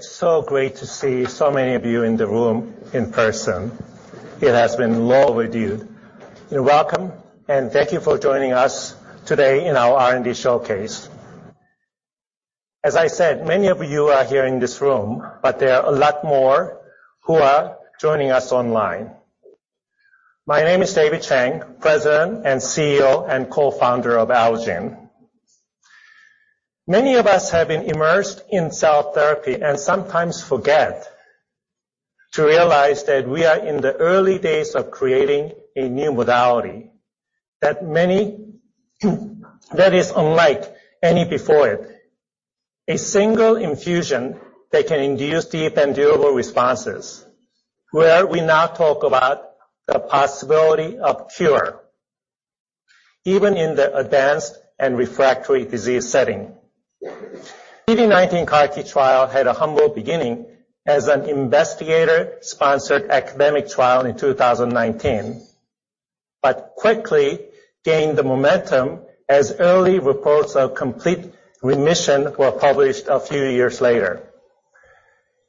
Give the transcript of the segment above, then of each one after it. It's so great to see so many of you in the room in person. It has been long overdue. Welcome and thank you for joining us today in our R&D showcase. As I said, many of you are here in this room, but there are a lot more who are joining us online. My name is David Chang, President and CEO and Co-founder of Allogene. Many of us have been immersed in cell therapy and sometimes forget to realize that we are in the early days of creating a new modality that is unlike any before it. A single infusion that can induce deep and durable responses, where we now talk about the possibility of cure, even in the advanced and refractory disease setting. CD19 CAR T trial had a humble beginning as an investigator-sponsored academic trial in 2019, quickly gained the momentum as early reports of complete remission were published a few years later.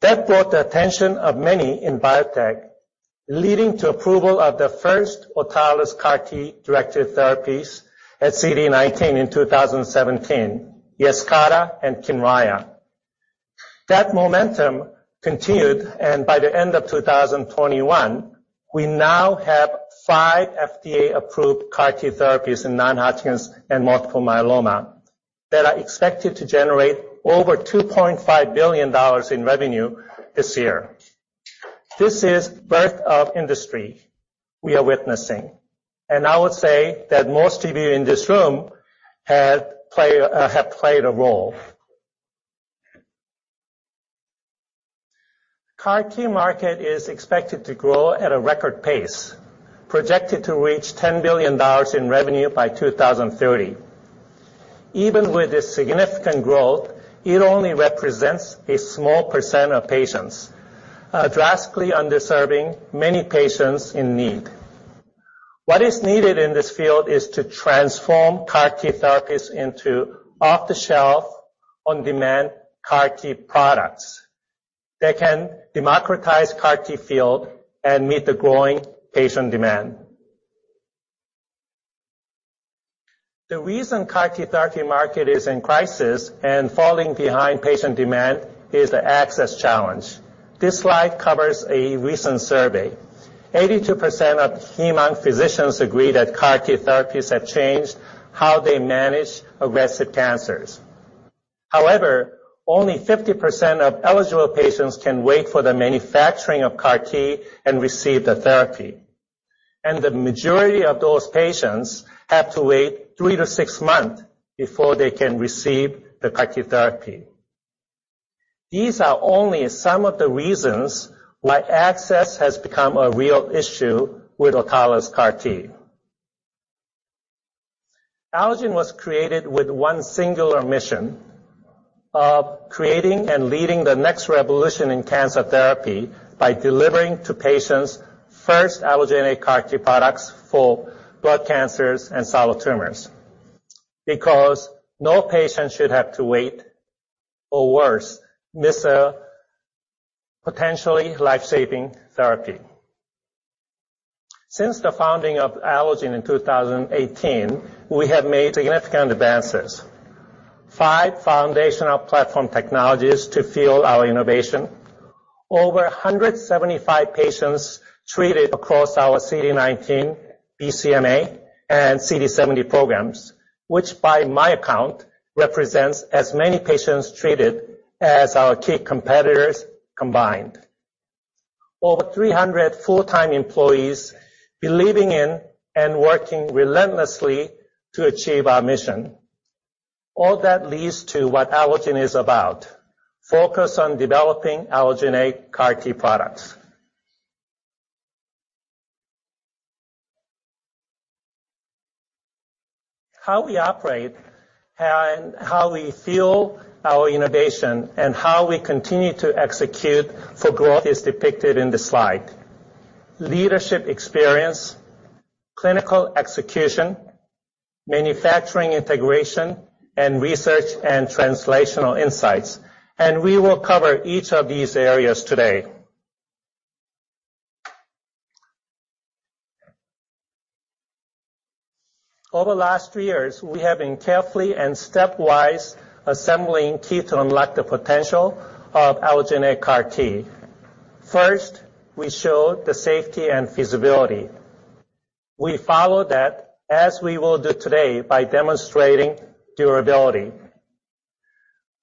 That brought the attention of many in biotech, leading to approval of the first autologous CAR T directed therapies at CD19 in 2017, Yescarta and Kymriah. That momentum continued, by the end of 2021, we now have five FDA-approved CAR T therapies in non-Hodgkin's and multiple myeloma that are expected to generate over $2.5 billion in revenue this year. This is birth of industry we are witnessing. I would say that most of you in this room have played a role. CAR T market is expected to grow at a record pace, projected to reach $10 billion in revenue by 2030. Even with this significant growth, it only represents a small percent of patients, drastically underserving many patients in need. What is needed in this field is to transform CAR-T therapies into off-the-shelf, on-demand CAR-T products that can democratize CAR-T field and meet the growing patient demand. The reason CAR-T therapy market is in crisis and falling behind patient demand is the access challenge. This slide covers a recent survey. 82% of hematologists physicians agree that CAR-T therapies have changed how they manage aggressive cancers. However, only 50% of eligible patients can wait for the manufacturing of CAR-T and receive the therapy. The majority of those patients have to wait 3 to 6 months before they can receive the CAR-T therapy. These are only some of the reasons why access has become a real issue with autologous CAR-T. Allogene was created with one singular mission of creating and leading the next revolution in cancer therapy by delivering to patients first allogeneic CAR-T products for blood cancers and solid tumors, because no patient should have to wait or worse, miss a potentially life-saving therapy. Since the founding of Allogene in 2018, we have made significant advances. Five foundational platform technologies to fuel our innovation. Over 175 patients treated across our CD19, BCMA, and CD70 programs, which by my account, represents as many patients treated as our key competitors combined. Over 300 full-time employees believing in and working relentlessly to achieve our mission. All that leads to what Allogene is about, focused on developing allogeneic CAR-T products. How we operate and how we fuel our innovation and how we continue to execute for growth is depicted in the slide. Leadership experience, clinical execution, manufacturing integration, and research and translational insights. We will cover each of these areas today. Over the last three years, we have been carefully and stepwise assembling key to unlock the potential of allogeneic CAR-T. First, we showed the safety and feasibility. We follow that, as we will do today, by demonstrating durability.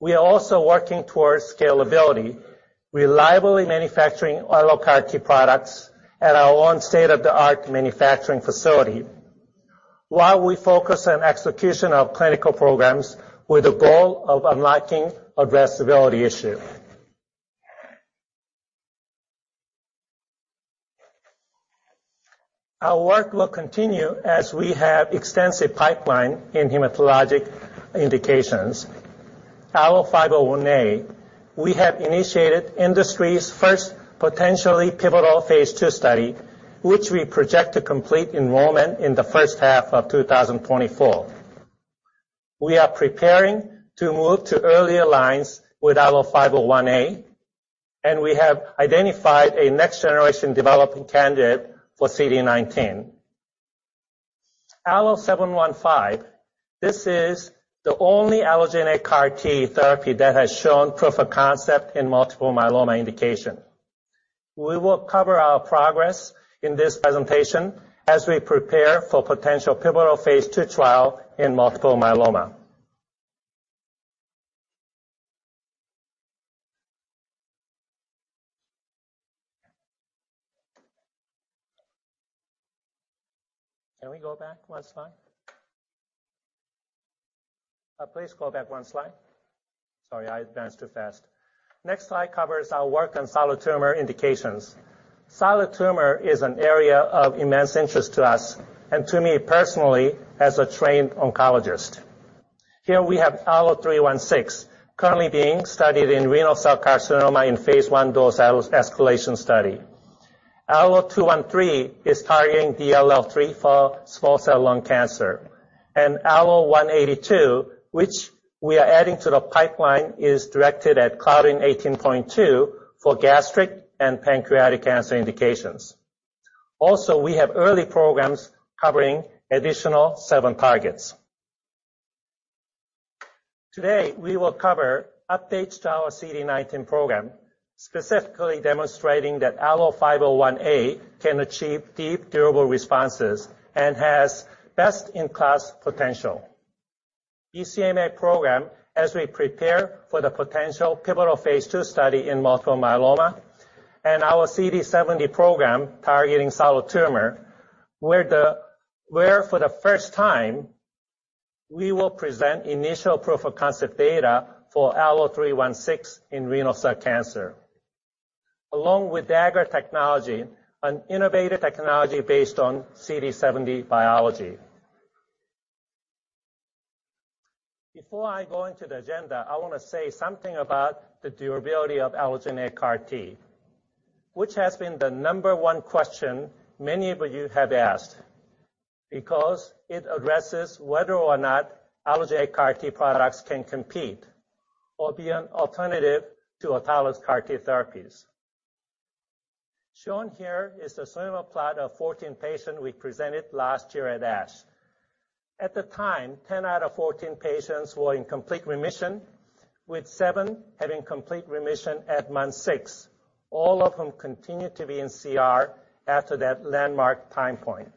We are also working towards scalability, reliably manufacturing all our CAR-T products at our own state-of-the-art manufacturing facility while we focus on execution of clinical programs with the goal of unlocking addressability issue. Our work will continue as we have extensive pipeline in hematologic indications. ALLO-501A, we have initiated industry's first potentially pivotal phase II study, which we project to complete enrollment in the first half of 2024. We are preparing to move to earlier lines with ALLO-501A, and we have identified a next generation developing candidate for CD19. ALLO-715, this is the only allogeneic CAR T therapy that has shown proof of concept in multiple myeloma indication. We will cover our progress in this presentation as we prepare for potential pivotal phase II trial in multiple myeloma. Can we go back one slide? Please go back one slide. Sorry, I advanced too fast. Next slide covers our work on solid tumor indications. Solid tumor is an area of immense interest to us and to me personally as a trained oncologist. Here we have ALLO-316, currently being studied in renal cell carcinoma in phase I dose escalation study. ALLO-213 is targeting DLL3 for small cell lung cancer. ALLO-182, which we are adding to the pipeline, is directed at CLDN18.2 for gastric and pancreatic cancer indications. We have early programs covering additional 7 targets. Today, we will cover updates to our CD19 program, specifically demonstrating that ALLO-501A can achieve deep durable responses and has best-in-class potential. BCMA program, as we prepare for the potential pivotal phase II study in multiple myeloma. Our CD70 program targeting solid tumor, where for the first time, we will present initial proof of concept data for ALLO-316 in renal cell carcinoma. Along with the AGRA technology, an innovative technology based on CD70 biology. Before I go into the agenda, I wanna say something about the durability of allogeneic CAR T, which has been the number one question many of you have asked, because it addresses whether or not allogeneic CAR T products can compete or be an alternative to autologous CAR T therapies. Shown here is the survival plot of 14 patients we presented last year at ASH. At the time, 10 out of 14 patients were in complete remission, with 7 having complete remission at month 6. All of them continued to be in CR after that landmark time point.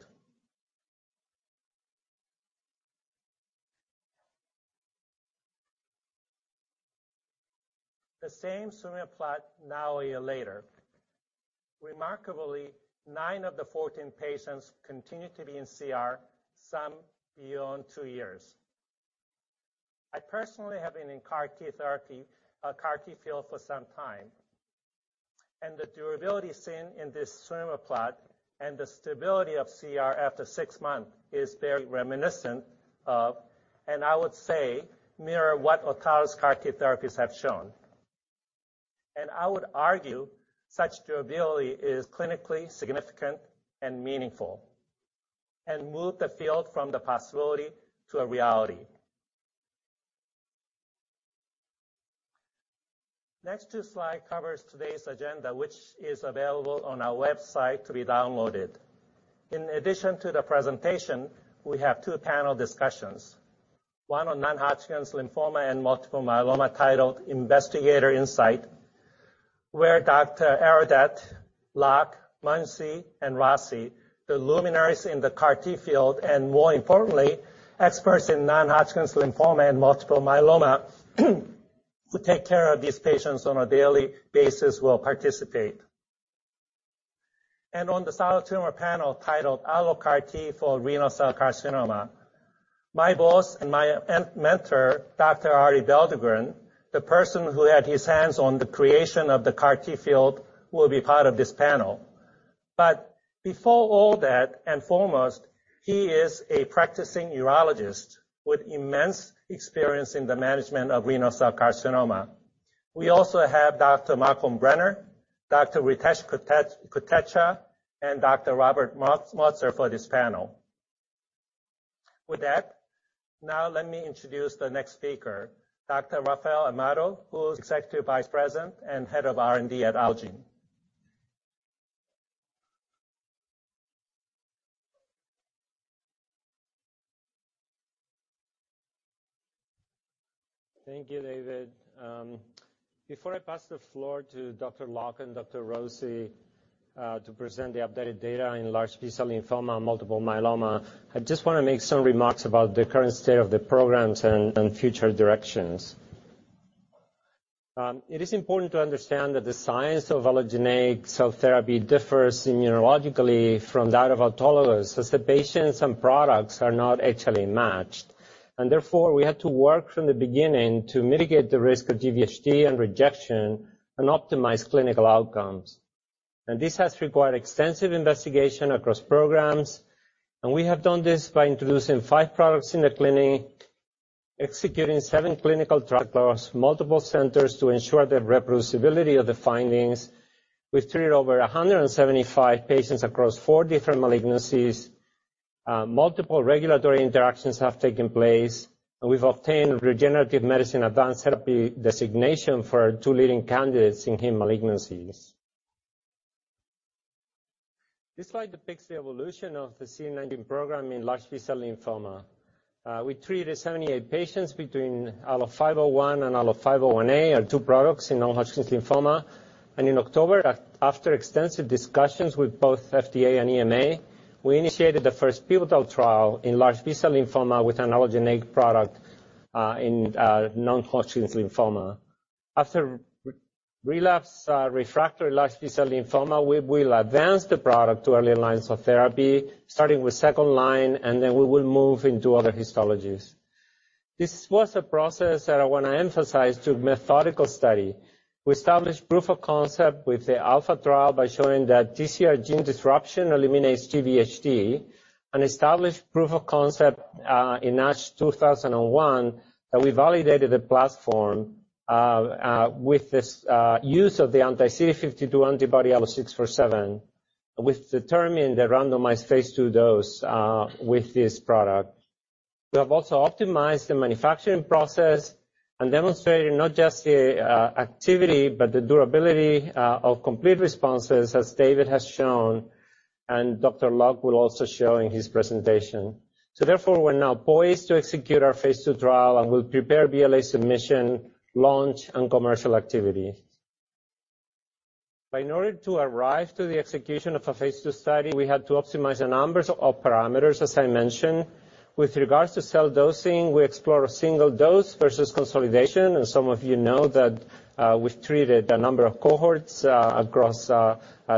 The same survival plot now a year later. Remarkably, 9 of the 14 patients continue to be in CR, some beyond 2 years. I personally have been in CAR T therapy, CAR T field for some time, and the durability seen in this survival plot and the stability of CR after 6 months is very reminiscent of, and I would say, mirror what autologous CAR T therapies have shown. I would argue such durability is clinically significant and meaningful, and move the field from the possibility to a reality. Next 2 slide covers today's agenda, which is available on our website to be downloaded. In addition to the presentation, we have 2 panel discussions. One on non-Hodgkin's lymphoma and multiple myeloma titled Investigator Insight, where Dr. Eradat, Locke, Munshi, and Rossi, the luminaries in the CAR T field, and more importantly, experts in non-Hodgkin's lymphoma and multiple myeloma who take care of these patients on a daily basis will participate. On the solid tumor panel titled AlloCAR T for renal cell carcinoma, my boss and my mentor, Dr. Arie Belldegrun, the person who had his hands on the creation of the CAR T field, will be part of this panel. Before all that and foremost, he is a practicing urologist with immense experience in the management of renal cell carcinoma. We also have Dr. Malcolm Brenner, Dr. Ritesh Kotecha, and Dr. Robert Motzer for this panel. With that, now let me introduce the next speaker, Dr. Rafael Amado, who is Executive Vice President and Head of R&D at Allogene. Thank you, David. Before I pass the floor to Dr. Locke and Dr. Rossi, to present the updated data in large B-cell lymphoma and multiple myeloma, I just wanna make some remarks about the current state of the programs and future directions. It is important to understand that the science of allogeneic cell therapy differs immunologically from that of autologous, as the patients and products are not HLA matched. Therefore, we had to work from the beginning to mitigate the risk of GvHD and rejection and optimize clinical outcomes. This has required extensive investigation across programs, and we have done this by introducing five products in the clinic, executing seven clinical drug trials, multiple centers to ensure the reproducibility of the findings. We've treated over 175 patients across four different malignancies. Multiple regulatory interactions have taken place, we've obtained Regenerative Medicine Advanced Therapy designation for our two leading candidates in heme malignancies. This slide depicts the evolution of the CD19 program in large B-cell lymphoma. We treated 78 patients between ALLO-501 and ALLO-501A, our two products in non-Hodgkin's lymphoma. In October, after extensive discussions with both FDA and EMA, we initiated the first pivotal trial in large B-cell lymphoma with an allogeneic product in non-Hodgkin's lymphoma. After relapse, refractory large B-cell lymphoma, we'll advance the product to early lines of therapy, starting with second line, we will move into other histologies. This was a process that I wanna emphasize through methodical study. We established proof of concept with the ALPHA trial by showing that TCR gene disruption eliminates GvHD and established proof of concept in NCH 2001 that we validated the platform with this use of the anti-CD52 antibody ALLO-647 and we've determined the randomized phase II dose with this product. We have also optimized the manufacturing process and demonstrated not just the activity, but the durability of complete responses, as David has shown and Dr. Locke will also show in his presentation. Therefore, we're now poised to execute our phase II trial, and we'll prepare BLA submission, launch, and commercial activity. In order to arrive to the execution of a phase II study, we had to optimize a numbers of parameters, as I mentioned. With regards to cell dosing, we explore a single dose versus consolidation, and some of you know that, we've treated a number of cohorts across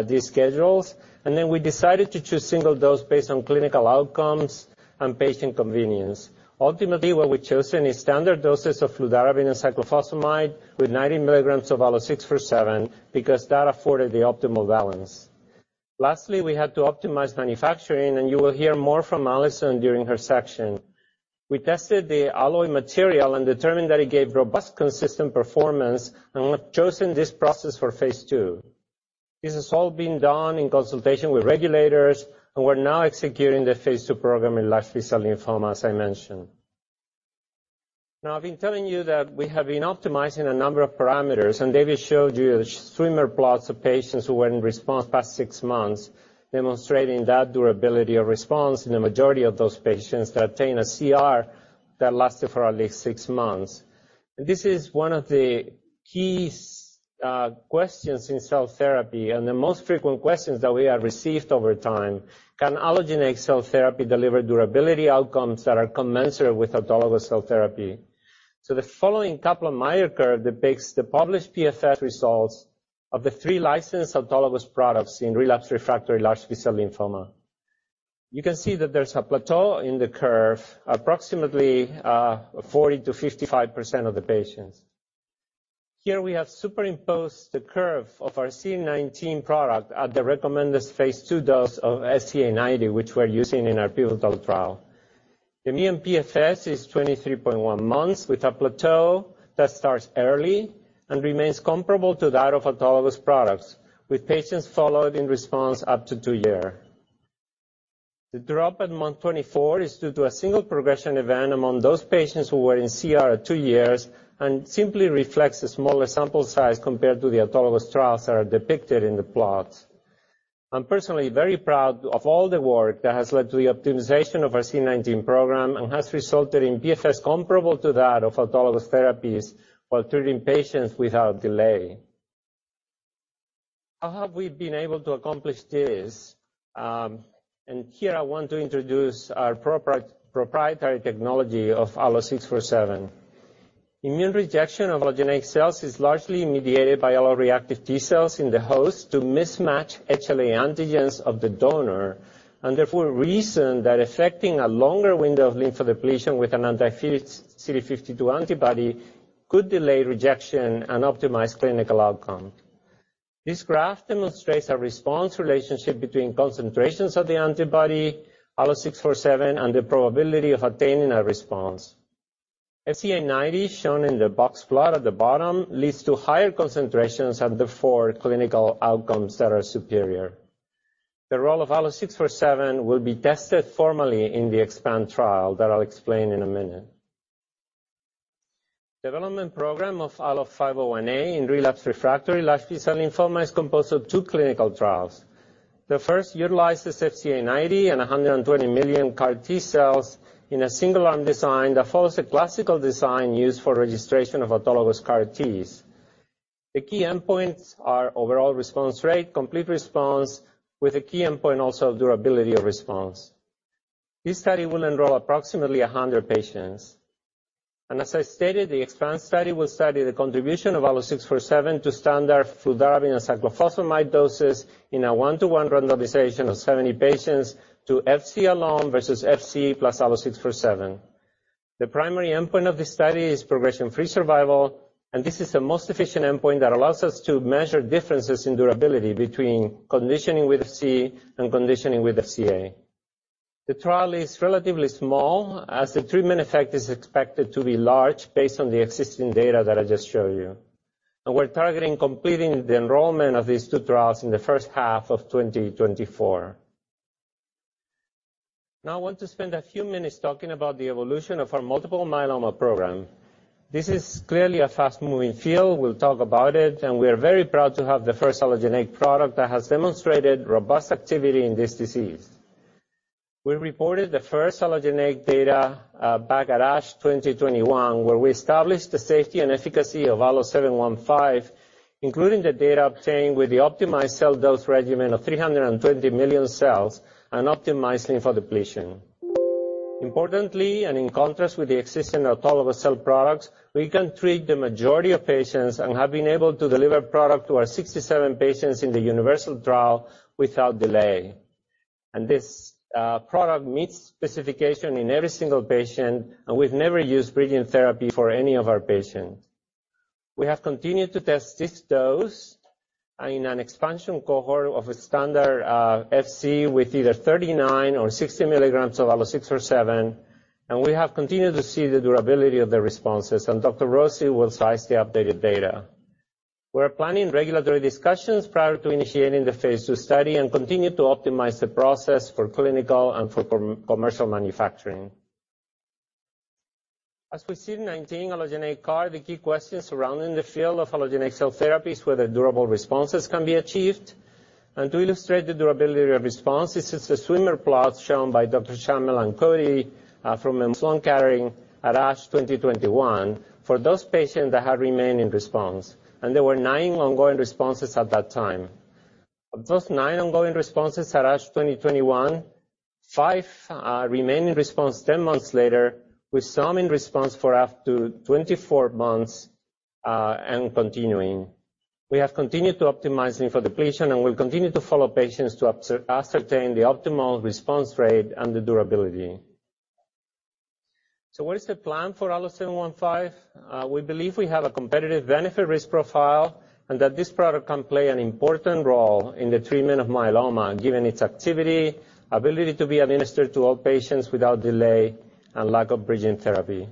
these schedules. We decided to choose single dose based on clinical outcomes and patient convenience. Ultimately, what we've chosen is standard doses of fludarabine and cyclophosphamide with 90 milligrams of ALLO-647 because that afforded the optimal balance. Lastly, we had to optimize manufacturing, and you will hear more from Alison during her section. We tested the Alloy material and determined that it gave robust, consistent performance, and we've chosen this process for phase II. This has all been done in consultation with regulators, and we're now executing the phase II program in large B-cell lymphoma, as I mentioned. I've been telling you that we have been optimizing a number of parameters, and David showed you the swimmer plots of patients who were in response past 6 months, demonstrating that durability of response in the majority of those patients that attain a CR that lasted for at least 6 months. This is one of the key questions in cell therapy and the most frequent questions that we have received over time: Can allogeneic cell therapy deliver durability outcomes that are commensurate with autologous cell therapy? The following Kaplan-Meier curve depicts the published PFS results of the 3 licensed autologous products in relapsed refractory large B-cell lymphoma. You can see that there's a plateau in the curve, approximately, 40%-55% of the patients. Here we have superimposed the curve of our CD19 product at the recommended phase II dose of SCA 90, which we're using in our pivotal trial. The mean PFS is 23.1 months with a plateau that starts early and remains comparable to that of autologous products, with patients followed in response up to two year. The drop at month 24 is due to a single progression event among those patients who were in CR at two years and simply reflects the smaller sample size compared to the autologous trials that are depicted in the plots. I'm personally very proud of all the work that has led to the optimization of our CD19 program and has resulted in PFS comparable to that of autologous therapies while treating patients without delay. How have we been able to accomplish this? Here I want to introduce our proprietary technology of ALLO-647. Immune rejection of allogeneic cells is largely mediated by alloreactive T-cells in the host to mismatch HLA antigens of the donor, and therefore reason that effecting a longer window of lymphodepletion with an anti-CD52 antibody could delay rejection and optimize clinical outcome. This graph demonstrates a response relationship between concentrations of the antibody, ALLO-647, and the probability of attaining a response. SCA 90, shown in the box plot at the bottom, leads to higher concentrations and therefore clinical outcomes that are superior. The role of ALLO-647 will be tested formally in the EXPAND trial that I'll explain in a minute. Development program of ALLO-501A in relapsed refractory large B-cell lymphoma is composed of 2 clinical trials. The first utilizes FCA90 and 120 million CAR T-cells in a single arm design that follows a classical design used for registration of autologous CAR Ts. The key endpoints are overall response rate, complete response, with a key endpoint also durability of response. This study will enroll approximately 100 patients. As I stated, the EXPAND study will study the contribution of ALLO-647 to standard fludarabine and cyclophosphamide doses in a 1-to-1 randomization of 70 patients to FC alone versus FC plus ALLO-647. The primary endpoint of this study is progression-free survival, this is the most efficient endpoint that allows us to measure differences in durability between conditioning with C and conditioning with CA. The trial is relatively small as the treatment effect is expected to be large based on the existing data that I just showed you. We're targeting completing the enrollment of these two trials in the first half of 2024. I want to spend a few minutes talking about the evolution of our multiple myeloma program. This is clearly a fast-moving field. We'll talk about it, and we are very proud to have the first allogeneic product that has demonstrated robust activity in this disease. We reported the first allogeneic data back at ASH 2021, where we established the safety and efficacy of ALLO-715, including the data obtained with the optimized cell dose regimen of 320 million cells and optimizing for depletion. Importantly, in contrast with the existing autologous cell products, we can treat the majority of patients and have been able to deliver product to our 67 patients in the UNIVERSAL trial without delay. This product meets specification in every single patient, and we've never used bridging therapy for any of our patients. We have continued to test this dose in an expansion cohort of a standard FC with either 39 mg or 60 mg of ALLO-647, and we have continued to see the durability of the responses. Dr. Rossi will slice the updated data. We're planning regulatory discussions prior to initiating the phase II study and continue to optimize the process for clinical and for commercial manufacturing. We see in 19 allogeneic CAR, the key questions surrounding the field of allogeneic cell therapies, whether durable responses can be achieved. To illustrate the durability of response, this is the swimmer plot shown by Dr. Sham Mailankody from Memorial Sloan Kettering Cancer Center at ASH 2021 for those patients that have remained in response. There were 9 ongoing responses at that time. Of those 9 ongoing responses at ASH 2021, 5 remain in response 10 months later, with some in response for up to 24 months and continuing. We have continued to optimize lymphodepletion, and we'll continue to follow patients to ascertain the optimal response rate and the durability. What is the plan for ALLO-715? We believe we have a competitive benefit risk profile and that this product can play an important role in the treatment of myeloma, given its activity, ability to be administered to all patients without delay, and lack of bridging therapy.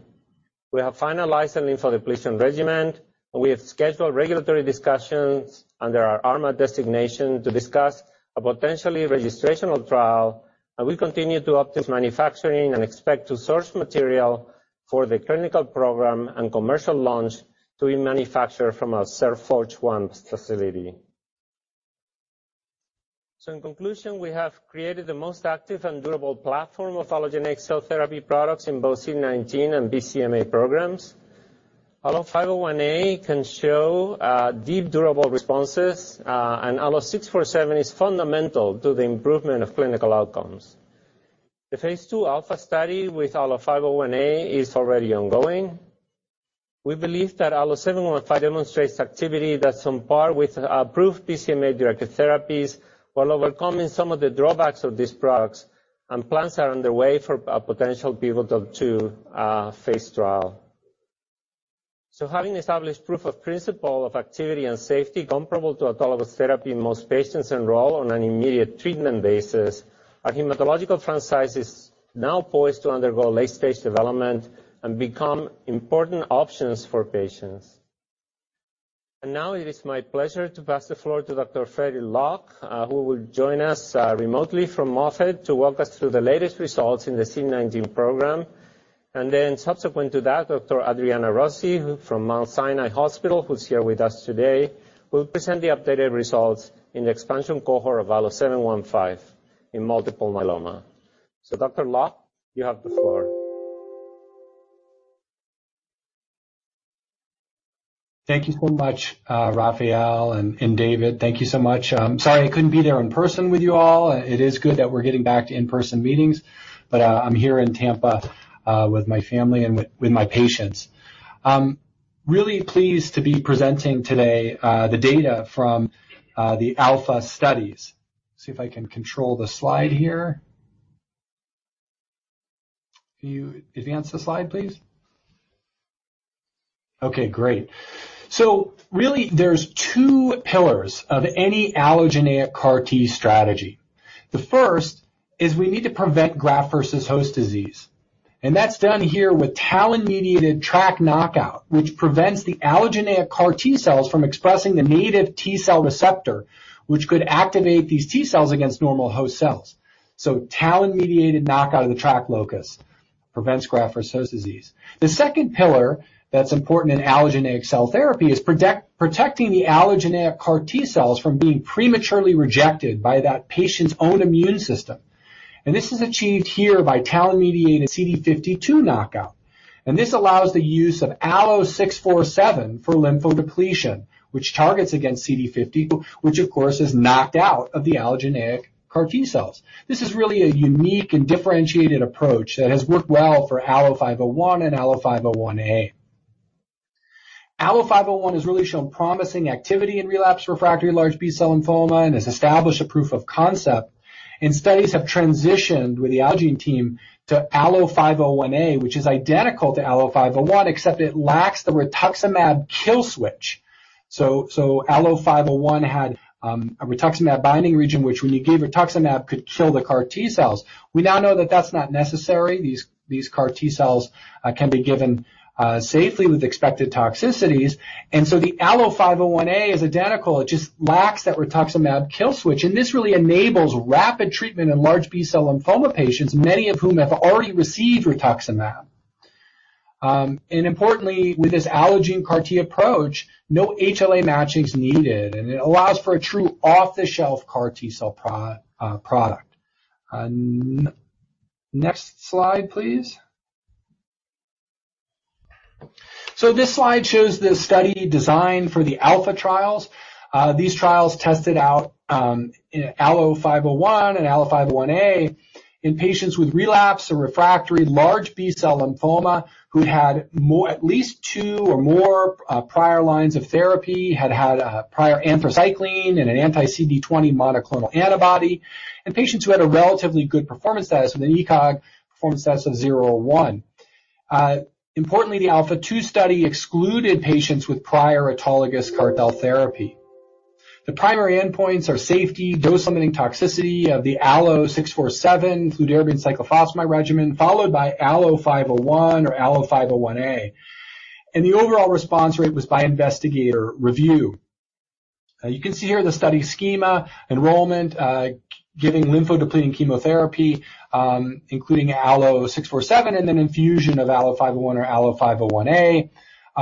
We have finalized a lymphodepletion regimen, we have scheduled regulatory discussions under our RMAT designation to discuss a potentially registrational trial, we continue to optimize manufacturing and expect to source material for the clinical program and commercial launch to be manufactured from our CellForge One facility. In conclusion, we have created the most active and durable platform of allogeneic cell therapy products in both CD19 and BCMA programs. ALLO-501A can show deep, durable responses, ALLO-647 is fundamental to the improvement of clinical outcomes. The phase II ALPHA study with ALLO-501A is already ongoing. We believe that ALLO-715 demonstrates activity that's on par with approved BCMA-directed therapies while overcoming some of the drawbacks of these products. Plans are underway for a potential pivotal phase II trial. Having established proof of principle of activity and safety comparable to autologous therapy in most patients enrolled on an immediate treatment basis, our hematological franchise is now poised to undergo late-stage development and become important options for patients. Now it is my pleasure to pass the floor to Dr. Freddie Locke, who will join us remotely from Moffitt to walk us through the latest results in the CD19 program. Subsequent to that, Dr. Adriana Rossi from Mount Sinai Hospital, who's here with us today, will present the updated results in the expansion cohort of ALLO-715 in multiple myeloma. Dr. Locke, you have the floor. Thank you so much, Rafael and David. Thank you so much. I'm sorry I couldn't be there in person with you all. It is good that we're getting back to in-person meetings, but I'm here in Tampa with my family and with my patients. I'm really pleased to be presenting today, the data from the ALPHA studies. See if I can control the slide here. Can you advance the slide, please? Okay, great. Really there's two pillars of any allogeneic CAR T strategy. The first is we need to prevent graft versus host disease, and that's done here with TALEN-mediated TRAC knockout, which prevents the allogeneic CAR T cells from expressing the native T cell receptor, which could activate these T cells against normal host cells. TALEN-mediated knockout of the TRAC locus prevents graft versus host disease. The second pillar that's important in allogeneic cell therapy is protecting the allogeneic CAR T cells from being prematurely rejected by that patient's own immune system. This is achieved here by TALEN-mediated CD52 knockout. This allows the use of ALLO-647 for lymphodepletion, which targets against CD52, which of course is knocked out of the allogeneic CAR T cells. This is really a unique and differentiated approach that has worked well for ALLO-501 and ALLO-501A. ALLO-501 has really shown promising activity in relapse refractory large B-cell lymphoma and has established a proof of concept, and studies have transitioned with the Allogene team to ALLO-501A, which is identical to ALLO-501, except it lacks the rituximab kill switch. ALLO-501 had a rituximab binding region which when you give rituximab could kill the CAR T cells. We now know that that's not necessary. These CAR T cells can be given safely with expected toxicities. The ALLO-501A is identical, it just lacks that rituximab kill switch, and this really enables rapid treatment in large B-cell lymphoma patients, many of whom have already received rituximab. Importantly, with this allogeneic CAR T approach, no HLA matching is needed, and it allows for a true off-the-shelf CAR T cell product. Next slide, please. This slide shows the study design for the ALPHA trials. These trials tested out, you know, ALLO-501 and ALLO-501A in patients with relapse or refractory large B-cell lymphoma who'd had at least two or more prior lines of therapy, had had a prior anthracycline and an anti-CD20 monoclonal antibody, and patients who had a relatively good performance status with an ECOG performance status of zero or one. Importantly, the ALPHA2 study excluded patients with prior autologous CAR-T cell therapy. The primary endpoints are safety, dose-limiting toxicity of the ALLO-647 fludarabine cyclophosphamide regimen, followed by ALLO-501 or ALLO-501A. The overall response rate was by investigator review. You can see here the study schema, enrollment, giving lymphodepleting chemotherapy, including ALLO-647, and then infusion of ALLO-501 or ALLO-501A.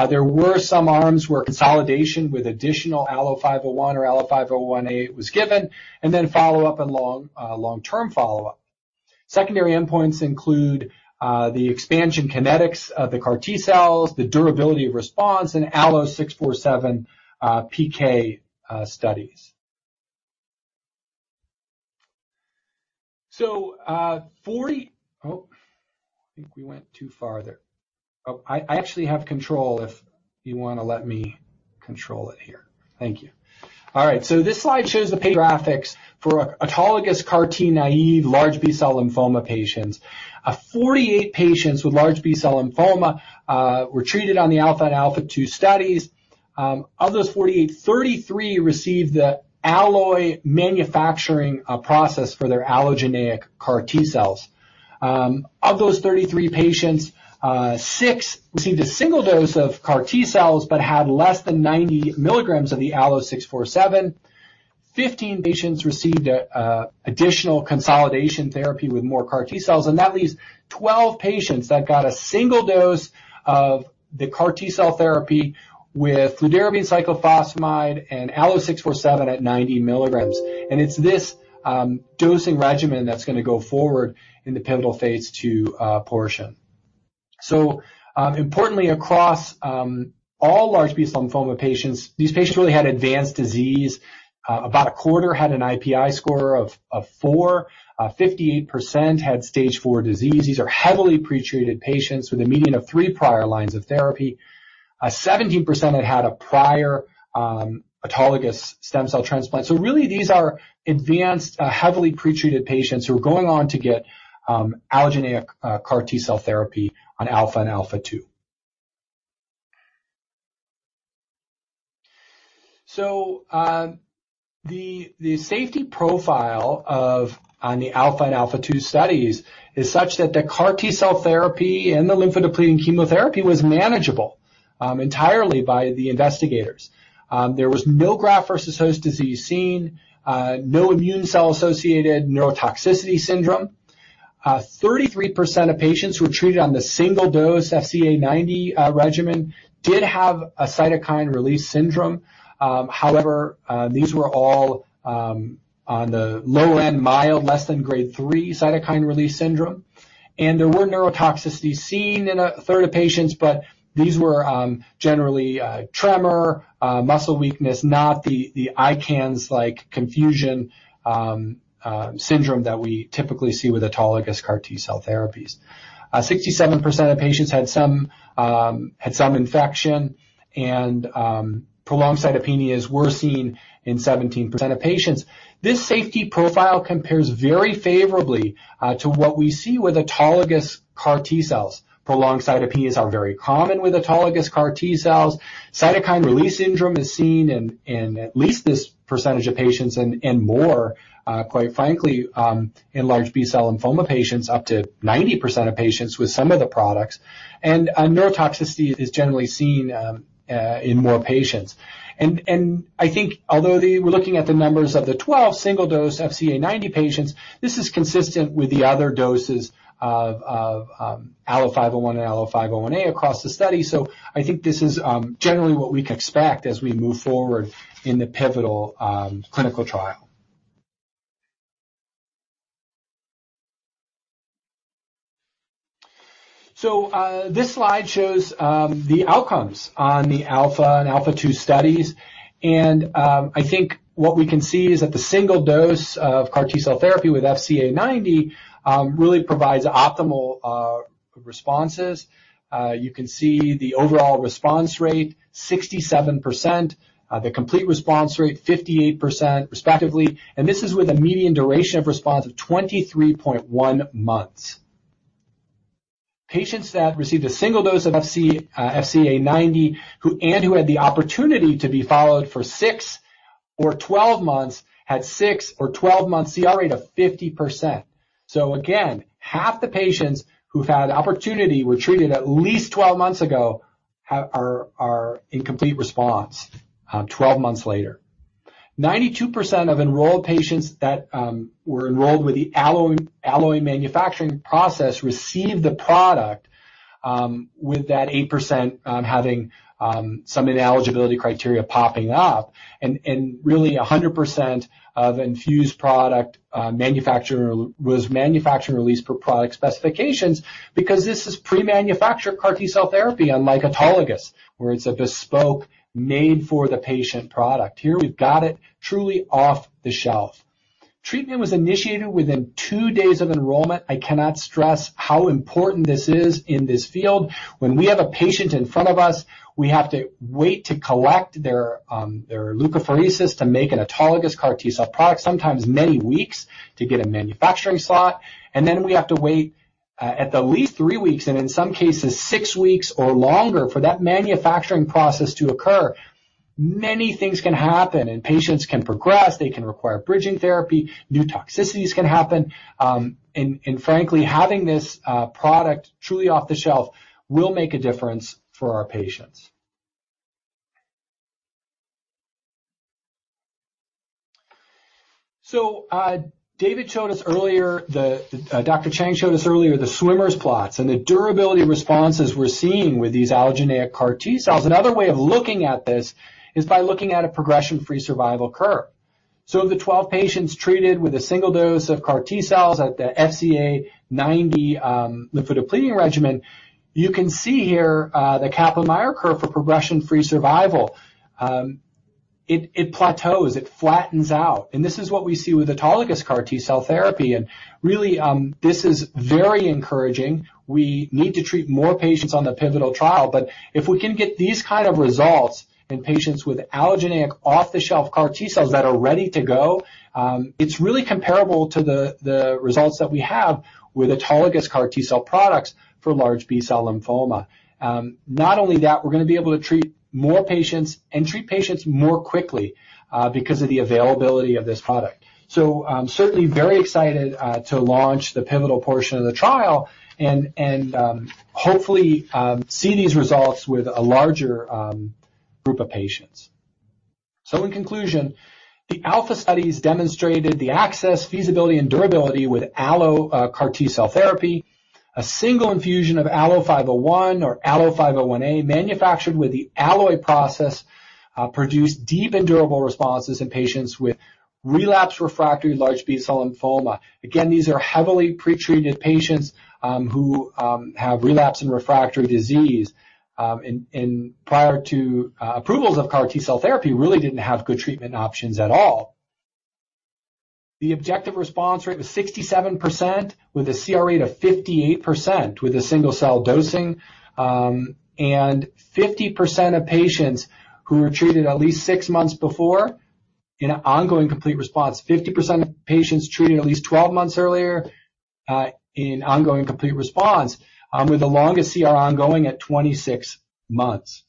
There were some arms where consolidation with additional ALLO-501 or ALLO-501A was given, and then follow-up and long-term follow-up. Secondary endpoints include the expansion kinetics of the CAR T cells, the durability of response in ALLO-647, PK studies. Oh, I think we went too far there. Oh, I actually have control if you wanna let me control it here. Thank you. All right. This slide shows the graphics for autologous CAR T-naive large B-cell lymphoma patients. 48 patients with large B-cell lymphoma were treated on the ALPHA and ALPHA2 studies. Of those 48, 33 received the Alloy manufacturing process for their allogeneic CAR T cells. Of those 33 patients, six received a single dose of CAR T cells but had less than 90 milligrams of the ALLO-647. 15 patients received additional consolidation therapy with more CAR T cells, that leaves 12 patients that got a single dose of the CAR T-cell therapy with fludarabine cyclophosphamide and ALLO-647 at 90 mg. It's this dosing regimen that's gonna go forward in the pivotal phase II portion. Importantly, across all large B-cell lymphoma patients, these patients really had advanced disease. About a quarter had an IPI score of 4. 58% had stage four disease. These are heavily pretreated patients with a median of three prior lines of therapy. 17% had a prior autologous stem cell transplant. Really these are advanced, heavily pretreated patients who are going on to get allogeneic CAR T-cell therapy on ALPHA and ALPHA2. The safety profile of, on the ALPHA and ALPHA2 studies is such that the CAR T-cell therapy and the lymphodepleting chemotherapy was manageable entirely by the investigators. There was no Graft-versus-host disease seen, no immune cell-associated neurotoxicity syndrome. 33% of patients who were treated on the single dose FCA90 regimen did have a cytokine release syndrome. However, these were all on the low end, mild, less than grade 3 cytokine release syndrome. There were neurotoxicities seen in a third of patients, but these were generally tremor, muscle weakness, not the ICANS-like confusion syndrome that we typically see with autologous CAR T-cell therapies. 67% of patients had some infection and prolonged cytopenias were seen in 17% of patients. This safety profile compares very favorably to what we see with autologous CAR T cells. Prolonged cytopenias are very common with autologous CAR T cells. Cytokine release syndrome is seen in at least this percentage of patients and more, quite frankly, in large B-cell lymphoma patients, up to 90% of patients with some of the products. Neurotoxicity is generally seen in more patients. I think although we're looking at the numbers of the 12 single-dose FCA90 patients, this is consistent with the other doses of ALLO-501 and ALLO-501A across the study. I think this is generally what we can expect as we move forward in the pivotal clinical trial. This slide shows the outcomes on the ALPHA and ALPHA2 studies. I think what we can see is that the single dose of CAR T-cell therapy with FCA90 really provides optimal responses. You can see the overall response rate, 67%, the complete response rate, 58% respectively, and this is with a median duration of response of 23.1 months. Patients that received a single dose of FC, FCA90 and who had the opportunity to be followed for 6 or 12 months had 6 or 12 months CR rate of 50%. Again, half the patients who've had opportunity were treated at least 12 months ago are in complete response 12 months later. 92% of enrolled patients that were enrolled with the Alloy manufacturing process received the product with that 8% having some ineligibility criteria popping up. Really 100% of infused product manufacturer was manufactured and released per product specifications because this is pre-manufactured CAR T-cell therapy unlike autologous, where it's a bespoke made for the patient product. Here we've got it truly off the shelf. Treatment was initiated within two days of enrollment. I cannot stress how important this is in this field. When we have a patient in front of us, we have to wait to collect their leukapheresis to make an autologous CAR T-cell product, sometimes many weeks to get a manufacturing slot. We have to wait, at the least 3 weeks, and in some cases 6 weeks or longer for that manufacturing process to occur. Many things can happen, and patients can progress. They can require bridging therapy. New toxicities can happen. Frankly, having this product truly off the shelf will make a difference for our patients. David showed us earlier the Dr. Chang showed us earlier the swimmer's plots and the durability responses we're seeing with these allogeneic CAR T-cells. Another way of looking at this is by looking at a progression-free survival curve. The 12 patients treated with a single dose of CAR T-cells at the FCA90 lymphodepleting regimen. You can see here the Kaplan-Meier curve for progression-free survival. It plateaus, it flattens out. Really, this is very encouraging. We need to treat more patients on the pivotal trial. If we can get these kind of results in patients with allogeneic off-the-shelf CAR T-cells that are ready to go, it's really comparable to the results that we have with autologous CAR T-cell products for large B-cell lymphoma. Not only that, we're gonna be able to treat more patients and treat patients more quickly because of the availability of this product. I'm certainly very excited to launch the pivotal portion of the trial and hopefully see these results with a larger group of patients. In conclusion, the ALPHA studies demonstrated the access, feasibility, and durability with AlloCAR T-cell therapy. A single infusion of ALLO-501 or ALLO-501A, manufactured with the Alloy process, produced deep and durable responses in patients with relapse refractory large B-cell lymphoma. Again, these are heavily pre-treated patients, who have relapse and refractory disease, prior to approvals of CAR T-cell therapy really didn't have good treatment options at all. The objective response rate was 67%, with a CR rate of 58% with the single-cell dosing. 50% of patients who were treated at least 6 months before in an ongoing complete response. 50% of patients treated at least 12 months earlier, in ongoing complete response, with the longest CR ongoing at 26 months.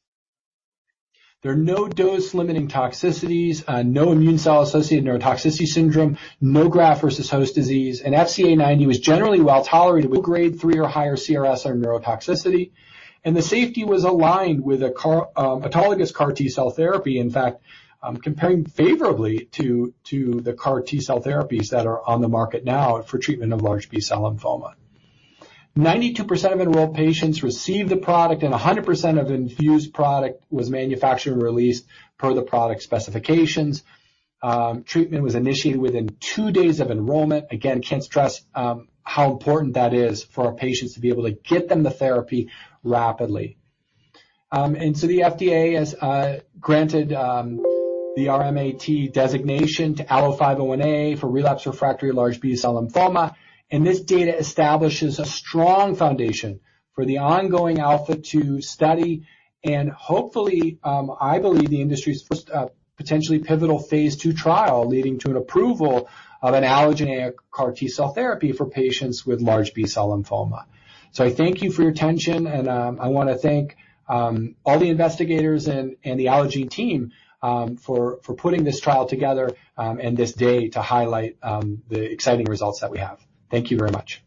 There are no dose-limiting toxicities, no immune cell-associated neurotoxicity syndrome, no graft versus host disease. FCA90 was generally well-tolerated with grade 3 or higher CRS or neurotoxicity, and the safety was aligned with a CAR autologous CAR T-cell therapy. In fact, comparing favorably to the CAR T-cell therapies that are on the market now for treatment of large B-cell lymphoma. 92% of enrolled patients received the product, and 100% of infused product was manufactured and released per the product specifications. Treatment was initiated within two days of enrollment. Again, can't stress how important that is for our patients to be able to get them the therapy rapidly. The FDA has granted the RMAT designation to ALLO-501A for relapse refractory large B-cell lymphoma, and this data establishes a strong foundation for the ongoing ALPHA2 study, and hopefully, I believe the industry's first potentially pivotal phase II trial leading to an approval of an allogeneic CAR T-cell therapy for patients with large B-cell lymphoma.I thank you for your attention and I wanna thank all the investigators and the Allogene team for putting this trial together and this day to highlight the exciting results that we have. Thank you very much.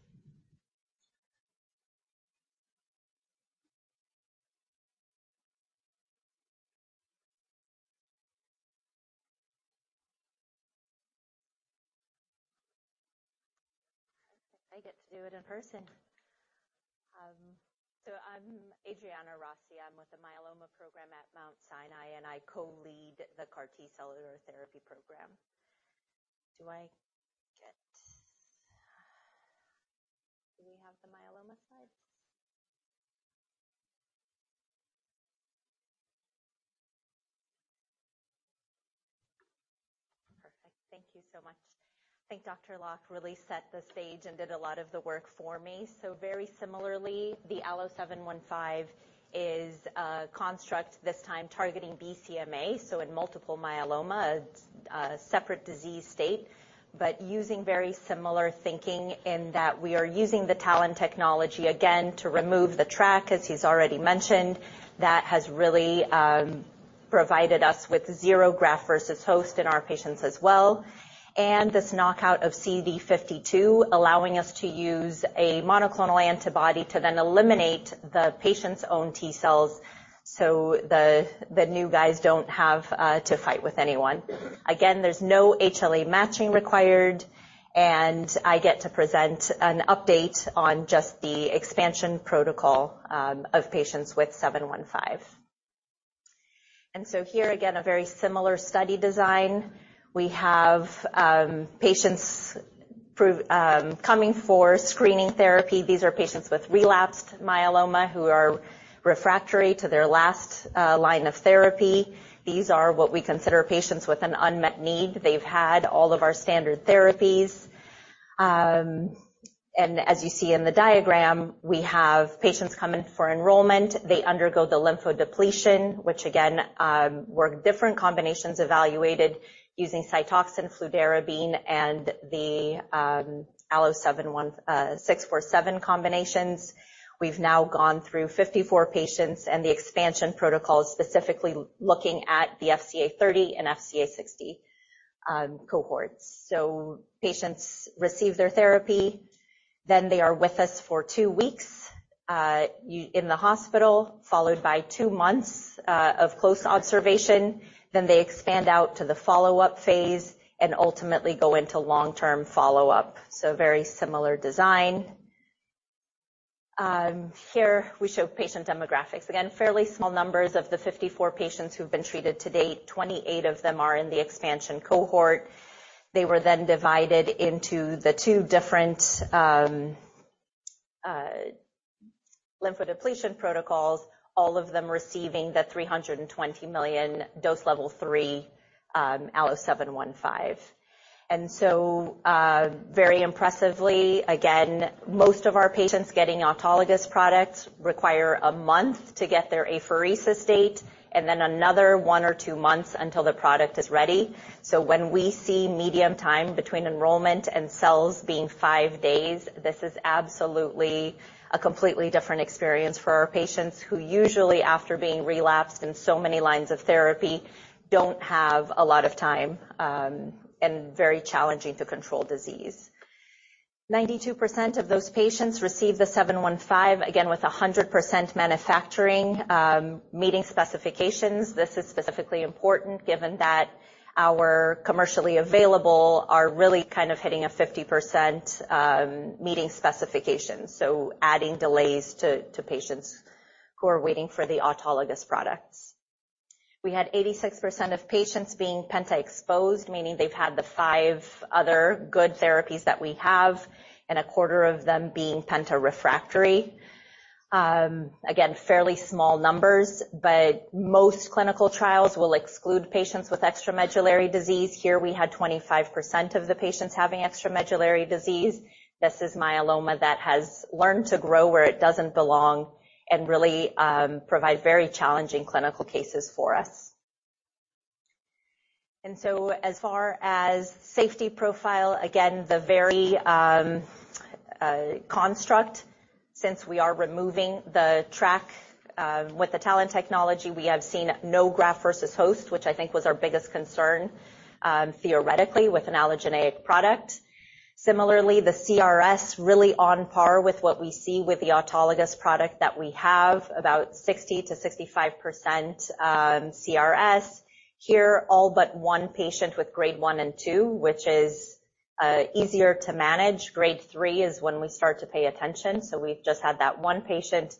I get to do it in person. So I'm Adriana Rossi. I'm with the myeloma program at Mount Sinai, and I co-lead the CAR T-cell therapy program. Do we have the myeloma slides? Perfect. Thank you so much. I think Dr. Locke really set the stage and did a lot of the work for me. Very similarly, the ALLO-715 is a construct, this time targeting BCMA, so in multiple myeloma, it's a separate disease state. Using very similar thinking in that we are using the TALEN technology again to remove the TRAC, as he's already mentioned. That has really provided us with zero graft-versus-host in our patients as well. This knockout of CD52 allowing us to use a monoclonal antibody to then eliminate the patient's own T cells, so the new guys don't have to fight with anyone. Again, there's no HLA matching required, and I get to present an update on just the expansion protocol of patients with 715. Here again, a very similar study design. We have patients coming for screening therapy. These are patients with relapsed myeloma who are refractory to their last line of therapy. These are what we consider patients with an unmet need. They've had all of our standard therapies. As you see in the diagram, we have patients come in for enrollment. They undergo the lymphodepletion, which again, were different combinations evaluated using Cytoxan, fludarabine, and the ALLO-647 combinations. We've now gone through 54 patients, the expansion protocol is specifically looking at the FCA30 and FCA60 cohorts. Patients receive their therapy, then they are with us for two weeks in the hospital, followed by two months of close observation. They expand out to the follow-up phase and ultimately go into long-term follow-up. Very similar design. Here we show patient demographics. Again, fairly small numbers of the 54 patients who've been treated to date. 28 of them are in the expansion cohort. They were then divided into the two different lymphodepletion protocols, all of them receiving the 320 million dose level 3, ALLO-715. Very impressively, again, most of our patients getting autologous products require a month to get their apheresis state and then another one or two months until the product is ready. When we see medium time between enrollment and cells being five days, this is absolutely a completely different experience for our patients who usually, after being relapsed in so many lines of therapy, don't have a lot of time and very challenging to control disease. 92% of those patients received the ALLO-715, again, with 100% manufacturing meeting specifications. This is specifically important given that our commercially available are really kind of hitting a 50% meeting specifications, so adding delays to patients who are waiting for the autologous products. We had 86% of patients being penta-exposed, meaning they've had the 5 other good therapies that we have, and a quarter of them being penta-refractory. Again, fairly small numbers, but most clinical trials will exclude patients with extramedullary disease. Here we had 25% of the patients having extramedullary disease. This is myeloma that has learned to grow where it doesn't belong and really provide very challenging clinical cases for us. As far as safety profile, again, the very construct since we are removing the TRAC with the TALEN technology, we have seen no Graft-versus-host, which I think was our biggest concern theoretically with an allogeneic product. Similarly, the CRS really on par with what we see with the autologous product that we have, about 60%-65% CRS. Here, all but one patient with grade one and two, which is easier to manage. Grade three is when we start to pay attention, we've just had that one patient.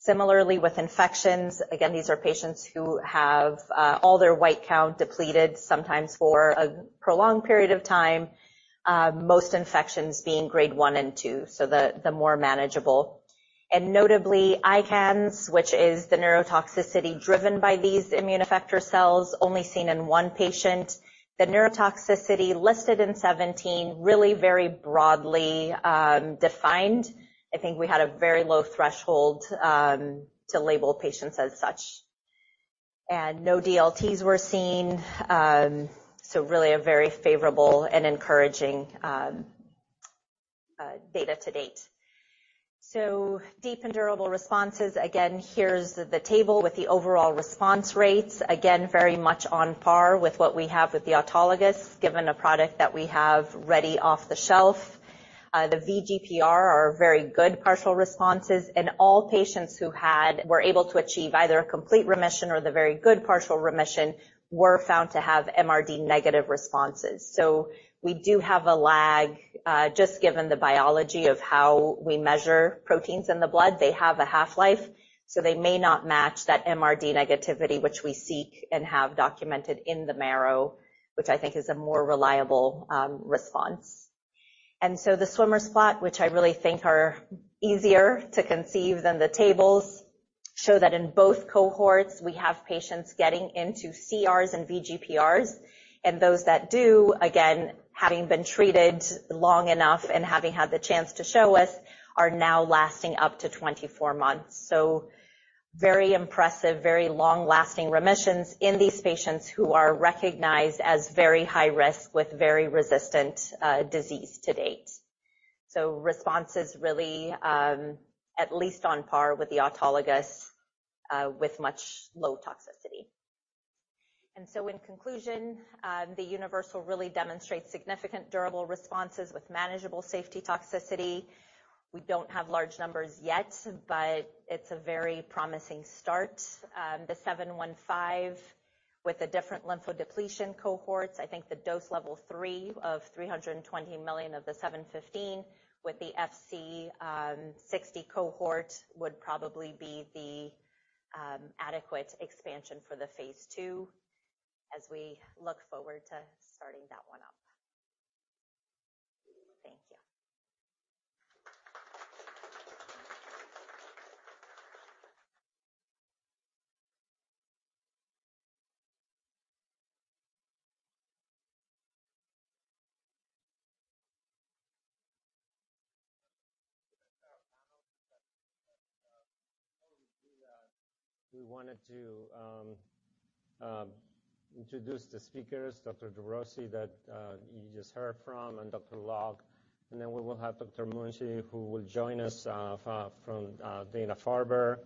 Similarly with infections, these are patients who have all their white count depleted sometimes for a prolonged period of time, most infections being grade one and two, so the more manageable. Notably, ICANS, which is the neurotoxicity driven by these immune effector cells, only seen in one patient. The neurotoxicity listed in 17, really very broadly defined. I think we had a very low threshold to label patients as such. No DLTs were seen, so really a very favorable and encouraging data to date. Deep and durable responses. Here's the table with the overall response rates. Very much on par with what we have with the autologous, given a product that we have ready off the shelf. The VGPR are very good partial responses, and all patients who had...Were able to achieve either a complete remission or the very good partial remission were found to have MRD negative responses. We do have a lag, just given the biology of how we measure proteins in the blood. They have a half-life, so they may not match that MRD negativity which we seek and have documented in the marrow, which I think is a more reliable, response. The swimmer's plot, which I really think are easier to conceive than the tables, show that in both cohorts, we have patients getting into CRs and VGPRs. Those that do, again, having been treated long enough and having had the chance to show us, are now lasting up to 24 months. Very impressive, very long-lasting remissions in these patients who are recognized as very high risk with very resistant, disease to date. Responses really, at least on par with the autologous, with much low toxicity. In conclusion, the UNIVERSAL really demonstrates significant durable responses with manageable safety toxicity. We don't have large numbers yet, but it's a very promising start. The ALLO-715 with the different lymphodepletion cohorts, I think the dose level 3 of 320 million of the ALLO-715 with the FCA60 cohort would probably be the adequate expansion for the phase II as we look forward to starting that one up. Thank you. We wanted to introduce the speakers, Dr. Rossi, that you just heard from, and Dr. Locke. Then we will have Dr. Munshi, who will join us from Dana-Farber,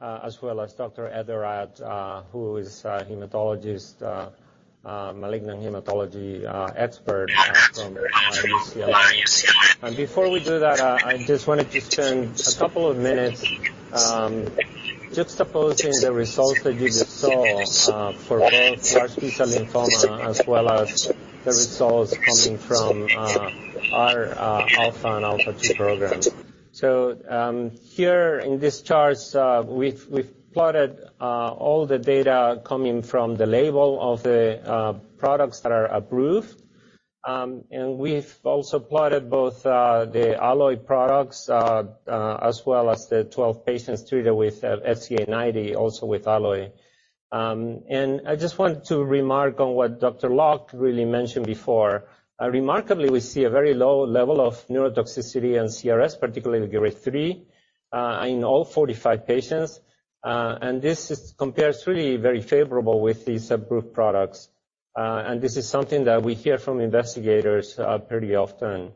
as well as Dr. Eradat, who is a hematologist, a malignant hematology expert from UCLA. Before we do that, I just wanted to spend a couple of minutes juxtaposing the results that you just saw for both large B-cell lymphoma, as well as the results coming from our ALPHA and ALPHA2 programs. Here in this charts, we've plotted all the data coming from the label of the products that are approved. We've also plotted both the Alloy products, as well as the 12 patients treated with FCA90, also with Alloy. I just wanted to remark on what Dr. Locke really mentioned before. Remarkably, we see a very low level of neurotoxicity and CRS, particularly the grade 3, in all 45 patients. This compares really very favorable with these approved products. This is something that we hear from investigators pretty often.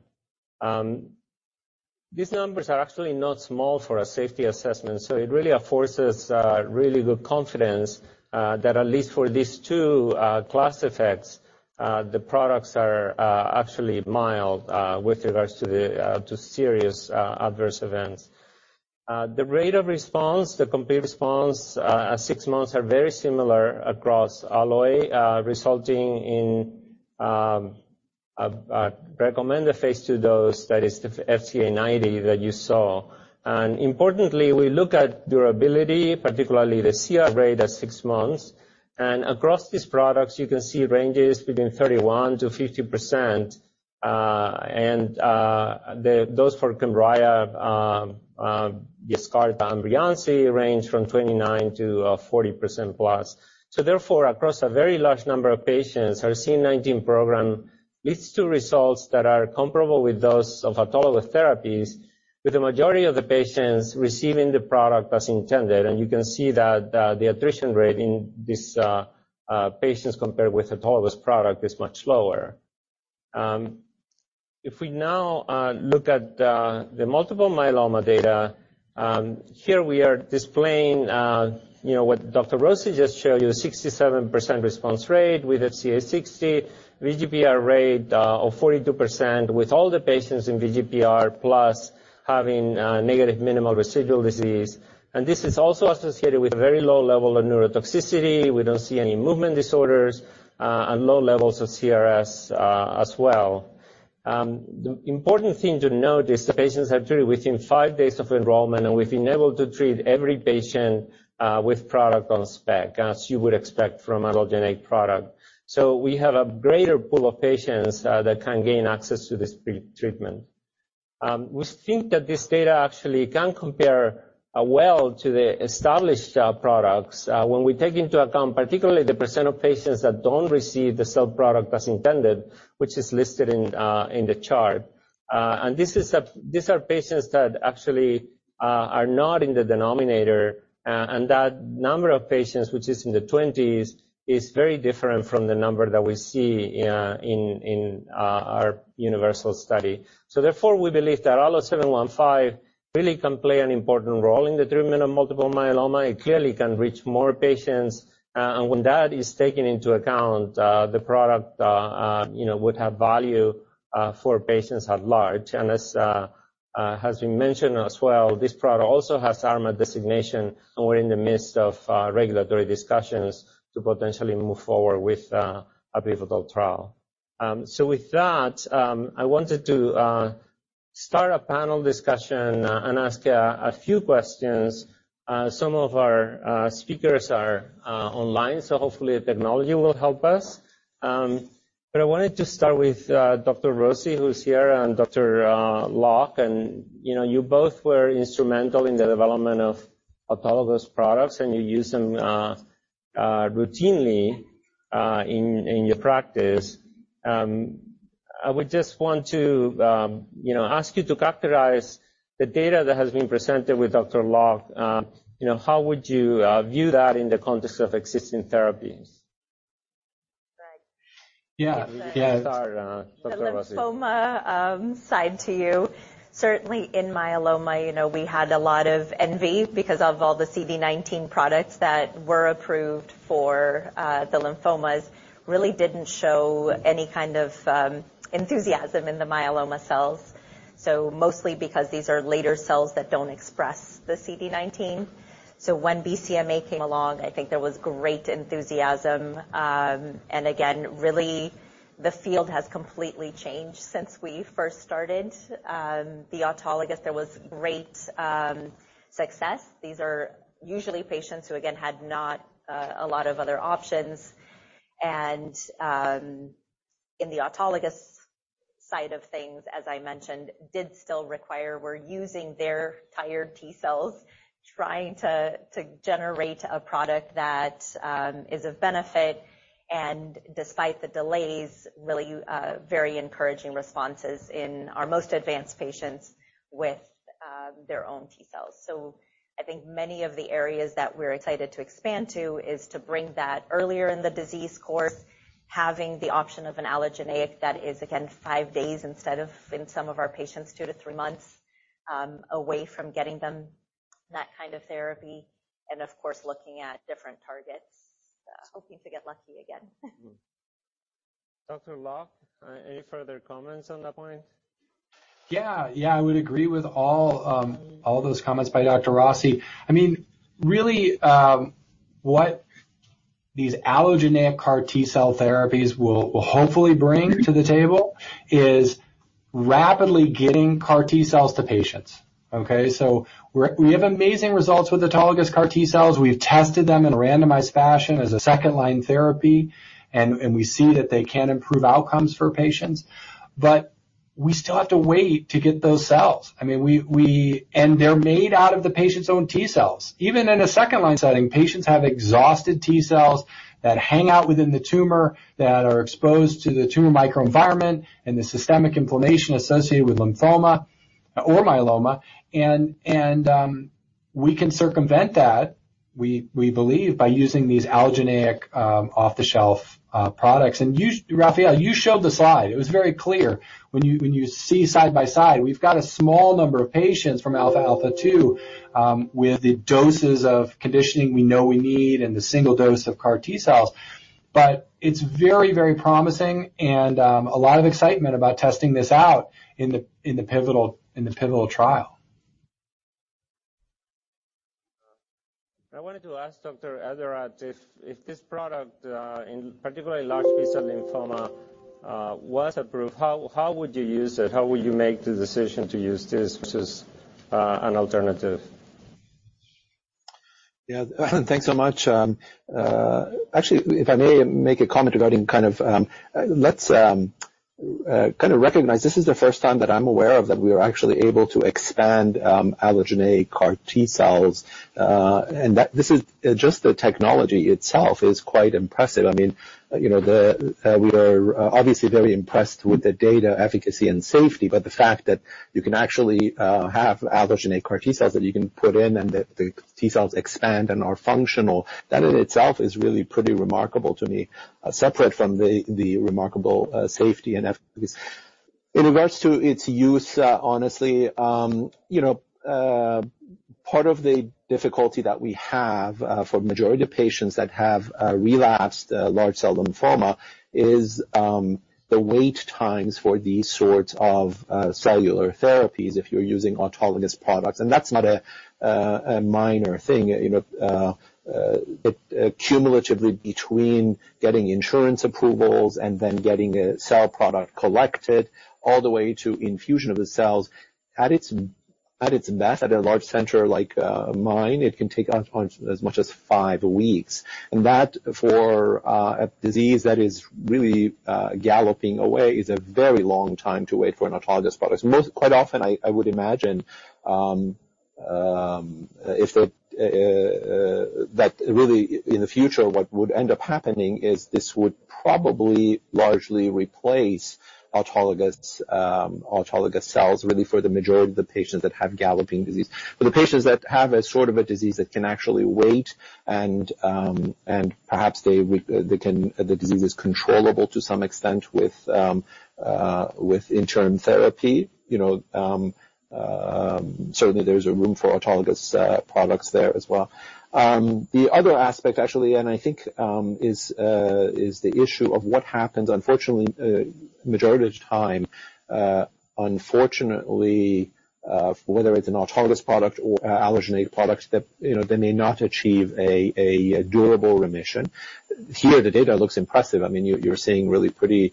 These numbers are actually not small for a safety assessment, so it really affords us really good confidence that at least for these two class effects, the products are actually mild with regards to serious adverse events. The rate of response, the complete response, at 6 months are very similar across Alloy, resulting in a recommended phase II dose. That is the FCA90 that you saw. Importantly, we look at durability, particularly the CR rate at six months. Across these products, you can see ranges between 31%-50%. And those for Kymriah, Yescarta, and Breyanzi range from 29%-40%+. Therefore, across a very large number of patients, our CD19 program leads to results that are comparable with those of autologous therapies, with the majority of the patients receiving the product as intended. You can see that, the attrition rate in these patients compared with autologous product is much lower. If we now look at the multiple myeloma data, here we are displaying, you know, what Dr. Rossi just showed you, 67% response rate with FCA60, VGPR rate, of 42% with all the patients in VGPR plus having, negative minimal residual disease. This is also associated with very low level of neurotoxicity. We don't see any movement disorders, and low levels of CRS as well. The important thing to note is the patients are treated within five days of enrollment, and we've been able to treat every patient with product on spec, as you would expect from an allogeneic product. We have a greater pool of patients that can gain access to this pre-treatment. We think that this data actually can compare well to the established products when we take into account particularly the percent of patients that don't receive the cell product as intended, which is listed in the chart. These are patients that actually are not in the denominator. That number of patients, which is in the 20s, is very different from the number that we see in our UNIVERSAL study. Therefore, we believe that ALLO-715 really can play an important role in the treatment of multiple myeloma. It clearly can reach more patients. When that is taken into account, the product, you know, would have value for patients at large. As has been mentioned as well, this product also has RMAT designation, and we're in the midst of regulatory discussions to potentially move forward with a pivotal trial. With that, I wanted to start a panel discussion and ask a few questions. Some of our speakers are online, so hopefully technology will help us. I wanted to start with Dr. Rossi, who's here, and Dr. Locke, you know, you both were instrumental in the development of autologous products, and you use them routinely in your practice. I would just want to, you know, ask you to characterize the data that has been presented with Dr. Locke. You know, how would you view that in the context of existing therapies? Right. Yeah. Yeah. Sorry, Dr. Rossi. The lymphoma side to you. Certainly in myeloma, you know, we had a lot of envy because of all the CD19 products that were approved for the lymphomas. Really didn't show any kind of enthusiasm in the myeloma cells. Mostly because these are later cells that don't express the CD19. When BCMA came along, I think there was great enthusiasm. Again, really the field has completely changed since we first started. The autologous, there was great success. These are usually patients who, again, had not a lot of other options. In the autologous side of things, as I mentioned, did still require we're using their tired T cells trying to generate a product that is of benefit and despite the delays, really, very encouraging responses in our most advanced patients with their own T cells. I think many of the areas that we're excited to expand to is to bring that earlier in the disease course, having the option of an allogeneic that is, again, 5 days instead of, in some of our patients, 2-3 months away from getting them that kind of therapy, and of course, looking at different targets. Hoping to get lucky again. Dr. Locke, any further comments on that point? Yeah. Yeah, I would agree with all those comments by Dr. Rossi. I mean, really, what these allogeneic CAR T-cell therapies will hopefully bring to the table is rapidly getting CAR T-cells to patients, okay. We have amazing results with autologous CAR T-cells. We've tested them in a randomized fashion as a second-line therapy, and we see that they can improve outcomes for patients. We still have to wait to get those cells. I mean, we... They're made out of the patient's own T cells. Even in a second-line setting, patients have exhausted T cells that hang out within the tumor, that are exposed to the tumor microenvironment and the systemic inflammation associated with lymphoma or myeloma. We can circumvent that, we believe, by using these allogeneic off-the-shelf products. You, Rafael, you showed the slide. It was very clear. When you see side by side, we've got a small number of patients from ALPHA2 with the doses of conditioning we know we need and the single dose of CAR T-cells. It's very, very promising and a lot of excitement about testing this out in the pivotal trial. I wanted to ask Dr. Eradat if this product, in particularly large B-cell lymphoma, was approved, how would you use it? How would you make the decision to use this versus an alternative? Yeah. Thanks so much. Actually, if I may make a comment regarding kind of recognize this is the first time that I'm aware of that we are actually able to expand allogeneic CAR T-cells. Just the technology itself is quite impressive. I mean, you know, the, we were obviously very impressed with the data efficacy and safety, but the fact that you can actually have allogeneic CAR T-cells that you can put in and the T cells expand and are functional, that in itself is really pretty remarkable to me, separate from the remarkable safety and efficacy. In regards to its use, honestly, you know, part of the difficulty that we have for majority of patients that have relapsed large B-cell lymphoma is the wait times for these sorts of cellular therapies if you're using autologous products, and that's not a minor thing. You know, cumulatively between getting insurance approvals and then getting a cell product collected all the way to infusion of the cells, at its best, at a large center like mine, it can take on as much as 5 weeks. That for a disease that is really galloping away is a very long time to wait for an autologous product. Most... Quite often, I would imagine, if the, that really in the future, what would end up happening is this would probably largely replace autologous cells, really for the majority of the patients that have galloping disease. For the patients that have a sort of a disease that can actually wait and perhaps they can. The disease is controllable to some extent with interim therapy. You know, certainly there's room for autologous products there as well. The other aspect, actually, and I think, is the issue of what happens. Unfortunately, majority of the time, unfortunately, whether it's an autologous product or an allogeneic product that, you know, they may not achieve a durable remission. Here, the data looks impressive. I mean, you're seeing really pretty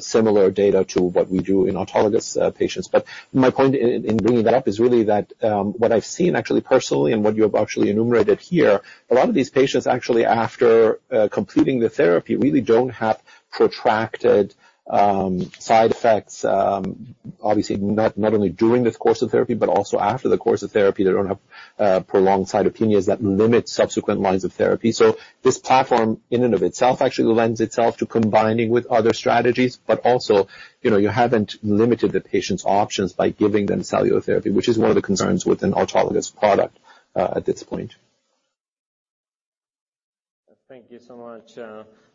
similar data to what we do in autologous patients. My point in bringing that up is really that what I've seen actually personally and what you have actually enumerated here, a lot of these patients actually after completing the therapy, really don't have protracted side effects. Obviously not only during this course of therapy, but also after the course of therapy. They don't have prolonged cytopenias that limit subsequent lines of therapy. This platform in and of itself actually lends itself to combining with other strategies. Also, you know, you haven't limited the patient's options by giving them cellular therapy, which is one of the concerns with an autologous product at this point. Thank you so much.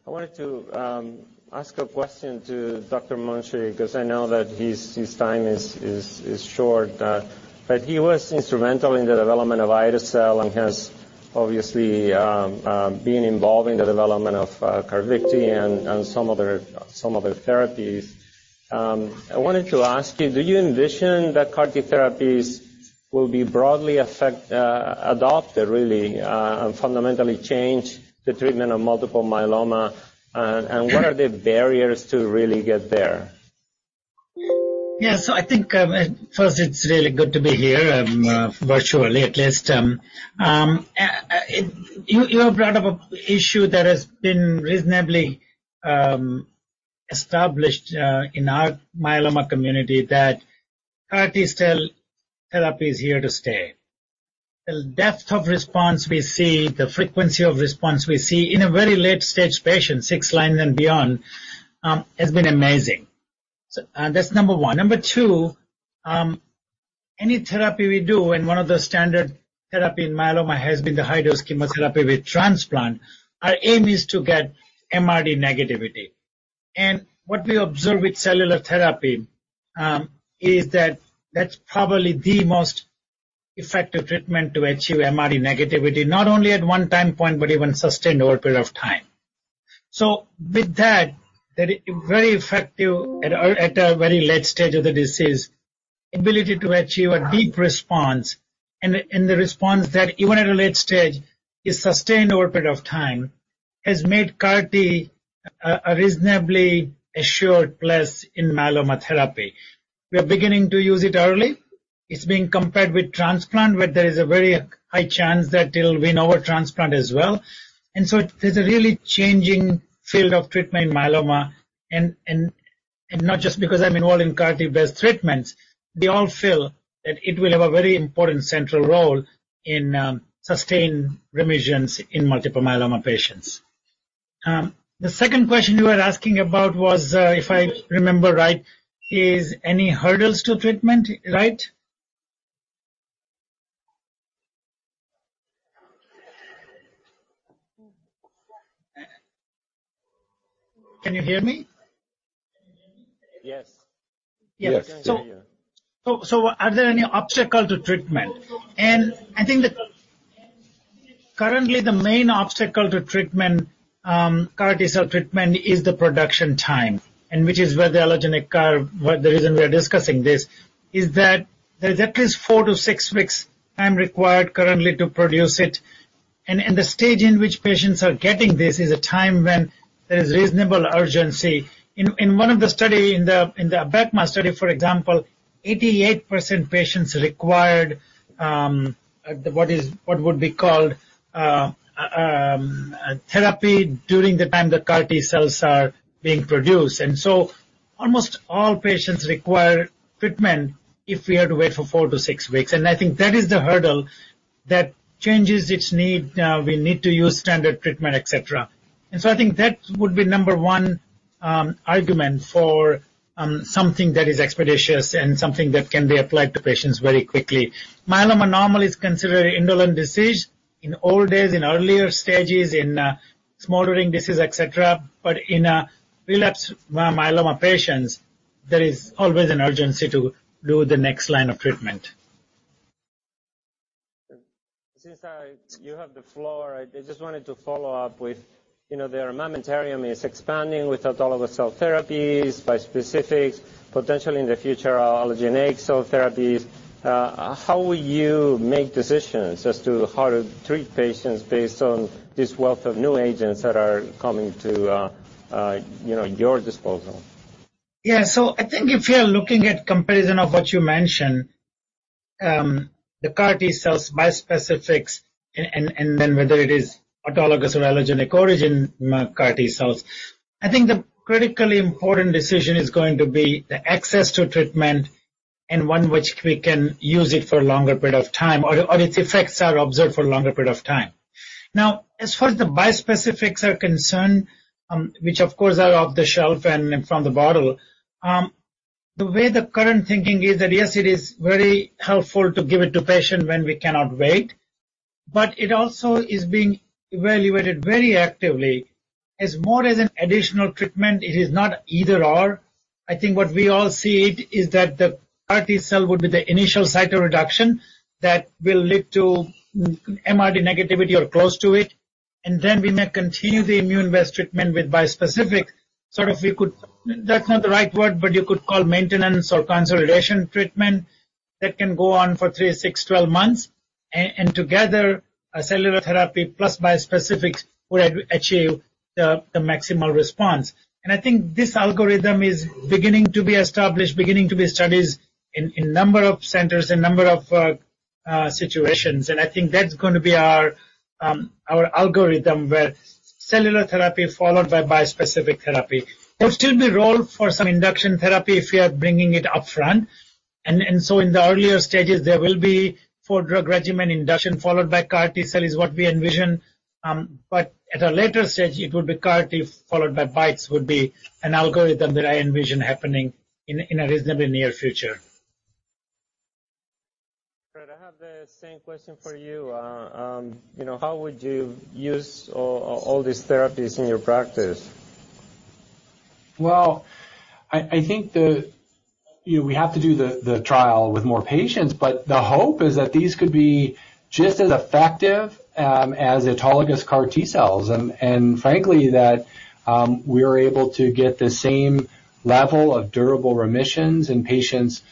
I wanted to ask a question to Dr. Munshi because I know that his time is short. But he was instrumental in the development of Abecma and has obviously been involved in the development of Carvykti and some other therapies. I wanted to ask you, do you envision that CAR T therapies will be broadly adopted really, and fundamentally change the treatment of multiple myeloma? What are the barriers to really get there? I think, first it's really good to be here, virtually at least. You have brought up a issue that has been reasonably established in our myeloma community that CAR T-cell therapy is here to stay. The depth of response we see, the frequency of response we see in a very late stage patient, six lines and beyond, has been amazing. That's number one. Number two, any therapy we do, and one of the standard therapy in myeloma has been the high-dose chemotherapy with transplant, our aim is to get MRD negativity. What we observe with cellular therapy, is that that's probably the most effective treatment to achieve MRD negativity, not only at one time point, but even sustained over a period of time. With that, the very effective at a very late stage of the disease, ability to achieve a deep response and the response that even at a late stage is sustained over a period of time, has made CAR T a reasonably assured place in myeloma therapy. We are beginning to use it early. It's being compared with transplant, but there is a very high chance that it'll win over transplant as well. There's a really changing field of treatment in myeloma and not just because I'm involved in CAR T-based treatments. They all feel that it will have a very important central role in sustained remissions in multiple myeloma patients. The second question you were asking about was, if I remember right, is any hurdles to treatment, right? Can you hear me? Yes. Yes. Yes. Yeah, yeah. Are there any obstacle to treatment? I think currently, the main obstacle to treatment, CAR T-cell treatment is the production time. The reason we are discussing this is that there's at least 4 to 6 weeks time required currently to produce it. The stage in which patients are getting this is a time when there is reasonable urgency. In one of the study, in the KarMMa study, for example, 88% patients required therapy during the time the CAR T-cells are being produced. Almost all patients require treatment if we have to wait for 4 to 6 weeks. I think that is the hurdle that changes its need. We need to use standard treatment, et cetera. I think that would be number one argument for something that is expeditious and something that can be applied to patients very quickly. Myeloma normally is considered an indolent disease in old days, in earlier stages, in smoldering disease, et cetera. In relapse myeloma patients, there is always an urgency to do the next line of treatment. Since you have the floor, I just wanted to follow up with, you know, the armamentarium is expanding with autologous cell therapies, bispecific, potentially in the future allogeneic cell therapies. How will you make decisions as to how to treat patients based on this wealth of new agents that are coming to, you know, your disposal? I think if you are looking at comparison of what you mentioned, the CAR T cells, bispecifics and then whether it is autologous or allogeneic origin CAR T cells, I think the critically important decision is going to be the access to treatment and one which we can use it for a longer period of time or its effects are observed for a longer period of time. As far as the bispecifics are concerned, which of course are off the shelf and from the bottle, the way the current thinking is that, yes, it is very helpful to give it to patient when we cannot wait, but it also is being evaluated very actively as more as an additional treatment. It is not either/or. I think what we all see it is that the CAR T-cell would be the initial cytoreduction that will lead to MRD negativity or close to it, and then we may continue the immune-based treatment with bispecific. That's not the right word, but you could call maintenance or consolidation treatment that can go on for three, six, 12 months. together, a cellular therapy plus bispecific would achieve the maximal response. I think this algorithm is beginning to be established, beginning to be studied in number of centers and number of situations. I think that's gonna be our algorithm, where cellular therapy followed by bispecific therapy. There'll still be role for some induction therapy if we are bringing it upfront. In the earlier stages, there will be four drug regimen induction followed by CAR T-cell is what we envision. But at a later stage, it would be CAR T followed by bispecifics would be an algorithm that I envision happening in a reasonably near future. Fred, I have the same question for you. You know, how would you use all these therapies in your practice? Well, I think the... We have to do the trial with more patients, the hope is that these could be just as effective as autologous CAR T-cells. frankly, that we are able to get the same level of durable remissions in patients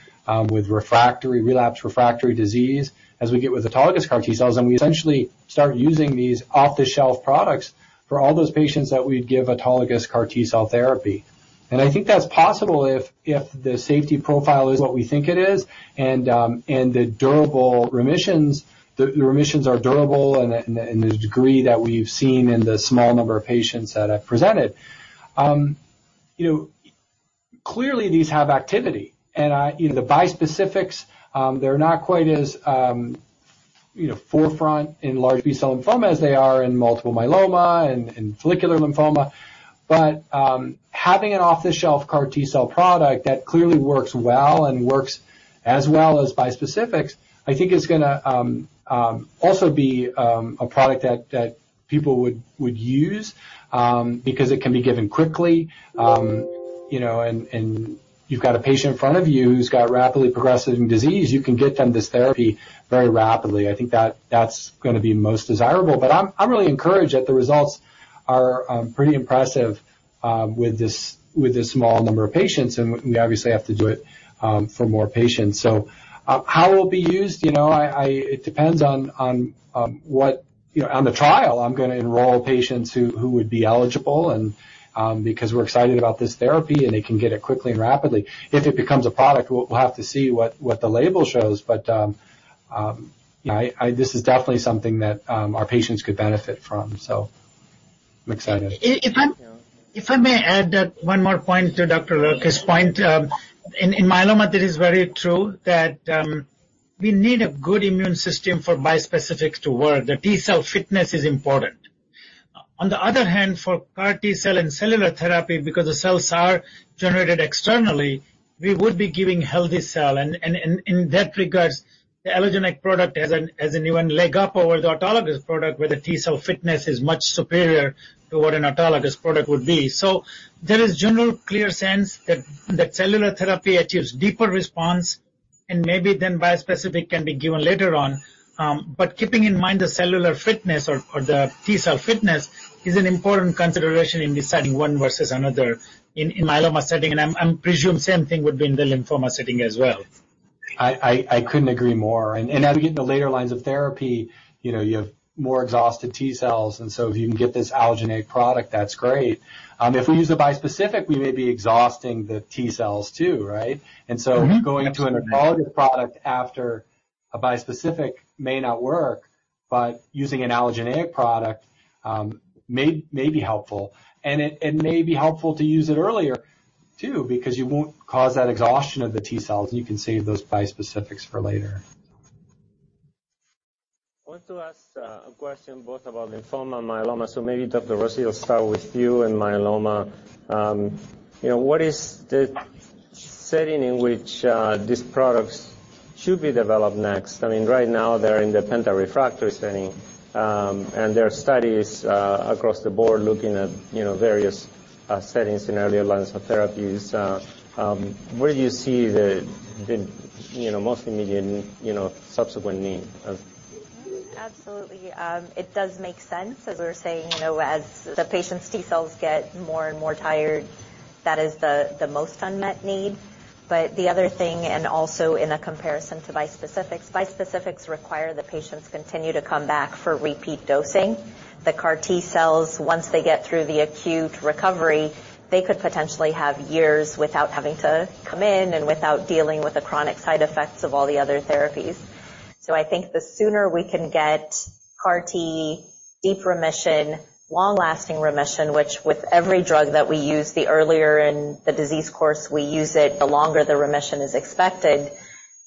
with refractory, relapse refractory disease as we get with autologous CAR T-cells. We essentially start using these off-the-shelf products for all those patients that we'd give autologous CAR T-cell therapy. I think that's possible if the safety profile is what we think it is, and the durable remissions, the remissions are durable and the degree that we've seen in the small number of patients that I've presented. You know, clearly these have activity. I, you know, the bispecifics, they're not quite as, you know, forefront in large B-cell lymphoma as they are in multiple myeloma and follicular lymphoma. Having an off-the-shelf CAR T-cell product that clearly works well and works as well as bispecifics, I think is gonna also be a product that people would use because it can be given quickly. You know, you've got a patient in front of you who's got rapidly progressing disease, you can get them this therapy very rapidly. I think that that's gonna be most desirable. I'm really encouraged that the results are pretty impressive with this small number of patients, and we obviously have to do it for more patients. How it will be used? You know, I...It depends on what. You know, on the trial, I'm gonna enroll patients who would be eligible and, because we're excited about this therapy, and they can get it quickly and rapidly. If it becomes a product, we'll have to see what the label shows. You know, this is definitely something that our patients could benefit from, so I'm excited. If I- Yeah. If I may add that one more point to Dr. Locke's point. In myeloma, that is very true that we need a good immune system for bispecifics to work. The T-cell fitness is important. On the other hand, for CAR T-cell and cellular therapy, because the cells are generated externally, we would be giving healthy cell. In that regards, the allogeneic product has an even leg up over the autologous product, where the T-cell fitness is much superior to what an autologous product would be. There is general clear sense that cellular therapy achieves deeper response and maybe then bispecific can be given later on. Keeping in mind the cellular fitness or the T-cell fitness is an important consideration in deciding one versus another in myeloma setting, and I presume same thing would be in the lymphoma setting as well. I couldn't agree more. As we get to later lines of therapy, you know, you have more exhausted T-cells. If you can get this allogeneic product, that's great. If we use a bispecific, we may be exhausting the T-cells too, right? Mm-hmm. Absolutely. Going to an autologous product after a bispecific may not work, but using an allogeneic product, may be helpful. It may be helpful to use it earlier too because you won't cause that exhaustion of the T-cells. You can save those bispecifics for later. I want to ask a question both about lymphoma and myeloma. Maybe Dr. Rossi, I'll start with you in myeloma. You know, what is the setting in which these products should be developed next? I mean, right now they're in the penta-refractory setting, and there are studies across the board looking at, you know, various settings in earlier lines of therapies. Where do you see the, you know, most immediate, you know, subsequent need of? Absolutely. It does make sense. As we were saying, you know, as the patient's T-cells get more and more tired, that is the most unmet need. The other thing, and also in a comparison to bispecifics require the patients continue to come back for repeat dosing. The CAR T-cells, once they get through the acute recovery, they could potentially have years without having to come in and without dealing with the chronic side effects of all the other therapies. I think the sooner we can get CAR T deep remission, long-lasting remission, which with every drug that we use, the earlier in the disease course we use it, the longer the remission is expected.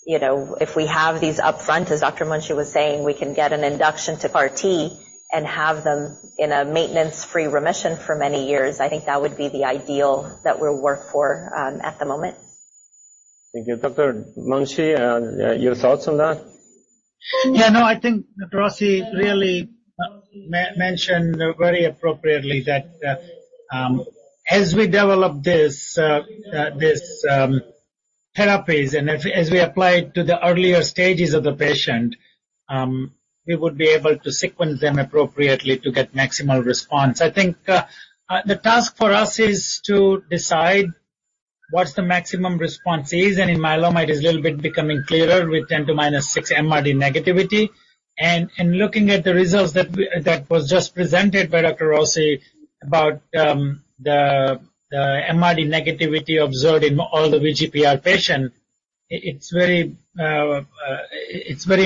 You know, if we have these upfront, as Dr. Munshi was saying, we can get an induction to CAR T and have them in a maintenance-free remission for many years. I think that would be the ideal that we'll work for, at the moment. Thank you. Dr. Munshi, your thoughts on that? Yeah, no. I think Dr. Rossi really mentioned very appropriately that as we develop this therapies and as we apply it to the earlier stages of the patient, we would be able to sequence them appropriately to get maximal response. I think the task for us is to decide what's the maximum response is. In multiple myeloma, it is a little bit becoming clearer with 10 to minus 6 MRD negativity. Looking at the results that was just presented by Dr. Rossi about the MRD negativity observed in all the VGPR patient, it's very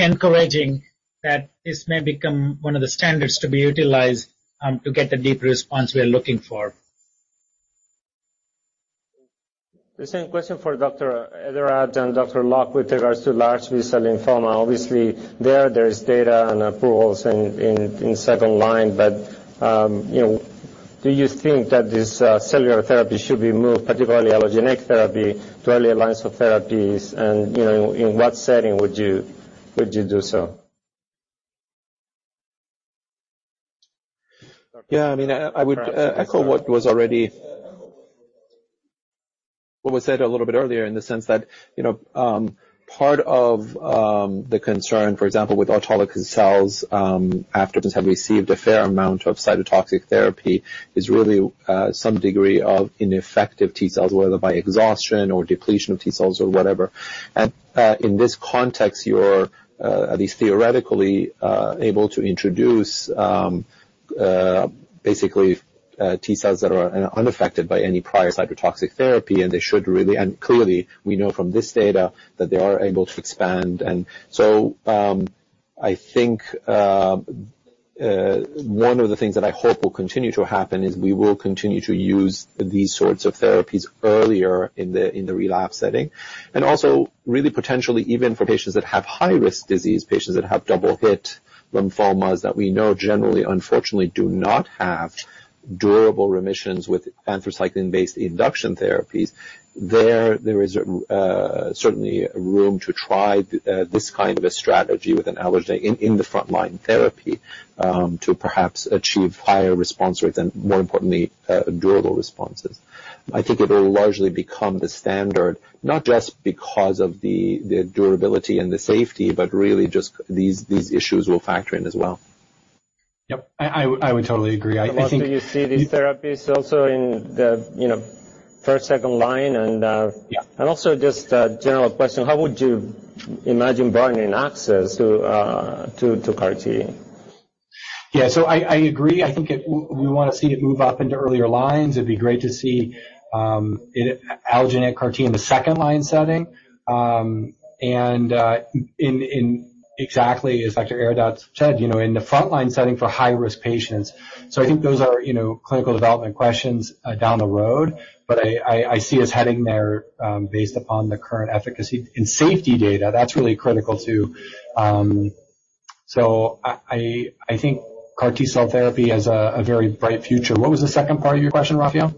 encouraging that this may become one of the standards to be utilized to get the deep response we are looking for. The same question for Dr. Eradat and Dr. Locke with regards to large B-cell lymphoma. Obviously there is data and approvals in second line, but, you know, do you think that this cellular therapy should be moved, particularly allogeneic therapy, to earlier lines of therapies? You know, in what setting would you do so? Yeah, I mean, I would echo what was said a little bit earlier in the sense that, you know, part of the concern, for example, with autologous cells, after patients have received a fair amount of cytotoxic therapy, is really some degree of ineffective T cells, whether by exhaustion or depletion of T cells or whatever. In this context, you're at least theoretically able to introduce, basically, T cells that are unaffected by any prior cytotoxic therapy, and they should really. Clearly we know from this data that they are able to expand. I think one of the things that I hope will continue to happen is we will continue to use these sorts of therapies earlier in the, in the relapse setting, and also really potentially even for patients that have high-risk disease, patients that have double hit lymphomas that we know generally, unfortunately, do not have durable remissions with anthracycline-based induction therapies. There is certainly room to try this kind of a strategy with an allogeneic in the front line therapy to perhaps achieve higher response rates and more importantly, durable responses. I think it will largely become the standard, not just because of the durability and the safety, but really just these issues will factor in as well. Yep. I would totally agree. I think- How long do you see these therapies also in the, you know, first, second line? Yeah. Also just a general question. How would you imagine broadening access to CAR T? Yeah. I agree. I think we wanna see it move up into earlier lines. It'd be great to see allogeneic CAR T in the 2nd line setting. In exactly as Dr. Eradat said, you know, in the front-line setting for high-risk patients. I think those are, you know, clinical development questions down the road, I, I see us heading there based upon the current efficacy and safety data. That's really critical too. I, I think CAR T-cell therapy has a very bright future. What was the second part of your question, Rafael?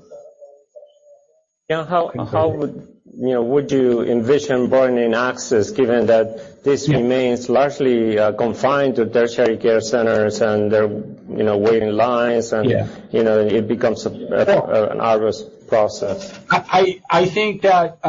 Yeah. How would, you know, would you envision broadening access given that this remains largely confined to tertiary care centers and their, you know, waiting lines and-? Yeah. You know, it becomes an arduous process. I think that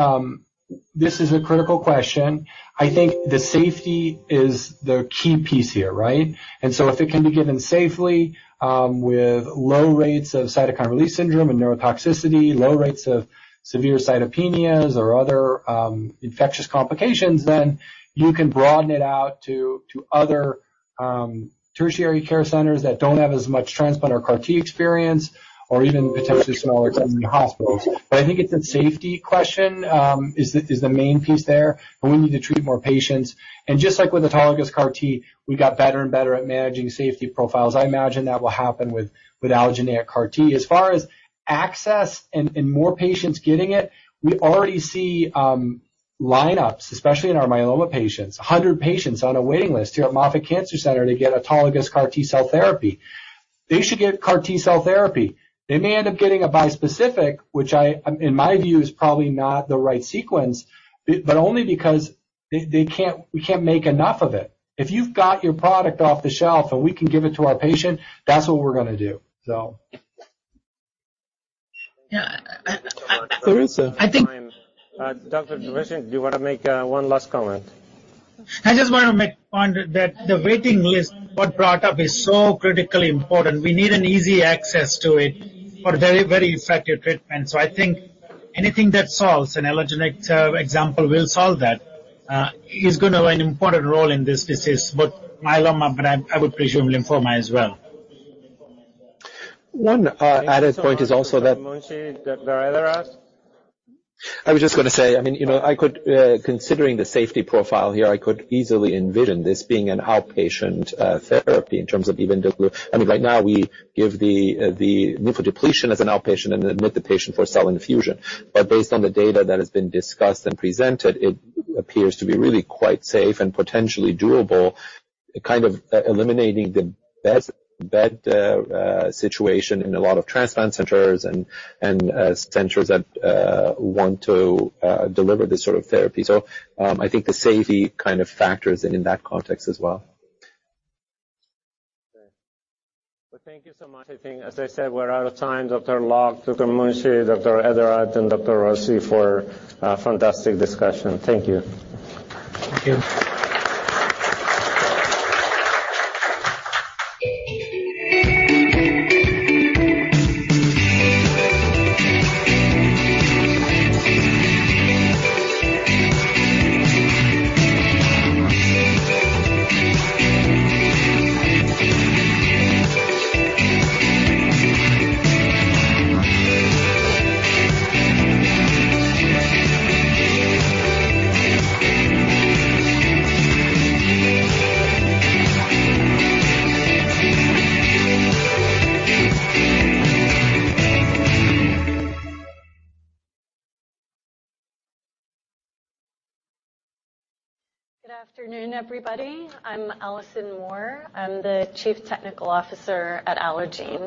this is a critical question. I think the safety is the key piece here, right? If it can be given safely, with low rates of cytokine release syndrome and neurotoxicity, low rates of severe cytopenias or other infectious complications, then you can broaden it out to other tertiary care centers that don't have as much transplant or CAR T experience or even potentially smaller community hospitals. I think it's a safety question, is the main piece there. We need to treat more patients. Just like with autologous CAR T, we got better and better at managing safety profiles. I imagine that will happen with allogeneic CAR T. As far as access and more patients getting it, we already see lineups, especially in our myeloma patients. 100 patients on a waiting list here at Moffitt Cancer Center to get autologous CAR T-cell therapy. They should get CAR T-cell therapy. They may end up getting a bispecific, which I, in my view, is probably not the right sequence, but only because we can't make enough of it. If you've got your product off the shelf and we can give it to our patient, that's what we're gonna do. Yeah. There is I think- Dr. Munshi, do you wanna make one last comment? I just want to make a point that the waiting list, what brought up is so critically important. We need an easy access to it for very, very effective treatment. I think anything that solves an allogeneic example will solve that, is going to play an important role in this disease. Both myeloma, but I would presume lymphoma as well. One, added point is also. Thank you so much, Dr. Munshi. Dr. Eradat? I was just gonna say, I mean, you know, I could, considering the safety profile here, I could easily envision this being an outpatient therapy in terms of even the glu... I mean, right now we give the lymphodepletion as an outpatient and then meet the patient for cell infusion. Based on the data that has been discussed and presented, it appears to be really quite safe and potentially doable, kind of eliminating the bed situation in a lot of transplant centers and centers that want to deliver this sort of therapy. I think the safety kind of factors in in that context as well. Okay. Well, thank you so much. I think, as I said, we're out of time. Dr. Locke, Dr. Munshi, Dr. Eradat, and Dr. Rossi for a fantastic discussion. Thank you. Thank you. Good afternoon, everybody. I'm Alison Moore. I'm the Chief Technical Officer at Allogene.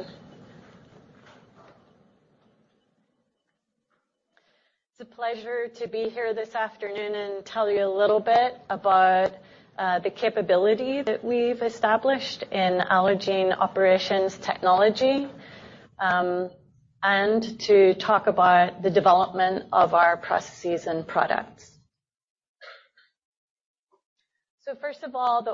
It's a pleasure to be here this afternoon and tell you a little bit about the capability that we've established in Allogene Operations Technology, and to talk about the development of our processes and products. First of all, the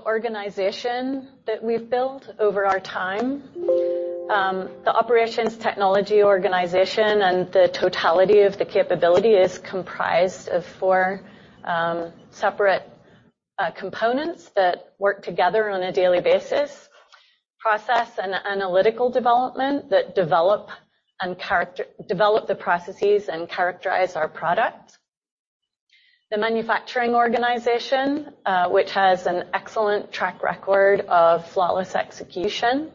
Operations Technology organization and the totality of the capability is comprised of four separate components that work together on a daily basis. Process and Analytical Development that develop the processes and characterize our product. The Manufacturing Organization, which has an excellent track record of flawless execution,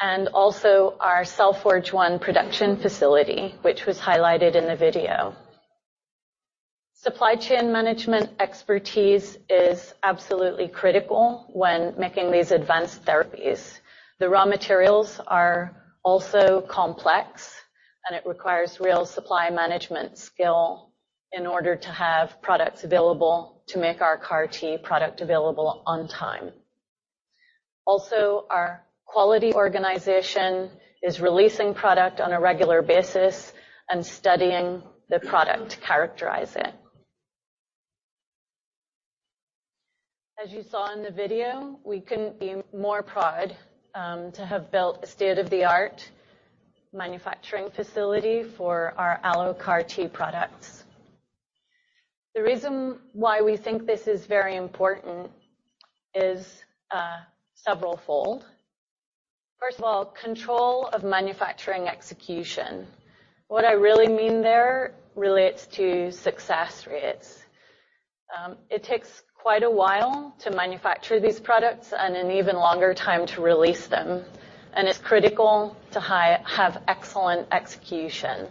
and also our CellForge One production facility, which was highlighted in the video. Supply chain management expertise is absolutely critical when making these advanced therapies. The raw materials are also complex, and it requires real supply management skill in order to have products available to make our CAR T product available on time. Our quality organization is releasing product on a regular basis and studying the product to characterize it. As you saw in the video, we couldn't be more proud to have built a state-of-the-art manufacturing facility for our AlloCAR T products. The reason why we think this is very important is severalfold. First of all, control of manufacturing execution. What I really mean there relates to success rates. It takes quite a while to manufacture these products and an even longer time to release them, and it's critical to have excellent execution.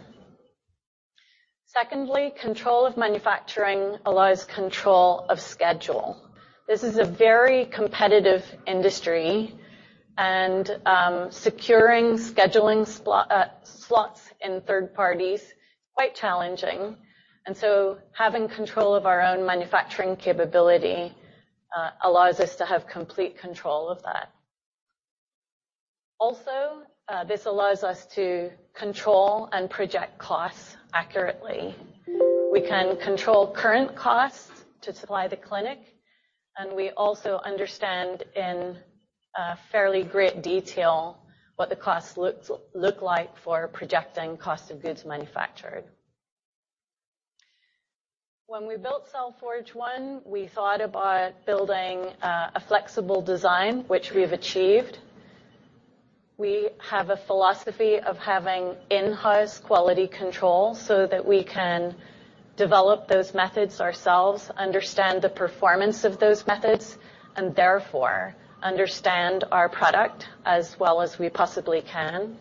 Secondly, control of manufacturing allows control of schedule. This is a very competitive industry, and securing scheduling slots in third parties is quite challenging. Having control of our own manufacturing capability allows us to have complete control of that. Also, this allows us to control and project costs accurately. We can control current costs to supply the clinic, and we also understand in fairly great detail what the costs look like for projecting cost of goods manufactured. When we built CellForge One, we thought about building a flexible design which we've achieved. We have a philosophy of having in-house quality control so that we can develop those methods ourselves, understand the performance of those methods, and therefore understand our product as well as we possibly can.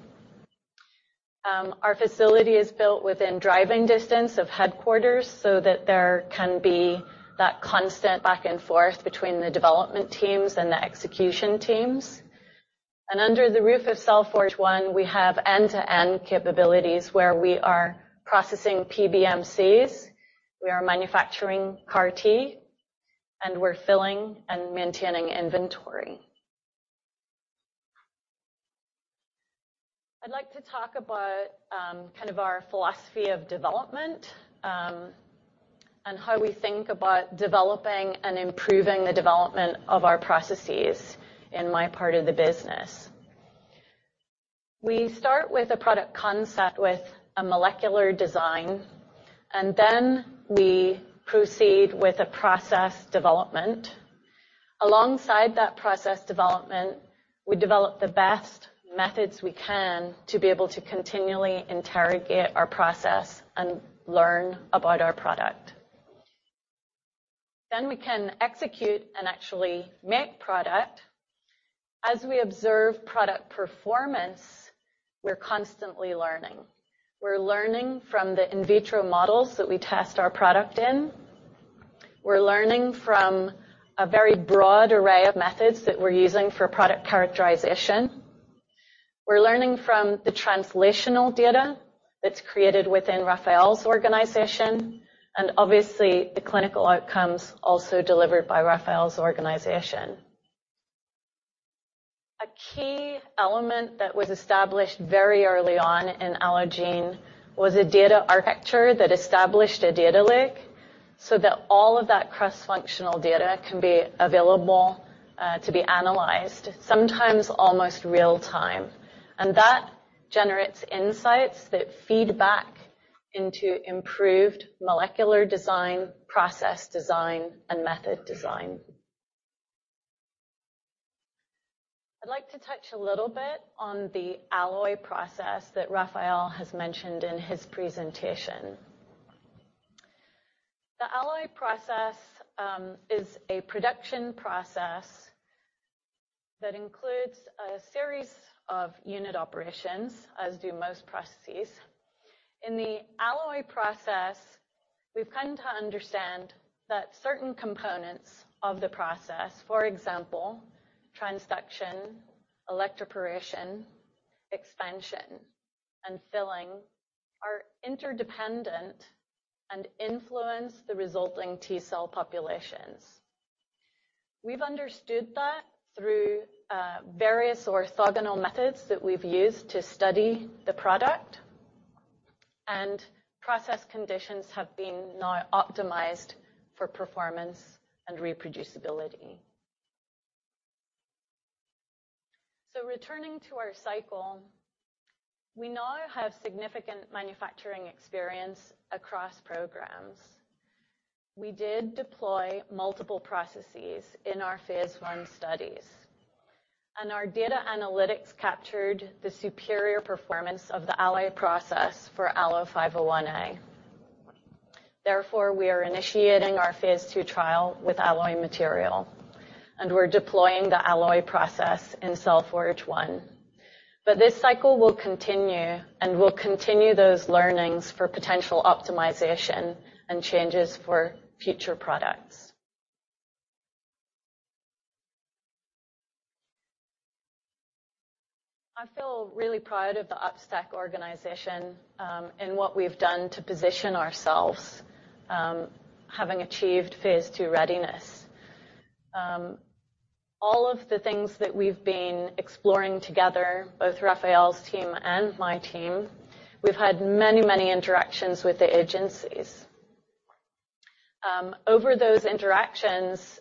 Our facility is built within driving distance of headquarters so that there can be that constant back and forth between the development teams and the execution teams. Under the roof of CellForge One, we have end-to-end capabilities where we are processing PBMCs, we are manufacturing CAR T, and we're filling and maintaining inventory. I'd like to talk about kind of our philosophy of development and how we think about developing and improving the development of our processes in my part of the business. We start with a product concept with a molecular design, and then we proceed with a process development. Alongside that process development, we develop the best methods we can to be able to continually interrogate our process and learn about our product. We can execute and actually make product. As we observe product performance, we're constantly learning. We're learning from the in vitro models that we test our product in. We're learning from a very broad array of methods that we're using for product characterization. We're learning from the translational data that's created within Rafael's organization, and obviously, the clinical outcomes also delivered by Rafael's organization. A key element that was established very early on in Allogene was a data architecture that established a data lake so that all of that cross-functional data can be available to be analyzed, sometimes almost real time. That generates insights that feed back into improved molecular design, process design, and method design. I'd like to touch a little bit on the Alloy process that Rafael has mentioned in his presentation. The Alloy process is a production process that includes a series of unit operations, as do most processes. In the Alloy process, we've come to understand that certain components of the process, for example, transduction, electroporation, expansion, and filling, are interdependent and influence the resulting T cell populations. We've understood that through various orthogonal methods that we've used to study the product, and process conditions have been now optimized for performance and reproducibility. Returning to our cycle, we now have significant manufacturing experience across programs. We did deploy multiple processes in our phase I studies, and our data analytics captured the superior performance of the Alloy process for ALLO-501A. Therefore, we are initiating our phase II trial with Alloy material, and we're deploying the Alloy process in Cell Forge 1. This cycle will continue, and we'll continue those learnings for potential optimization and changes for future products. I feel really proud of the Upstack organization, and what we've done to position ourselves, having achieved phase II readiness. All of the things that we've been exploring together, both Rafael's team and my team, we've had many interactions with the agencies. Over those interactions,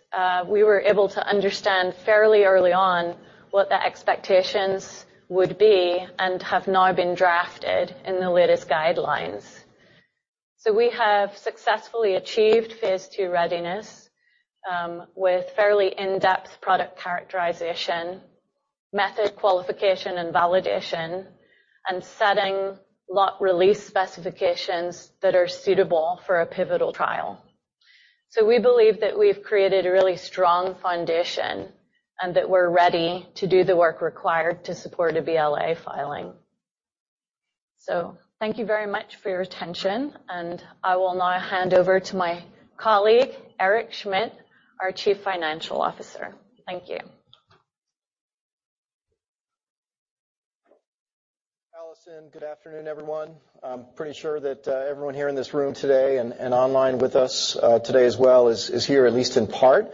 we were able to understand fairly early on what the expectations would be and have now been drafted in the latest guidelines. We have successfully achieved phase II readiness, with fairly in-depth product characterization, method qualification, and validation, and setting lot release specifications that are suitable for a pivotal trial. We believe that we've created a really strong foundation and that we're ready to do the work required to support a BLA filing. Thank you very much for your attention, and I will now hand over to my colleague, Eric Schmidt, our Chief Financial Officer. Thank you. Alison. Good afternoon, everyone. I'm pretty sure that everyone here in this room today and online with us today as well is here, at least in part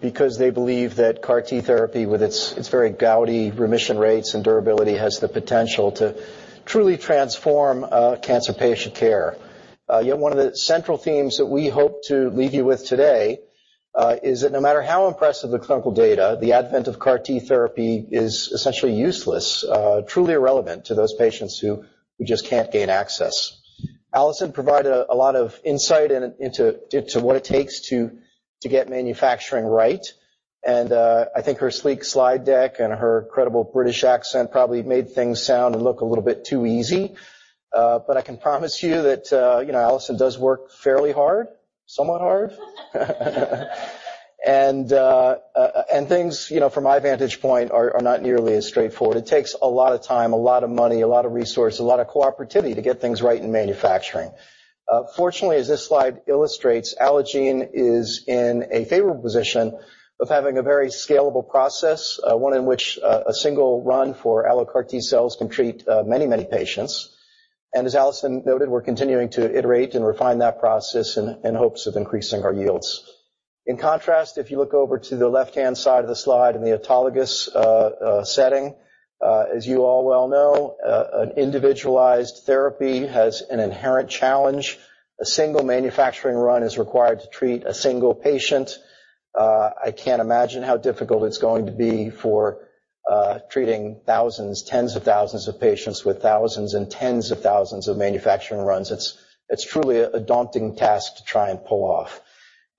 because they believe that CAR T therapy with its very gaudy remission rates and durability has the potential to truly transform cancer patient care. Yet one of the central themes that we hope to leave you with today is that no matter how impressive the clinical data, the advent of CAR T therapy is essentially useless, truly irrelevant to those patients who just can't gain access. Alison provided a lot of insight into what it takes to get manufacturing right, and I think her sleek slide deck and her incredible British accent probably made things sound and look a little bit too easy. I can promise you that, you know, Alison does work fairly hard, somewhat hard. Things, you know, from my vantage point are not nearly as straightforward. It takes a lot of time, a lot of money, a lot of resource, a lot of cooperativity to get things right in manufacturing. Fortunately, as this slide illustrates, Allogene is in a favorable position of having a very scalable process, one in which a single run for AlloCAR T-cells can treat many patients. As Alison noted, we're continuing to iterate and refine that process in hopes of increasing our yields. In contrast, if you look over to the left-hand side of the slide in the autologous setting, as you all well know, an individualized therapy has an inherent challenge. A single manufacturing run is required to treat a single patient. I can't imagine how difficult it's going to be for treating thousands, tens of thousands of patients with thousands and tens of thousands of manufacturing runs. It's truly a daunting task to try and pull off.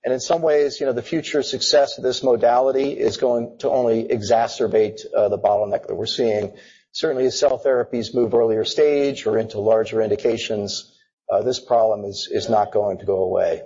In some ways, you know, the future success of this modality is going to only exacerbate the bottleneck that we're seeing. Certainly, as cell therapies move earlier stage or into larger indications, this problem is not going to go away.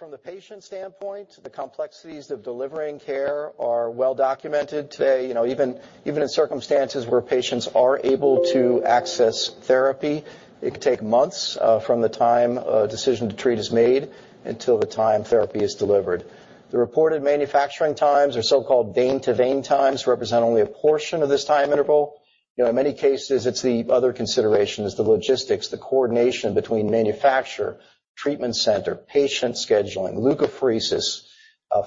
From the patient standpoint, the complexities of delivering care are well documented today. You know, even in circumstances where patients are able to access therapy, it could take months from the time a decision to treat is made until the time therapy is delivered. The reported manufacturing times or so-called vein to vein times represent only a portion of this time interval. You know, in many cases, it's the other considerations, the logistics, the coordination between manufacturer, treatment center, patient scheduling, leukapheresis.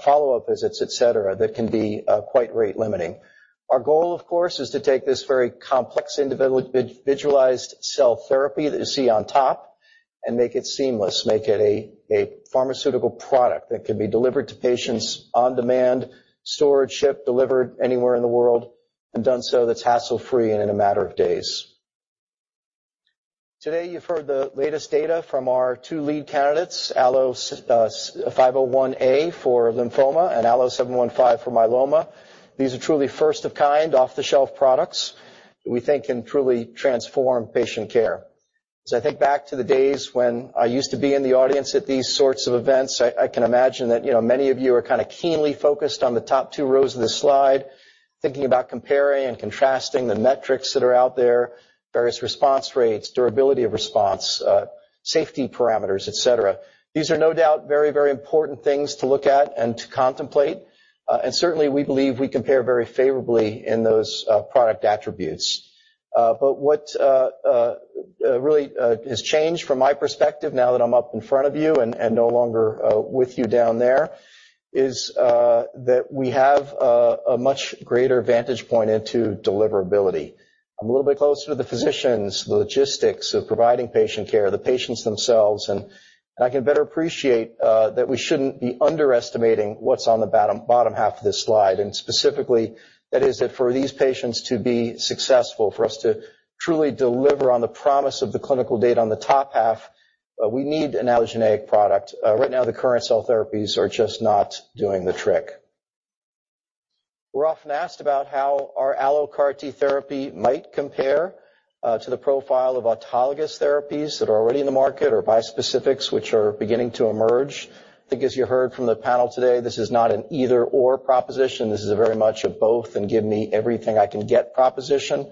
Follow-up visits, et cetera, that can be quite rate-limiting. Our goal, of course, is to take this very complex individualized cell therapy that you see on top and make it seamless, make it a pharmaceutical product that can be delivered to patients on demand, stored, shipped, delivered anywhere in the world, and done so that's hassle-free and in a matter of days. Today, you've heard the latest data from our two lead candidates, ALLO-501A for lymphoma and ALLO-715 for myeloma. These are truly first of kind off-the-shelf products we think can truly transform patient care. As I think back to the days when I used to be in the audience at these sorts of events, I can imagine that, you know, many of you are kinda keenly focused on the top two rows of this slide, thinking about comparing and contrasting the metrics that are out there, various response rates, durability of response, safety parameters, et cetera. These are no doubt very, very important things to look at and to contemplate, and certainly, we believe we compare very favorably in those product attributes. What's really has changed from my perspective now that I'm up in front of you and no longer with you down there is that we have a much greater vantage point into deliverability. I'm a little bit closer to the physicians, the logistics of providing patient care, the patients themselves, and I can better appreciate that we shouldn't be underestimating what's on the bottom half of this slide. Specifically, that is that for these patients to be successful, for us to truly deliver on the promise of the clinical data on the top half, we need an allogeneic product. Right now, the current cell therapies are just not doing the trick. We're often asked about how our AlloCAR T therapy might compare to the profile of autologous therapies that are already in the market or bispecifics, which are beginning to emerge. I think as you heard from the panel today, this is not an either/or proposition. This is a very much a both and give me everything I can get proposition.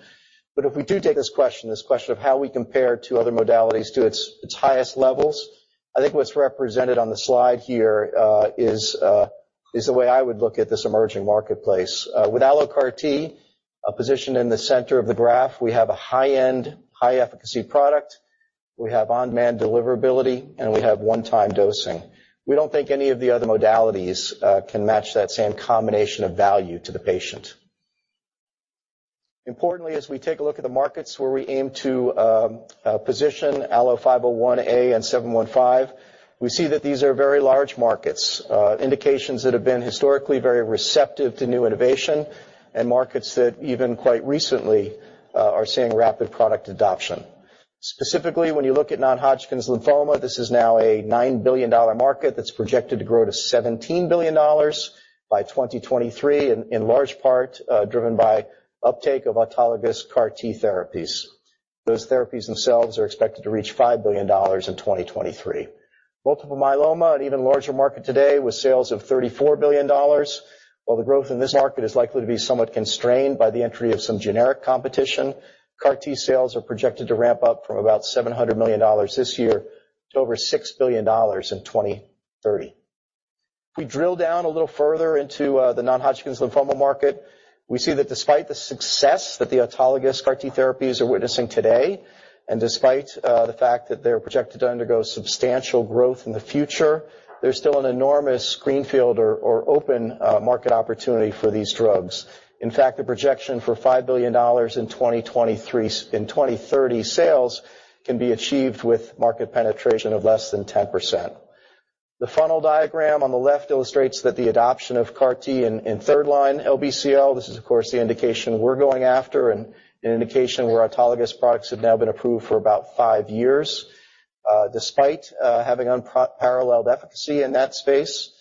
If we do take this question of how we compare to other modalities to its highest levels, I think what's represented on the slide here is the way I would look at this emerging marketplace. With AlloCAR T positioned in the center of the graph, we have a high-end, high-efficacy product. We have on-demand deliverability, and we have one-time dosing. We don't think any of the other modalities can match that same combination of value to the patient. Importantly, as we take a look at the markets where we aim to position ALLO-501A and ALLO-715, we see that these are very large markets, indications that have been historically very receptive to new innovation and markets that even quite recently are seeing rapid product adoption. Specifically, when you look at non-Hodgkin's lymphoma, this is now a $9 billion market that's projected to grow to $17 billion by 2023 in large part, driven by uptake of autologous CAR T therapies. Those therapies themselves are expected to reach $5 billion in 2023. Multiple myeloma, an even larger market today with sales of $34 billion. While the growth in this market is likely to be somewhat constrained by the entry of some generic competition, CAR T sales are projected to ramp up from about $700 million this year to over $6 billion in 2030. If we drill down a little further into the non-Hodgkin's lymphoma market, we see that despite the success that the autologous CAR T therapies are witnessing today, and despite the fact that they're projected to undergo substantial growth in the future, there's still an enormous greenfield or open market opportunity for these drugs. In fact, the projection for $5 billion in 2023 in 2030 sales can be achieved with market penetration of less than 10%. The funnel diagram on the left illustrates that the adoption of CAR T in third line LBCL, this is of course the indication we're going after and an indication where autologous products have now been approved for about 5 years. Despite having unparalleled efficacy in that space,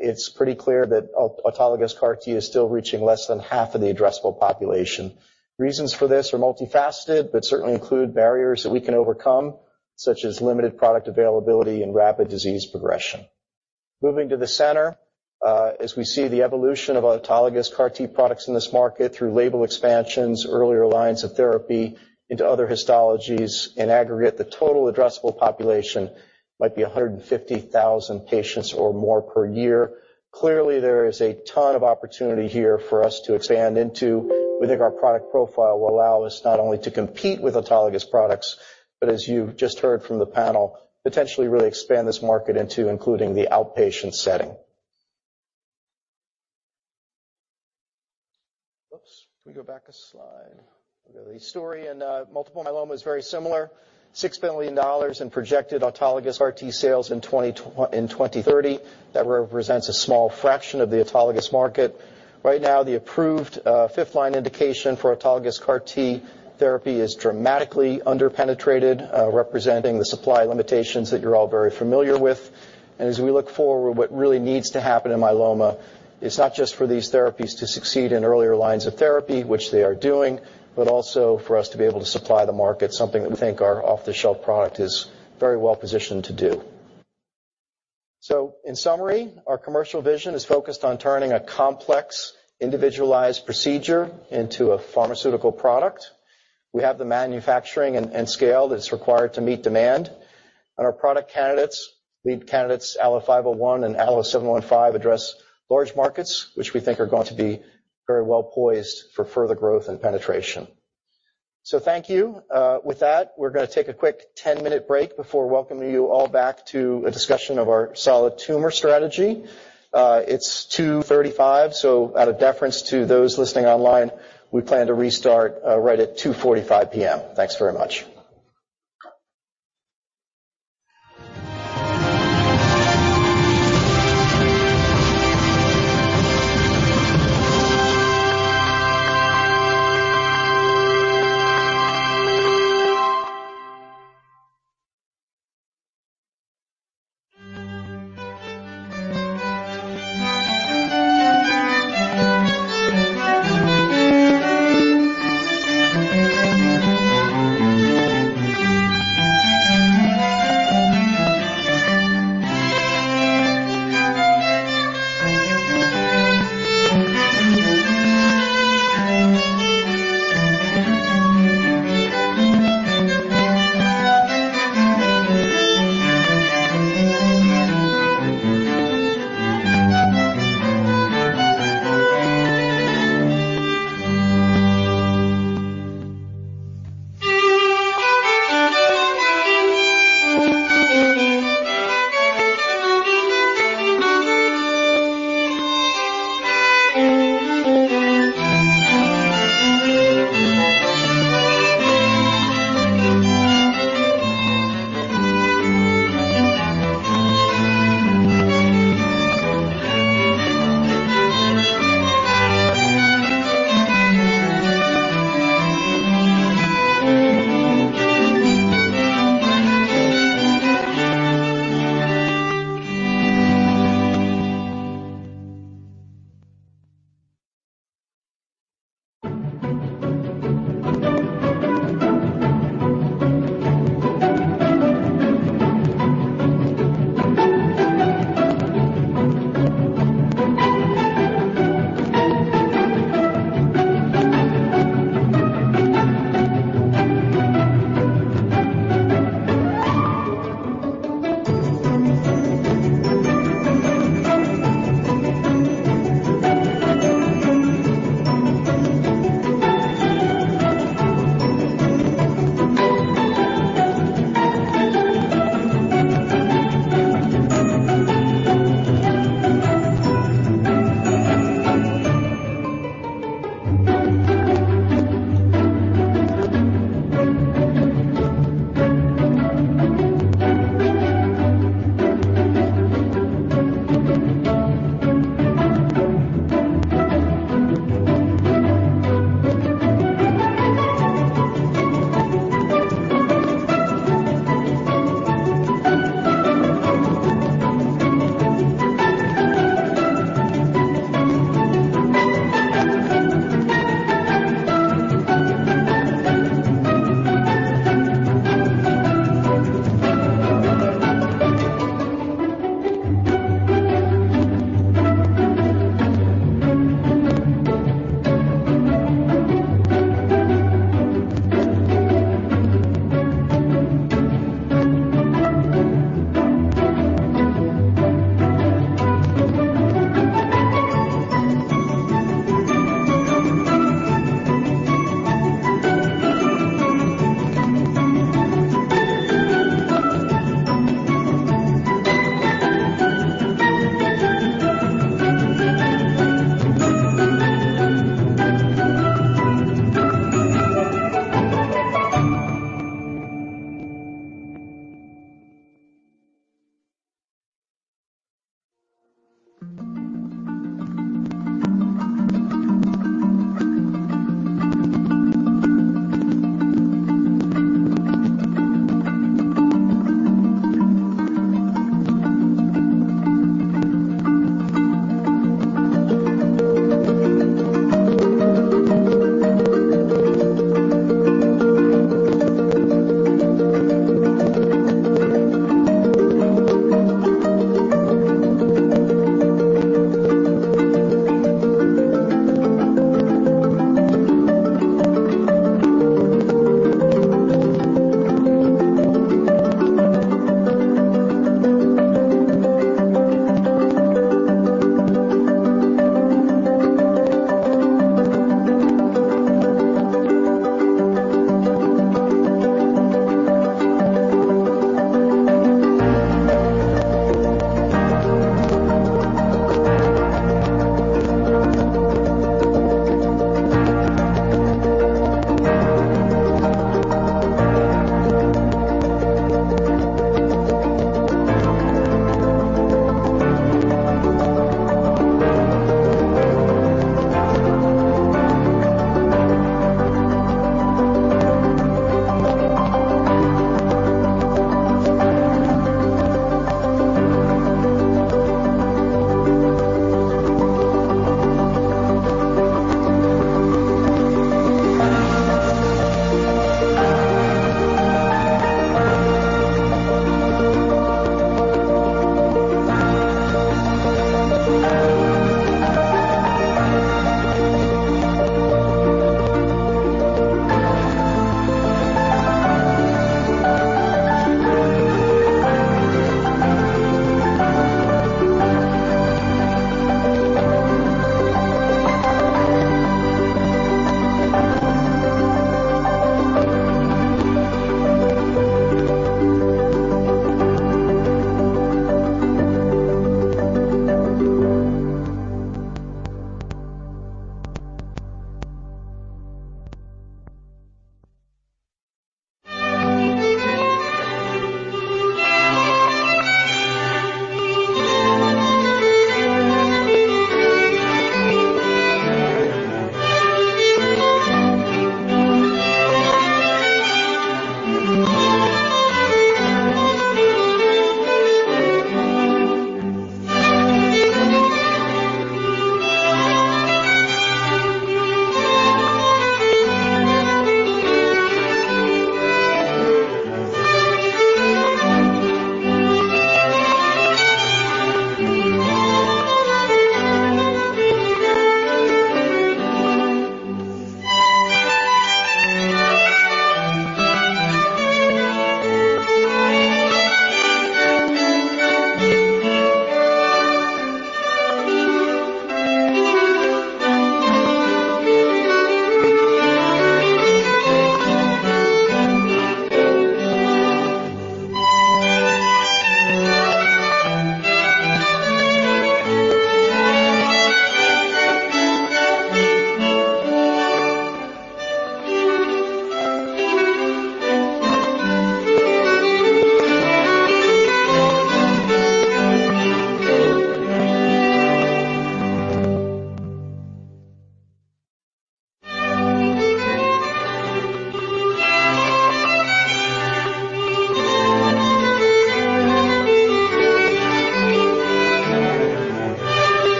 it's pretty clear that autologous CAR T is still reaching less than half of the addressable population. Reasons for this are multifaceted but certainly include barriers that we can overcome, such as limited product availability and rapid disease progression. Moving to the center, as we see the evolution of autologous CAR T products in this market through label expansions, earlier lines of therapy into other histologies. In aggregate, the total addressable population might be 150,000 patients or more per year. Clearly, there is a ton of opportunity here for us to expand into. We think our product profile will allow us not only to compete with autologous products, but as you've just heard from the panel, potentially really expand this market into including the outpatient setting. Oops, can we go back a slide? The story in multiple myeloma is very similar, $6 billion in projected autologous CAR T sales in 2030. That represents a small fraction of the autologous market. Right now, the approved fifth-line indication for autologous CAR T therapy is dramatically under-penetrated, representing the supply limitations that you're all very familiar with. As we look forward, what really needs to happen in myeloma is not just for these therapies to succeed in earlier lines of therapy, which they are doing, but also for us to be able to supply the market, something that we think our off-the-shelf product is very well-positioned to do. In summary, our commercial vision is focused on turning a complex, individualized procedure into a pharmaceutical product. We have the manufacturing and scale that's required to meet demand. Our product candidates, lead candidates, ALLO-501 and ALLO-715, address large markets, which we think are going to be very well poised for further growth and penetration. Thank you. With that, we're gonna take a quick 10-minute break before welcoming you all back to a discussion of our solid tumor strategy. It's 2:35 P.M., so out of deference to those listening online, we plan to restart right at 2:45 P.M. Thanks very much.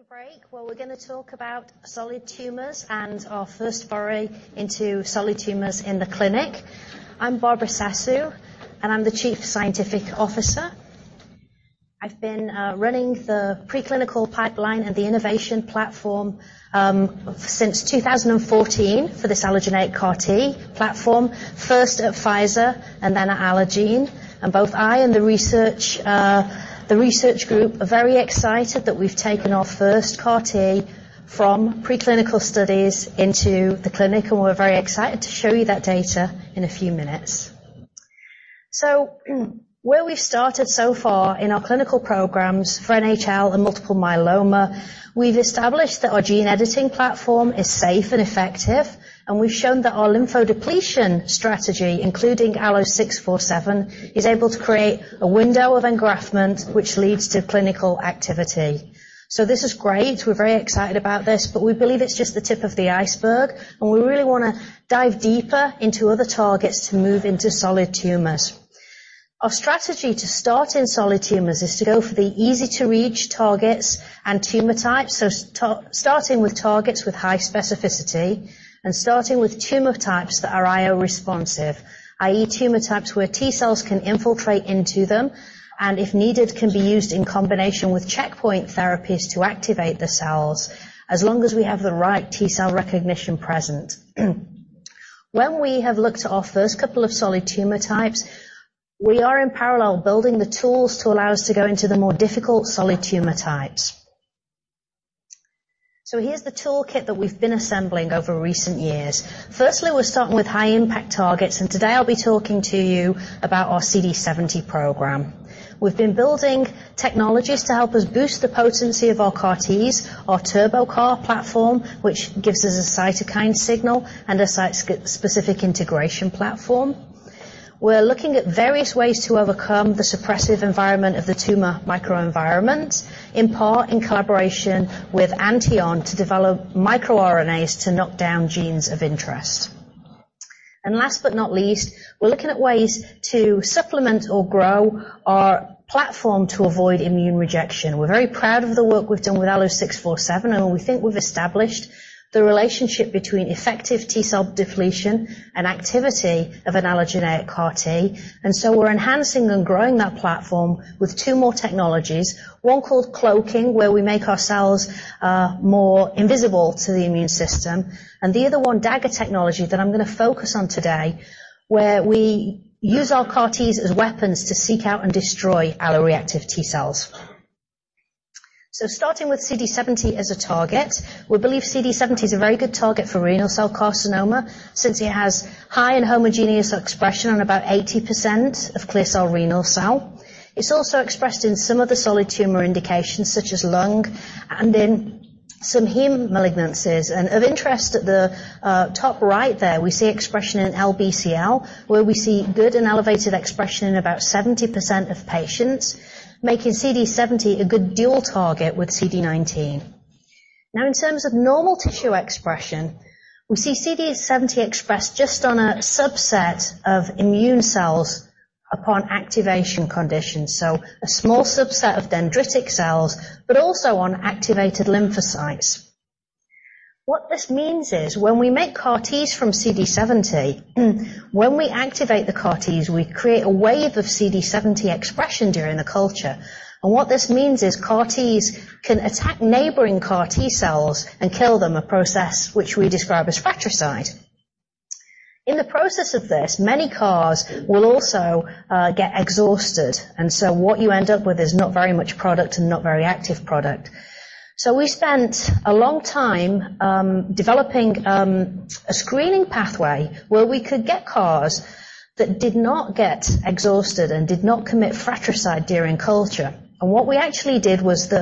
On the break, well, we're gonna talk about solid tumors and our first foray into solid tumors in the clinic. I'm Barbra Sasu, and I'm the Chief Scientific Officer. I've been running the preclinical pipeline and the innovation platform since 2014 for this allogeneic CAR T platform, first at Pfizer and then at Allogene. Both I and the research group are very excited that we've taken our first CAR T from preclinical studies into the clinic, and we're very excited to show you that data in a few minutes. Where we've started so far in our clinical programs for NHL and multiple myeloma, we've established that our gene editing platform is safe and effective, and we've shown that our lymphodepletion strategy, including ALLO-647, is able to create a window of engraftment which leads to clinical activity. This is great. We're very excited about this, but we believe it's just the tip of the iceberg, and we really wanna dive deeper into other targets to move into solid tumors. Our strategy to start in solid tumors is to go for the easy-to-reach targets and tumor types, starting with targets with high specificity and starting with tumor types that are IO responsive, i.e., tumor types where T cells can infiltrate into them, and if needed, can be used in combination with checkpoint therapies to activate the cells as long as we have the right T cell recognition present. When we have looked at our first couple of solid tumor types, we are in parallel building the tools to allow us to go into the more difficult solid tumor types. Here's the toolkit that we've been assembling over recent years. We're starting with high-impact targets, today I'll be talking to you about our CD70 program. We've been building technologies to help us boost the potency of our CAR Ts, our TurboCAR platform, which gives us a cytokine signal and a site-specific integration platform. We're looking at various ways to overcome the suppressive environment of the tumor microenvironment, in part in collaboration with Antion to develop microRNAs to knock down genes of interest. Last but not least, we're looking at ways to supplement or grow our platform to avoid immune rejection. We're very proud of the work we've done with ALLO-647, and we think we've established the relationship between effective T cell depletion and activity of an allogeneic CAR T. We're enhancing and growing that platform with two more technologies. One called cloaking, where we make our cells, more invisible to the immune system, and the other one, Dagger technology, that I'm gonna focus on today, where we use our CAR-Ts as weapons to seek out and destroy alloreactive T cells. Starting with CD70 as a target. We believe CD70 is a very good target for renal cell carcinoma since it has high and homogeneous expression on about 80% of clear cell renal cell. It's also expressed in some of the solid tumor indications such as lung and in some heme malignancies. Of interest, at the top right there, we see expression in LBCL, where we see good and elevated expression in about 70% of patients, making CD70 a good dual target with CD19. Now in terms of normal tissue expression, we see CD70 expressed just on a subset of immune cells upon activation conditions. A small subset of dendritic cells, but also on activated lymphocytes. What this means is when we make CAR Ts from CD70, when we activate the CAR Ts, we create a wave of CD70 expression during the culture. What this means is CAR Ts can attack neighboring CAR T cells and kill them, a process which we describe as fratricide. In the process of this, many CARs will also get exhausted. What you end up with is not very much product and not very active product. We spent a long time developing a screening pathway where we could get CARs that did not get exhausted and did not commit fratricide during culture. What we actually did was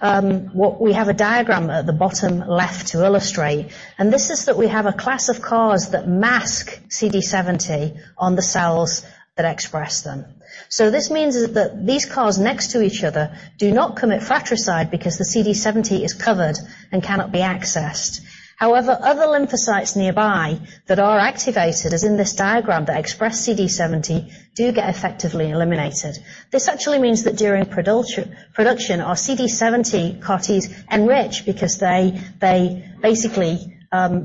what we have a diagram at the bottom left to illustrate, and this is that we have a class of CARs that mask CD70 on the cells that express them. This means that these CARs next to each other do not commit fratricide because the CD70 is covered and cannot be accessed. However, other lymphocytes nearby that are activated, as in this diagram that express CD70, do get effectively eliminated. This actually means that during production, our CD70 CAR Ts enrich because they basically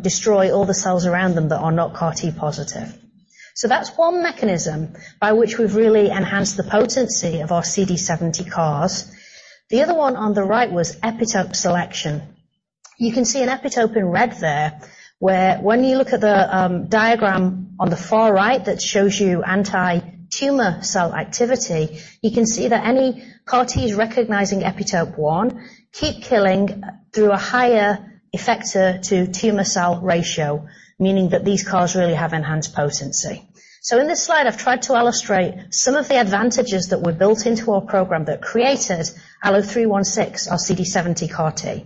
destroy all the cells around them that are not CAR T positive. That's one mechanism by which we've really enhanced the potency of our CD70 CARs. The other one on the right was epitope selection. You can see an epitope in red there, where when you look at the diagram on the far right that shows you anti-tumor cell activity, you can see that any CAR T's recognizing epitope 1 keep killing through a higher effector to tumor cell ratio, meaning that these CARs really have enhanced potency. In this slide, I've tried to illustrate some of the advantages that were built into our program that created ALLO-316, our CD70 CAR T.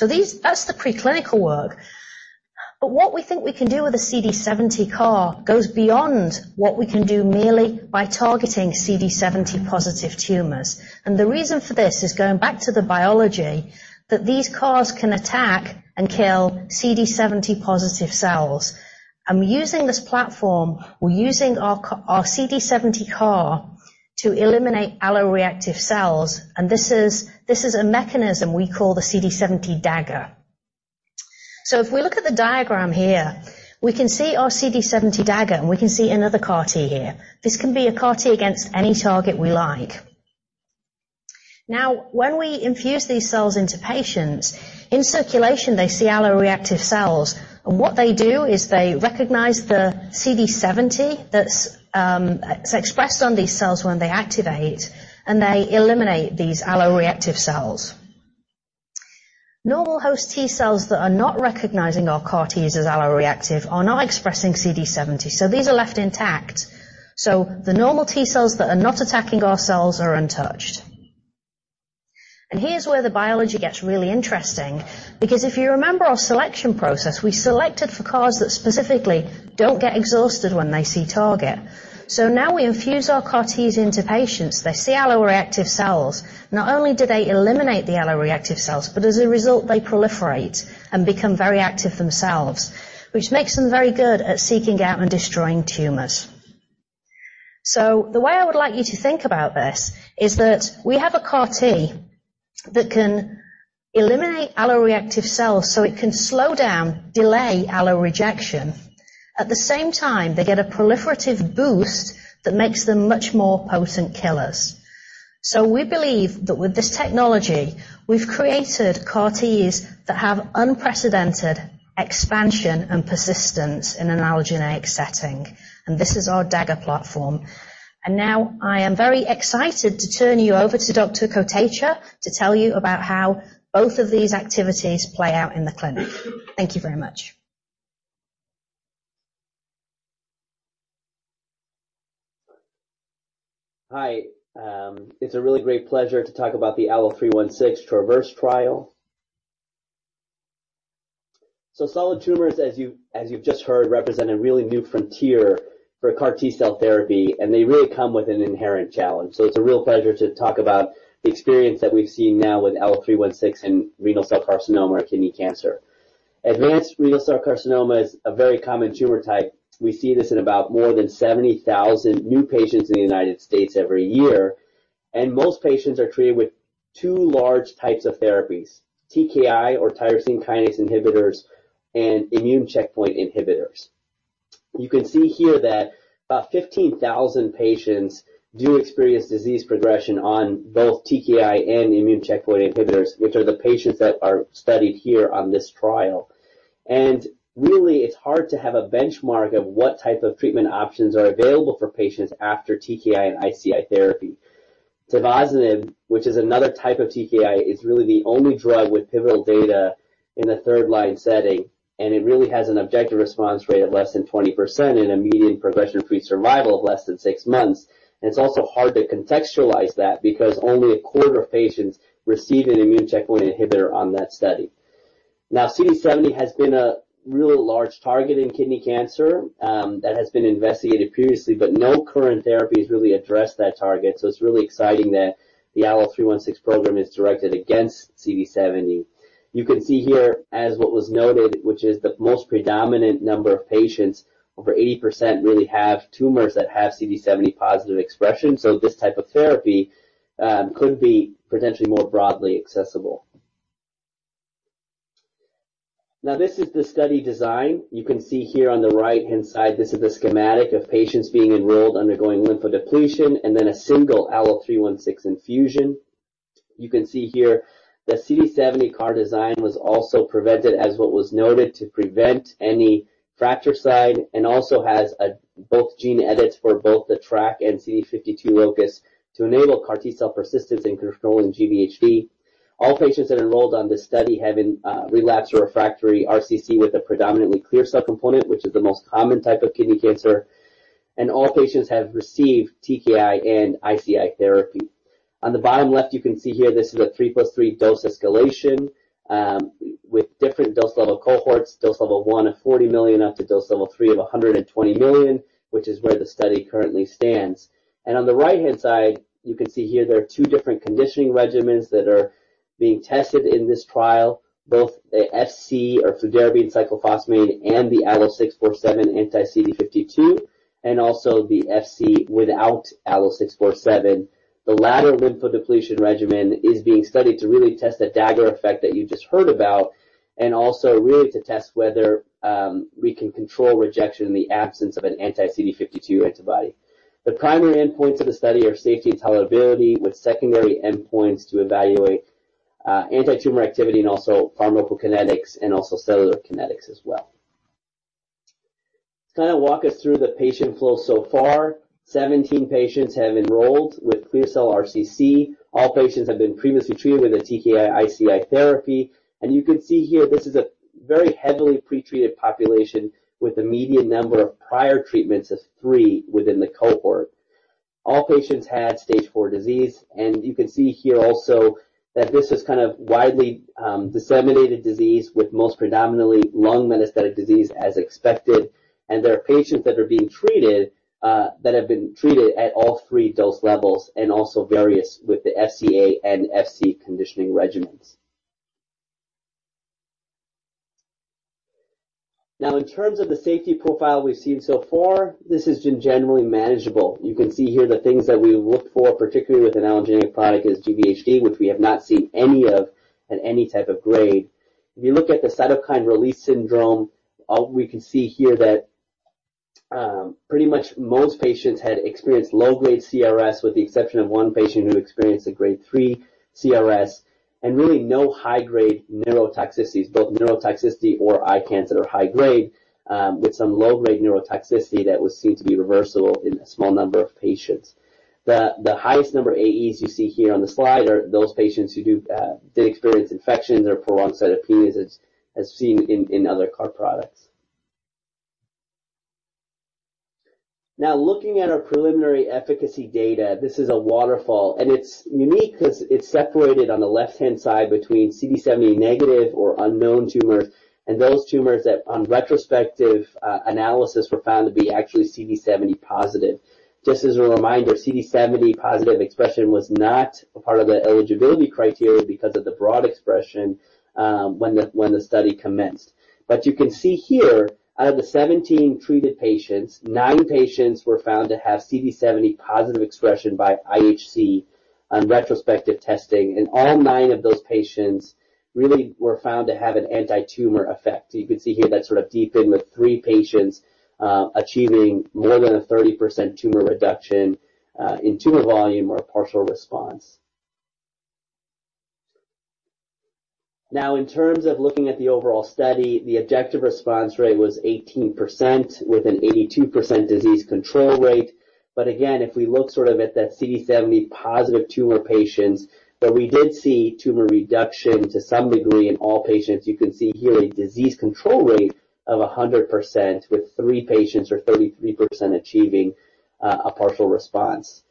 These, that's the preclinical work. But what we think we can do with a CD70 CAR goes beyond what we can do merely by targeting CD70 positive tumors. The reason for this is going back to the biology that these CAR T can attack and kill CD70 positive cells. We're using this platform, we're using our CD70 CAR to eliminate alloreactive cells, and this is a mechanism we call the CD70 Dagger. If we look at the diagram here, we can see our CD70 Dagger, and we can see another CAR T here. This can be a CAR T against any target we like. When we infuse these cells into patients, in circulation they see alloreactive cells, and what they do is they recognize the CD70 that's expressed on these cells when they activate, and they eliminate these alloreactive cells. Normal host T cells that are not recognizing our CAR Ts as alloreactive are not expressing CD70, so these are left intact. The normal T cells that are not attacking our cells are untouched. Here's where the biology gets really interesting because if you remember our selection process, we selected for CARs that specifically don't get exhausted when they see target. Now we infuse our CAR Ts into patients. They see alloreactive cells. Not only do they eliminate the alloreactive cells, but as a result they proliferate and become very active themselves, which makes them very good at seeking out and destroying tumors. The way I would like you to think about this is that we have a CAR T that can eliminate alloreactive cells, so it can slow down, delay allorejection. At the same time, they get a proliferative boost that makes them much more potent killers. We believe that with this technology, we've created CAR Ts that have unprecedented expansion and persistence in an allogeneic setting, and this is our Dagger platform. Now I am very excited to turn you over to Dr. Kotecha to tell you about how both of these activities play out in the clinic. Thank you very much. Hi. It's a really great pleasure to talk about the ALLO-316 TRAVERSE trial. Solid tumors, as you've just heard, represent a really new frontier for CAR T-cell therapy, and they really come with an inherent challenge. It's a real pleasure to talk about the experience that we've seen now with ALLO-316 in renal cell carcinoma or kidney cancer. Advanced renal cell carcinoma is a very common tumor type. We see this in about more than 70,000 new patients in the United States every year, and most patients are treated with two large types of therapies, TKI or tyrosine kinase inhibitors and immune checkpoint inhibitors. You can see here that about 15,000 patients do experience disease progression on both TKI and immune checkpoint inhibitors, which are the patients that are studied here on this trial. Really, it's hard to have a benchmark of what type of treatment options are available for patients after TKI and ICI therapy. Tivozanib, which is another type of TKI, is really the only drug with pivotal data in the third line setting, and it really has an objective response rate of less than 20% and a median progression-free survival of less than 6 months. It's also hard to contextualize that because only a quarter of patients receive an immune checkpoint inhibitor on that study. CD70 has been a really large target in kidney cancer that has been investigated previously, but no current therapies really address that target. It's really exciting that the ALLO-316 program is directed against CD70. You can see here as what was noted, which is the most predominant number of patients, over 80% really have tumors that have CD70 positive expression, so this type of therapy could be potentially more broadly accessible. This is the study design. You can see here on the right-hand side, this is the schematic of patients being enrolled, undergoing lymphodepletion, and then a single ALLO-316 infusion. You can see here the CD70 CAR design was also prevented, as what was noted, to prevent any fratricide and also has both gene edits for both the TRAC and CD52 locus to enable CAR T-cell persistence in controlling GvHD. All patients that enrolled on this study having relapsed refractory RCC with a predominantly clear cell component, which is the most common type of kidney cancer, and all patients have received TKI and ICI therapy. On the bottom left, you can see here this is a 3 plus 3 dose escalation, with different dose level cohorts. Dose level 1 of 40 million up to dose level 3 of 120 million, which is where the study currently stands. On the right-hand side, you can see here there are two different conditioning regimens that are being tested in this trial, both the FC or fludarabine cyclophosphamide and the ALLO-647 anti-CD52 and also the FC without ALLO-647. The latter lymphodepletion regimen is being studied to really test that Dagger effect that you just heard about and also really to test whether we can control rejection in the absence of an anti-CD52 antibody. The primary endpoints of the study are safety and tolerability, with secondary endpoints to evaluate antitumor activity and also pharmacokinetics and also cellular kinetics as well. To kind of walk us through the patient flow so far, 17 patients have enrolled with clear cell RCC. All patients have been previously treated with a TKI/ICI therapy. You can see here this is a very heavily pretreated population with a median number of prior treatments of 3 within the cohort. All patients had stage 4 disease. You can see here also that this is kind of widely disseminated disease with most predominantly lung metastatic disease as expected. There are patients that are being treated that have been treated at all 3 dose levels and also various with the FCA and FC conditioning regimens. Now, in terms of the safety profile we've seen so far, this has been generally manageable. You can see here the things that we look for, particularly with an allogeneic product, is GvHD, which we have not seen any of at any type of grade. If you look at the cytokine release syndrome, we can see here that pretty much most patients had experienced low-grade CRS, with the exception of 1 patient who experienced a grade 3 CRS and really no high grade neurotoxicities, both neurotoxicity or ICANS that are high grade, with some low-grade neurotoxicity that was seen to be reversible in a small number of patients. The highest number AEs you see here on the slide are those patients who do did experience infections or prolonged cytopenias, as seen in other CAR products. Looking at our preliminary efficacy data, this is a waterfall, and it's unique 'cause it's separated on the left-hand side between CD70 negative or unknown tumors and those tumors that on retrospective analysis were found to be actually CD70 positive. Just as a reminder, CD70 positive expression was not a part of the eligibility criteria because of the broad expression when the study commenced. You can see here, out of the 17 treated patients, 9 patients were found to have CD70 positive expression by IHC on retrospective testing, and all nine of those patients really were found to have an antitumor effect. You can see here that sort of deepened with three patients achieving more than a 30% tumor reduction in tumor volume or a partial response. In terms of looking at the overall study, the objective response rate was 18% with an 82% disease control rate. Again, if we look sort of at that CD70 positive tumor patients, we did see tumor reduction to some degree in all patients. You can see here a disease control rate of 100% with three patients or 33% achieving a partial response.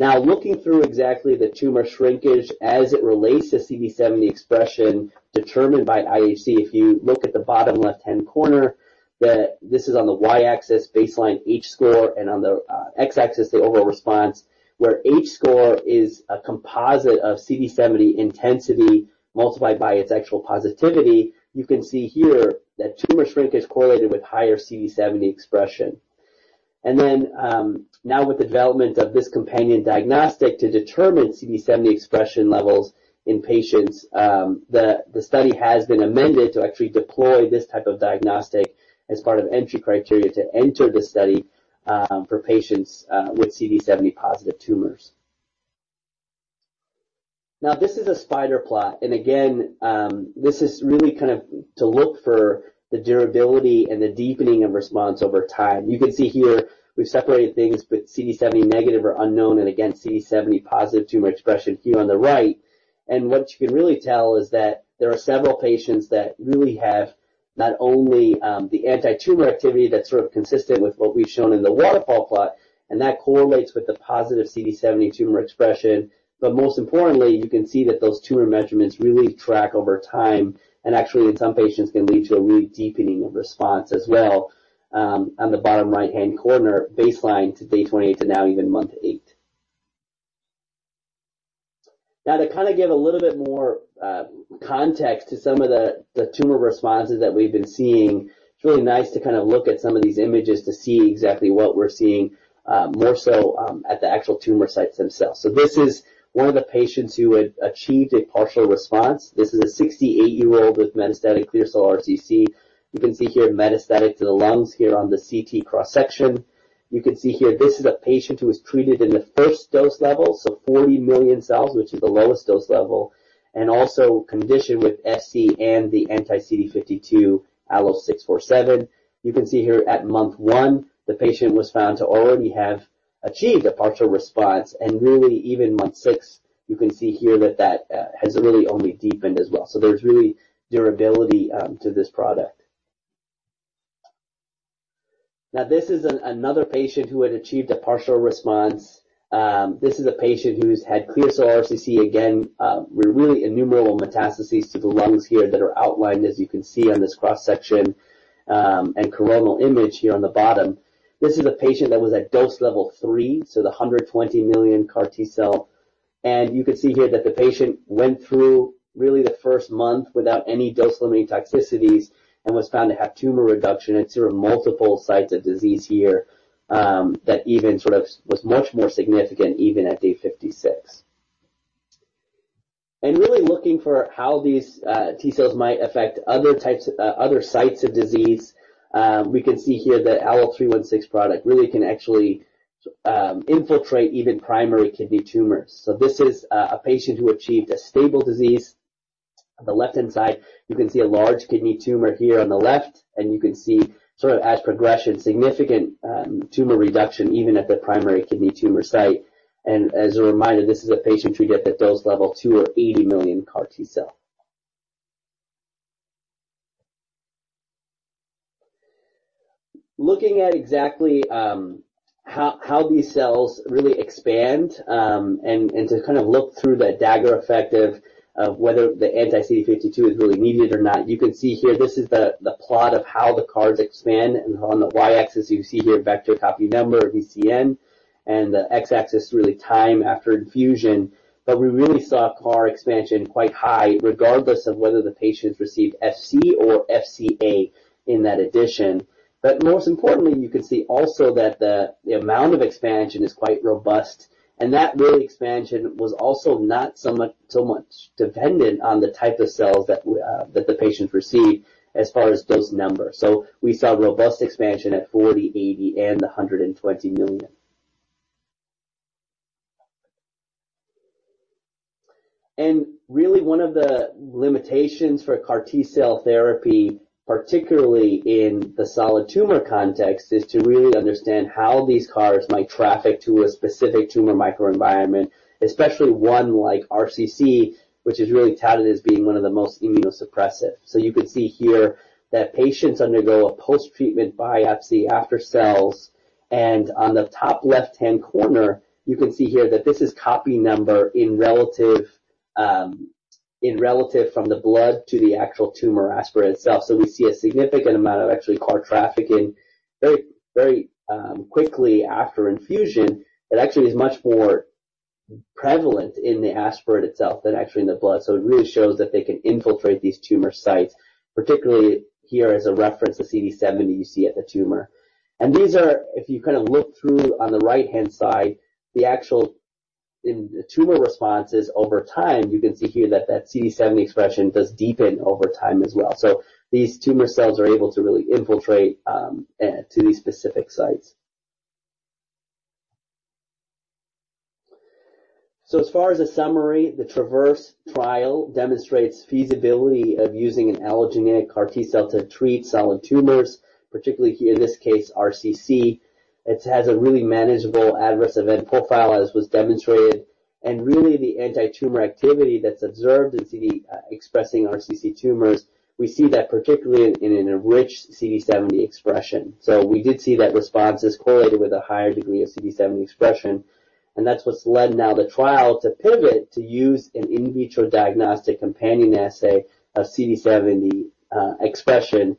Looking through exactly the tumor shrinkage as it relates to CD70 expression determined by IHC, if you look at the bottom left-hand corner, this is on the y-axis baseline H score and on the x-axis, the overall response, where H score is a composite of CD70 intensity multiplied by its actual positivity. You can see here that tumor shrinkage correlated with higher CD70 expression. Now with the development of this companion diagnostic to determine CD70 expression levels in patients, the study has been amended to actually deploy this type of diagnostic as part of entry criteria to enter the study, for patients with CD70 positive tumors. This is a spider plot. This is really kind of to look for the durability and the deepening of response over time. You can see here we've separated things with CD70 negative or unknown, and again, CD70 positive tumor expression here on the right. What you can really tell is that there are several patients that really have not only, the anti-tumor activity that's sort of consistent with what we've shown in the waterfall plot, and that correlates with the positive CD70 tumor expression. Most importantly, you can see that those tumor measurements really track over time, and actually in some patients, can lead to a really deepening of response as well, on the bottom right-hand corner, baseline to day 20 to now even month 8. To kinda give a little bit more context to some of the tumor responses that we've been seeing, it's really nice to kind of look at some of these images to see exactly what we're seeing, more so at the actual tumor sites themselves. This is one of the patients who had achieved a partial response. This is a 68-year-old with metastatic clear cell RCC. You can see here metastatic to the lungs here on the CT cross-section. You can see here, this is a patient who was treated in the first dose level, so 40 million cells, which is the lowest dose level, and also conditioned with FC and the anti-CD52 ALLO-647. You can see here at month one, the patient was found to already have achieved a partial response. Really even month six, you can see here that has really only deepened as well. There's really durability to this product. Now, this is another patient who had achieved a partial response. This is a patient who's had clear cell RCC again, with really innumerable metastases to the lungs here that are outlined, as you can see on this cross-section, and coronal image here on the bottom. This is a patient that was at dose level 3, so the 120 million CAR T-cell. You can see here that the patient went through really the first month without any Dose-Limiting Toxicities and was found to have tumor reduction at sort of multiple sites of disease here that even sort of was much more significant even at day 56. Really looking for how these T cells might affect other sites of disease, we can see here the ALLO-316 product really can actually infiltrate even primary kidney tumors. This is a patient who achieved a stable disease. On the left-hand side, you can see a large kidney tumor here on the left, and you can see sort of as progression, significant tumor reduction even at the primary kidney tumor site. As a reminder, this is a patient treated at dose level 2 or 80 million CAR T-cell. Looking at exactly how these cells really expand, and to kind of look through the Dagger effect of whether the anti-CD52 is really needed or not. You can see here this is the plot of how the CARs expand. On the Y-axis, you see here vector copy number, VCN, and the X-axis, really time after infusion. We really saw CAR expansion quite high regardless of whether the patients received FC or FCA in that addition. Most importantly, you can see also that the amount of expansion is quite robust. That really expansion was also not so much dependent on the type of cells that the patient received as far as dose number. We saw robust expansion at 40 million, 80 million, and 120 million. Really one of the limitations for CAR T-cell therapy, particularly in the solid tumor context, is to really understand how these CARs might traffic to a specific tumor microenvironment, especially one like RCC, which is really touted as being one of the most immunosuppressive. You can see here that patients undergo a post-treatment biopsy after cells. On the top left-hand corner, you can see here that this is copy number in relative, in relative from the blood to the actual tumor aspirate itself. We see a significant amount of actually CAR trafficking very quickly after infusion. It actually is much more prevalent in the aspirate itself than actually in the blood. It really shows that they can infiltrate these tumor sites, particularly here as a reference to CD70 you see at the tumor. These are, if you kind of look through on the right-hand side, the actual in the tumor responses over time, you can see here that CD70 expression does deepen over time as well. These tumor cells are able to really infiltrate to these specific sites. As far as a summary, the TRAVERSE trial demonstrates feasibility of using an allogeneic CAR T-cell to treat solid tumors, particularly here in this case, RCC. It has a really manageable adverse event profile, as was demonstrated. Really the anti-tumor activity that's observed in CD70-expressing RCC tumors, we see that particularly in an enriched CD70 expression. We did see that response is correlated with a higher degree of CD70 expression, and that's what's led now the trial to pivot, to use an in vitro diagnostic companion assay of CD70 expression,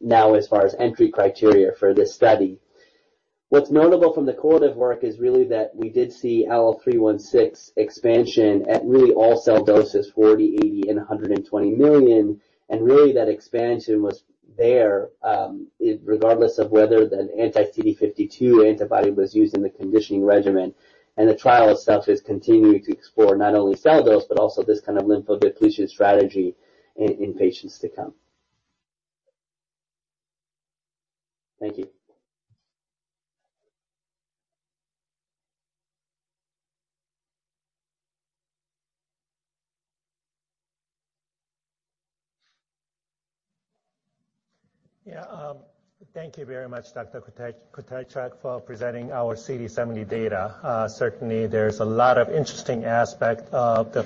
now as far as entry criteria for this study. What's notable from the correlative work is really that we did see ALLO-316 expansion at really all cell doses, 40, 80, and 120 million. Really that expansion was there regardless of whether the anti-CD52 antibody was used in the conditioning regimen. The trial itself is continuing to explore not only cell dose but also this kind of lymphodepletion strategy in patients to come. Thank you. Yeah, thank you very much, Dr. Kote-Kotecha for presenting our CD70 data. Certainly there's a lot of interesting aspect of the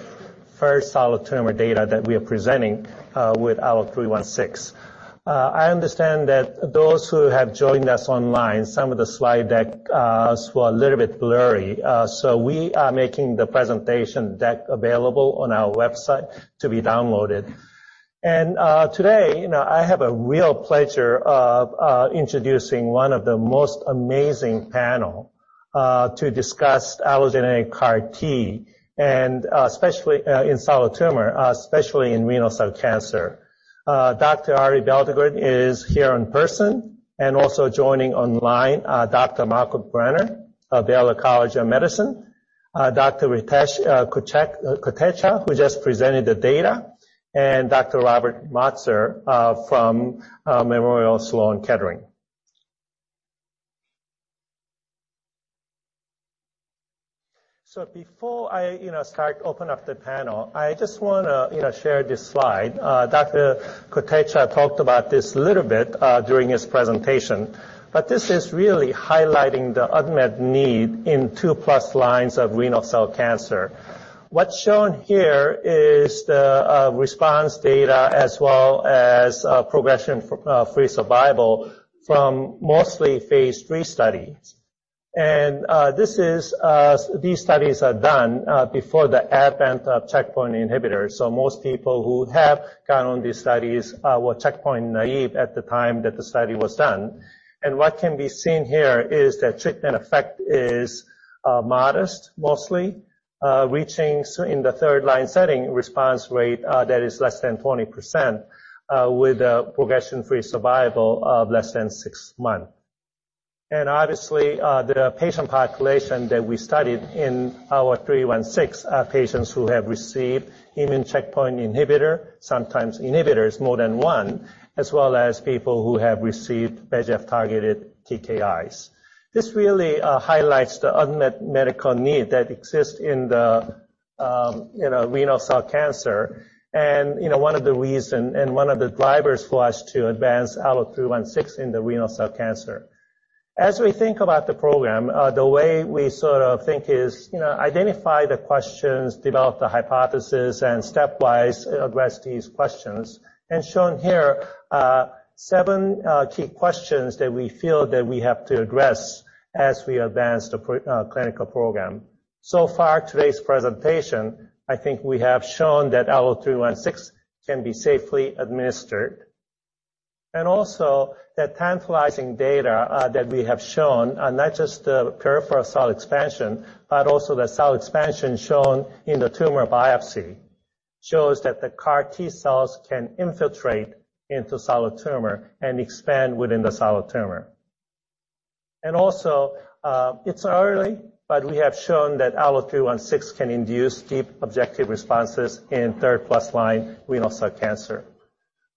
first solid tumor data that we are presenting with ALLO-316. I understand that those who have joined us online, some of the slide deck was a little bit blurry. We are making the presentation deck available on our website to be downloaded. Today, you know, I have a real pleasure of introducing one of the most amazing panel to discuss allogeneic CAR T, and especially in solid tumor, especially in renal cell cancer. Dr. Arie Belldegrun is here in person, and also joining online, Dr. Malcolm Brenner of Baylor College of Medicine, Dr. Ritesh Kotecha, who just presented the data, and Dr. Robert Motzer, from Memorial Sloan Kettering. Before I, you know, start open up the panel, I just want to, you know, share this slide. Dr. Kotecha talked about this a little bit during his presentation, but this is really highlighting the unmet need in 2+ lines of renal cell cancer. What's shown here is the response data as well as progression free survival from mostly phase III studies. This is these studies are done before the advent of checkpoint inhibitors. Most people who have gone on these studies were checkpoint naive at the time that the study was done. What can be seen here is the treatment effect is modest, mostly reaching in the third-line setting response rate that is less than 20%, with a progression-free survival of less than 6 months. Obviously, the patient population that we studied in our ALLO-316 are patients who have received immune checkpoint inhibitor, sometimes inhibitors, more than 1, as well as people who have received VEGF-targeted TKIs. This really highlights the unmet medical need that exists in the, you know, renal cell cancer, and, you know, one of the reason and one of the drivers for us to advance ALLO-316 in the renal cell cancer. As we think about the program, the way we sort of think is, you know, identify the questions, develop the hypothesis, and stepwise address these questions. Shown here are seven key questions that we feel that we have to address as we advance the clinical program. So far, today's presentation, I think we have shown that ALLO-316 can be safely administered. Also the tantalizing data that we have shown, not just the peripheral cell expansion, but also the cell expansion shown in the tumor biopsy, shows that the CAR T cells can infiltrate into solid tumor and expand within the solid tumor. Also, it's early, but we have shown that ALLO-316 can induce deep objective responses in third plus line renal cell carcinoma.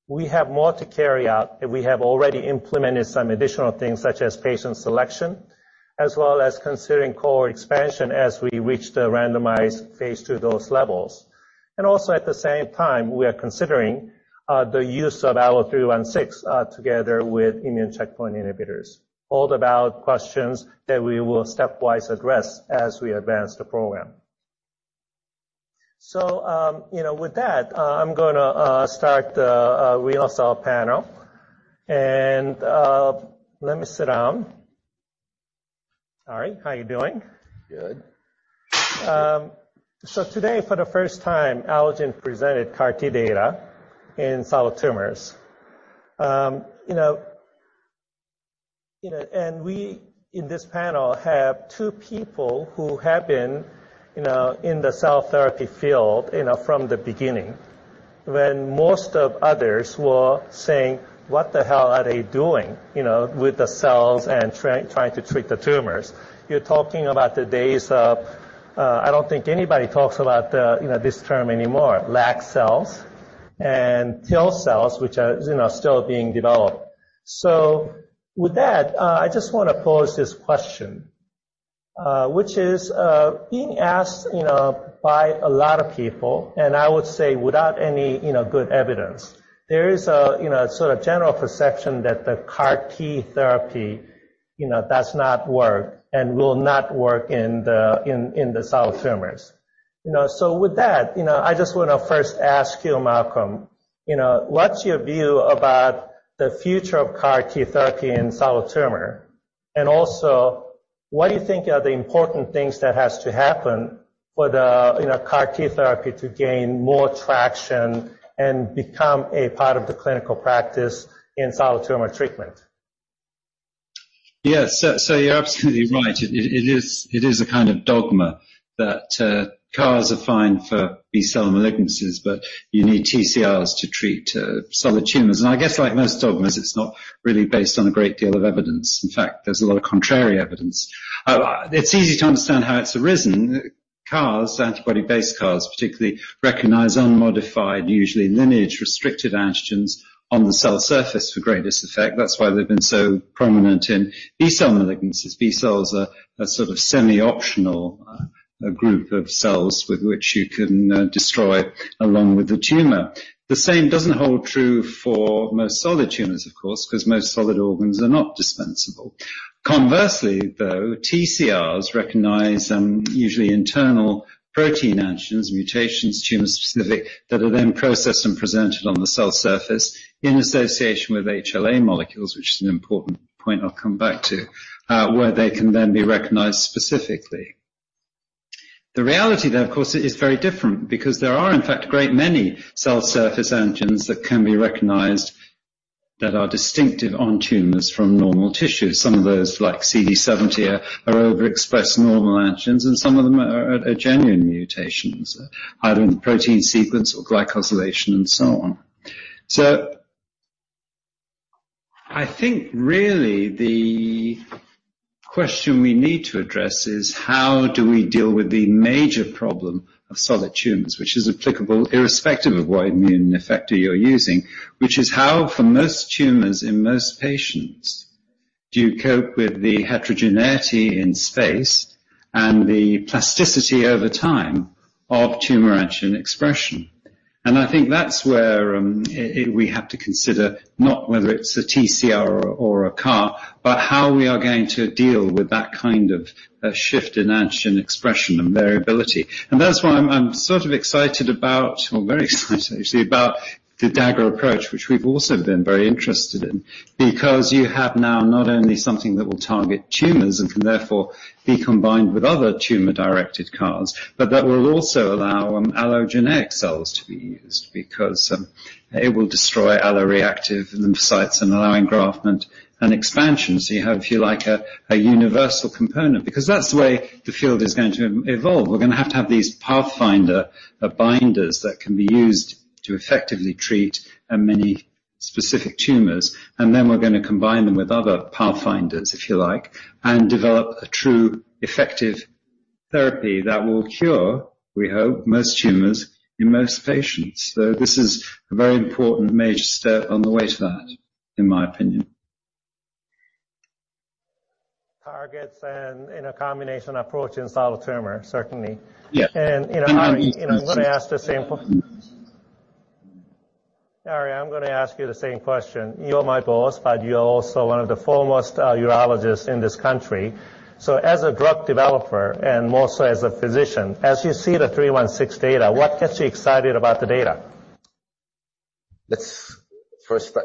We have more to carry out, and we have already implemented some additional things such as patient selection, as well as considering core expansion as we reach the randomized phase to those levels. And also at the same time, we are considering the use of ALLO-316 together with immune checkpoint inhibitors. All about questions that we will stepwise address as we advance the program. So, you know, with that, I'm gonna start the renal cell panel. And let me sit down. Ari, how you doing? Good. Today, for the first time, Allogene presented CAR T data in solid tumors. You know, we in this panel have two people who have been, you know, in the cell therapy field, you know, from the beginning when most of others were saying, "What the hell are they doing, you know, with the cells and trying to treat the tumors?" You're talking about the days of, I don't think anybody talks about, you know, this term anymore, LAK cells and TIL cells, which are, you know, still being developed. With that, I just wanna pose this question, which is being asked, you know, by a lot of people, and I would say without any, you know, good evidence. There is a, you know, sort of general perception that the CAR T therapy, you know, does not work and will not work in the solid tumors. You know, with that, you know, I just wanna first ask you, Malcolm, you know, what's your view about the future of CAR T therapy in solid tumor? Also, what do you think are the important things that has to happen for the, you know, CAR T therapy to gain more traction and become a part of the clinical practice in solid tumor treatment? Yes. You're absolutely right. It is a kind of dogma that CARs are fine for B-cell malignancies, but you need TCRs to treat solid tumors. I guess like most dogmas, it's not really based on a great deal of evidence. In fact, there's a lot of contrary evidence. It's easy to understand how it's arisen. CARs, antibody-based CARs, particularly recognize unmodified, usually lineage-restricted antigens on the cell surface for greatest effect. That's why they've been so prominent in B-cell malignancies. B-cells are a sort of semi-optional A group of cells with which you can destroy along with the tumor. The same doesn't hold true for most solid tumors, of course, 'cause most solid organs are not dispensable. Conversely, though, TCRs recognize some usually internal protein antigens, mutations, tumor specific, that are then processed and presented on the cell surface in association with HLA molecules, which is an important point I'll come back to, where they can then be recognized specifically. The reality though, of course, is very different because there are, in fact, a great many cell surface antigens that can be recognized that are distinctive on tumors from normal tissues. Some of those, like CD70, are over expressed normal antigens, and some of them are genuine mutations, either in protein sequence or glycosylation and so on. I think really the question we need to address is how do we deal with the major problem of solid tumors, which is applicable irrespective of what immune effector you're using, which is how for most tumors in most patients do you cope with the heterogeneity in space and the plasticity over time of tumor antigen expression? I think that's where it we have to consider not whether it's a TCR or a CAR, but how we are going to deal with that kind of shift in antigen expression and variability. That's why I'm sort of excited about.. Well, very excited actually, about the Dagger approach, which we've also been very interested in because you have now not only something that will target tumors and can therefore be combined with other tumor-directed CARs, but that will also allow allogeneic cells to be used because it will destroy alloreactive lymphocytes and allow engraftment and expansion. You have, if you like, a universal component, because that's the way the field is going to evolve. We're gonna have to have these pathfinder binders that can be used to effectively treat many specific tumors, and then we're gonna combine them with other pathfinders, if you like, and develop a true effective therapy that will cure, we hope, most tumors in most patients. This is a very important major step on the way to that, in my opinion. Targets in a combination approach in solid tumor, certainly. Yeah. You know, Arie, I'm gonna ask you the same question. You're my boss, but you're also one of the foremost, urologists in this country. As a drug developer, and also as a physician, as you see the ALLO-316 data, what gets you excited about the data? Let's first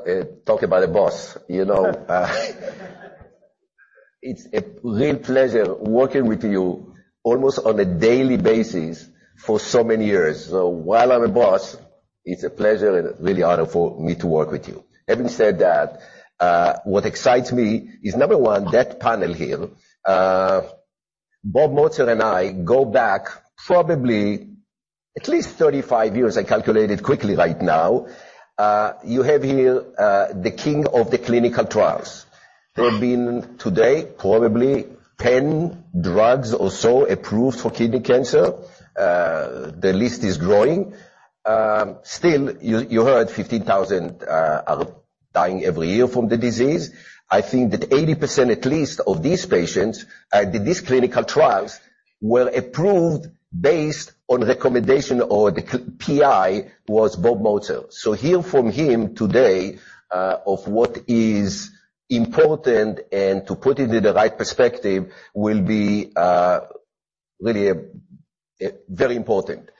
talk about the boss. You know, it's a real pleasure working with you almost on a daily basis for so many years. While I'm a boss, it's a pleasure and a really honor for me to work with you. Having said that, what excites me is, number 1, that panel here. Bob Motzer and I go back probably at least 35 years, I calculated quickly right now. You have here, the king of the clinical trials. There have been today probably 10 drugs or so approved for kidney cancer. The list is growing. Still, you heard 15,000 are dying every year from the disease. I think that 80% at least of these patients, did these clinical trials were approved based on recommendation or the PI was Bob Motzer. Hear from him today, of what is important and to put it in the right perspective will be really very important.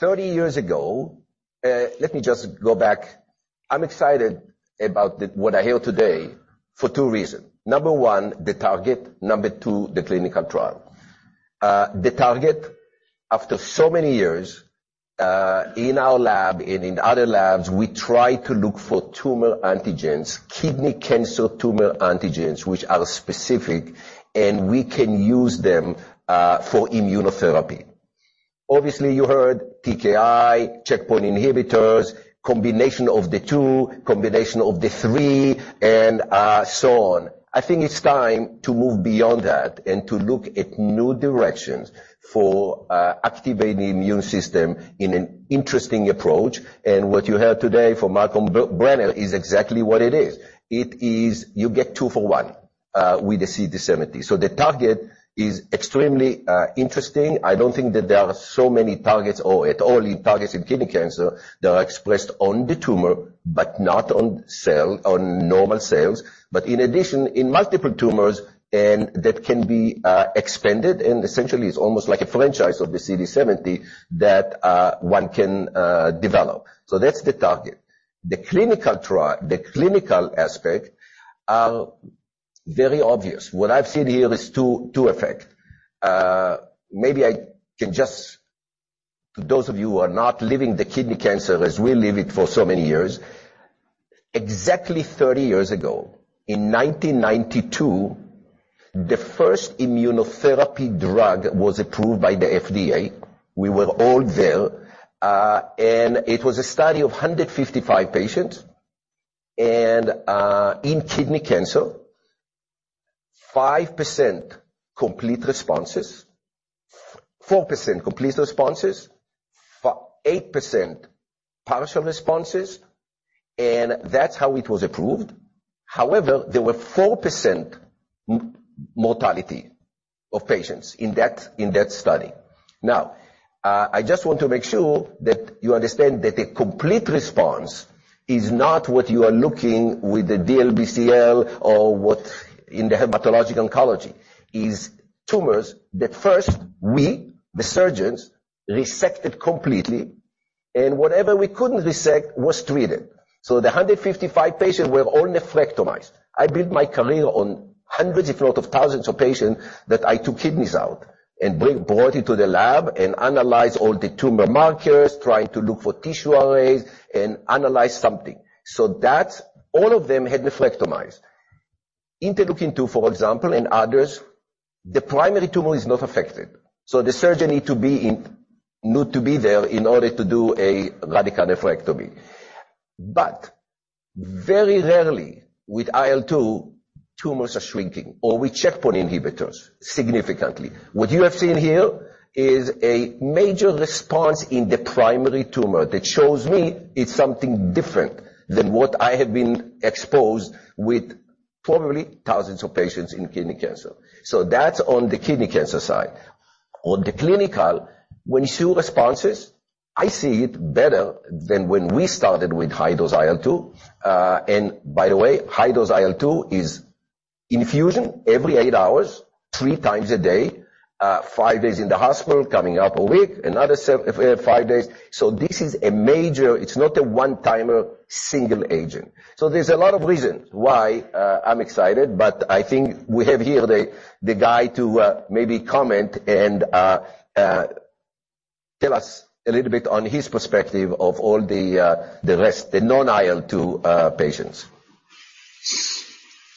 Thirty years ago... Let me just go back. I'm excited about what I hear today for two reason. Number one, the target. Number two, the clinical trial. The target, after so many years, in our lab and in other labs, we try to look for tumor antigens, kidney cancer tumor antigens, which are specific, and we can use them for immunotherapy. Obviously, you heard TKI, checkpoint inhibitors, combination of the two, combination of the three, and so on. I think it's time to move beyond that and to look at new directions for activating the immune system in an interesting approach. What you heard today from Malcolm Brenner is exactly what it is. It is you get two for one with the CD70. The target is extremely interesting. I don't think that there are so many targets or at all in targets in kidney cancer that are expressed on the tumor, but not on normal cells. In addition, in multiple tumors and that can be expanded, and essentially it's almost like a franchise of the CD70 that one can develop. That's the target. The clinical trial. The clinical aspect are very obvious. What I've seen here is two effect. Maybe I can just to those of you who are not living the kidney cancer as we live it for so many years. Exactly 30 years ago, in 1992, the first immunotherapy drug was approved by the FDA. We were all there. It was a study of 155 patients in kidney cancer, 5% complete responses. 4% complete responses, 8% partial responses. That's how it was approved. However, there were 4% mortality of patients in that study. I just want to make sure that you understand that a complete response is not what you are looking with the DLBCL or what in the hematologic oncology. Is tumors that first we, the surgeons, resected completely, whatever we couldn't resect was treated. The 155 patients were all nephrectomized. I built my career on hundreds, if not of thousands, of patients that I took kidneys out and brought into the lab and analyzed all the tumor markers, trying to look for tissue arrays and analyze something. That's all of them had nephrectomized Interleukin-2, for example, and others, the primary tumor is not affected, so the surgery need to be there in order to do a radical nephrectomy. Very rarely with IL-2, tumors are shrinking, or with checkpoint inhibitors, significantly. What you have seen here is a major response in the primary tumor that shows me it's something different than what I have been exposed with probably thousands of patients in kidney cancer. That's on the kidney cancer side. On the clinical, when you see responses, I see it better than when we started with high-dose IL-2. And by the way, high-dose IL-2 is infusion every 8 hours, 3x a day, 5 days in the hospital, coming up a week, another 5 days. This is a major... It's not a one-timer single agent. There's a lot of reasons why, I'm excited, but I think we have here the guy to, maybe comment and, tell us a little bit on his perspective of all the rest, the non-IL-2, patients.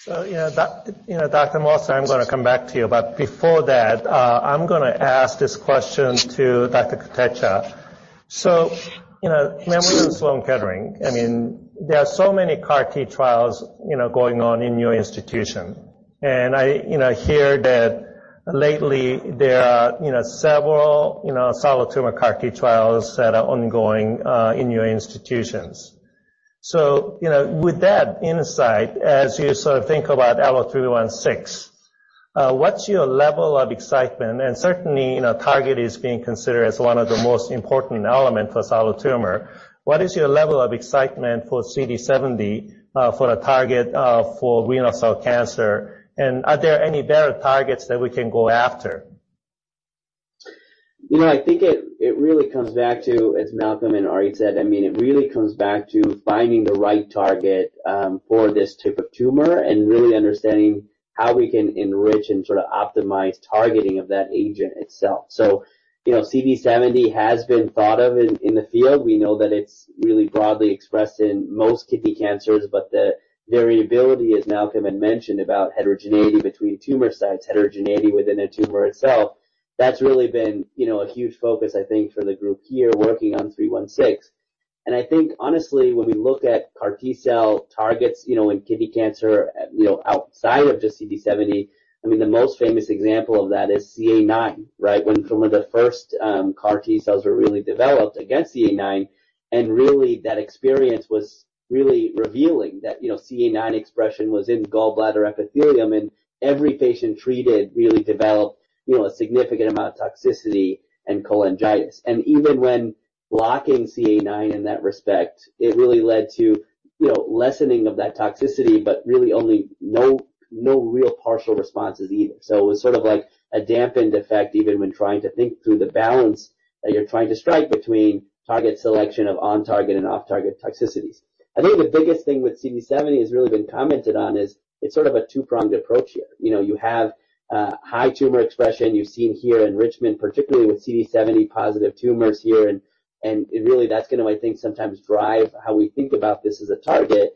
you know, Dr. Motzer, I'm gonna come back to you. Before that, I'm gonna ask this question to Dr. Kotecha. you know, when we were at Sloan Kettering, I mean, there are so many CAR-T trials, you know, going on in your institution. I, you know, hear that lately there are, you know, several, you know, solid tumor CAR-T trials that are ongoing, in your institutions. you know, with that insight, as you sort of think about ALLO-316, what's your level of excitement? Certainly, you know, target is being considered as one of the most important element for solid tumor. What is your level of excitement for CD70, for a target, for renal cell cancer? Are there any better targets that we can go after? You know, I think it really comes back to, as Malcolm and Arie said, I mean, it really comes back to finding the right target for this type of tumor and really understanding how we can enrich and sort of optimize targeting of that agent itself. You know, CD70 has been thought of in the field. We know that it's really broadly expressed in most kidney cancers, but the variability, as Malcolm had mentioned, about heterogeneity between tumor sites, heterogeneity within a tumor itself, that's really been, you know, a huge focus, I think, for the group here working on 316. I think honestly, when we look at CAR T-cell targets, you know, in kidney cancer, you know, outside of just CD70, I mean, the most famous example of that is CA9, right? When some of the first, CAR T-cells were really developed against CA9, and really that experience was really revealing that, you know, CA9 expression was in gallbladder epithelium, and every patient treated really developed, you know, a significant amount of toxicity and cholangitis. Even when blocking CA9 in that respect, it really led to, you know, lessening of that toxicity, but really only no real partial responses either. It was sort of like a dampened effect even when trying to think through the balance that you're trying to strike between target selection of on-target and off-target toxicities. I think the biggest thing with CD70 has really been commented on is it's sort of a two-pronged approach here. You know, you have high tumor expression you've seen here enrichment, particularly with CD70-positive tumors here, and it really that's gonna I think sometimes drive how we think about this as a target.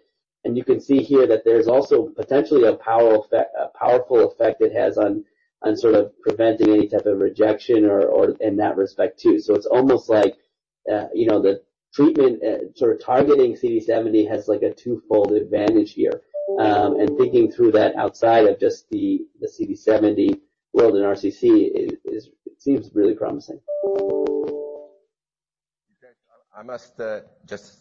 You can see here that there's also potentially a powerful effect it has on sort of preventing any type of rejection or in that respect too. It's almost like, you know, the treatment sort of targeting CD70 has like a twofold advantage here. Thinking through that outside of just the CD70 world in RCC seems really promising. I must, just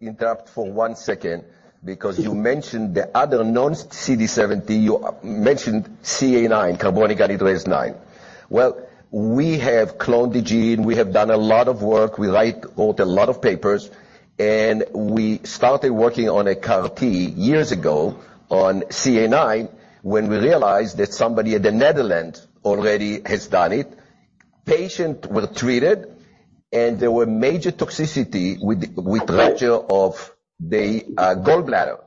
interrupt for one second because you mentioned the other non-CD70. You mentioned CA9, carbonic anhydrase IX. Well, we have cloned the gene. We have done a lot of work. We wrote a lot of papers. We started working on a CAR T years ago on CA9 when we realized that somebody at the Netherlands already has done it. Patient were treated, and there were major toxicity with rupture of the gallbladder.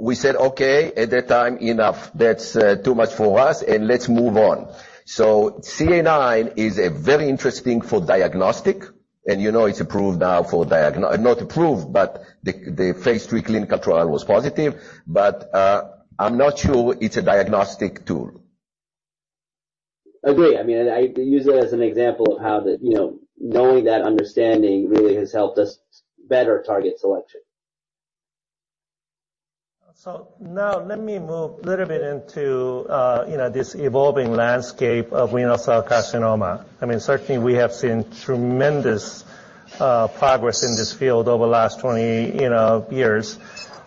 We said, "Okay, at that time, enough. That's too much for us, and let's move on." CA9 is a very interesting for diagnostic, and you know, it's approved now, not approved, but the phase III clinical trial was positive. I'm not sure it's a diagnostic tool. Agree. I mean, I use it as an example of how the, you know, knowing that understanding really has helped us better target selection. Now let me move a little bit into, you know, this evolving landscape of renal cell carcinoma. I mean, certainly we have seen tremendous progress in this field over the last 20, you know, years.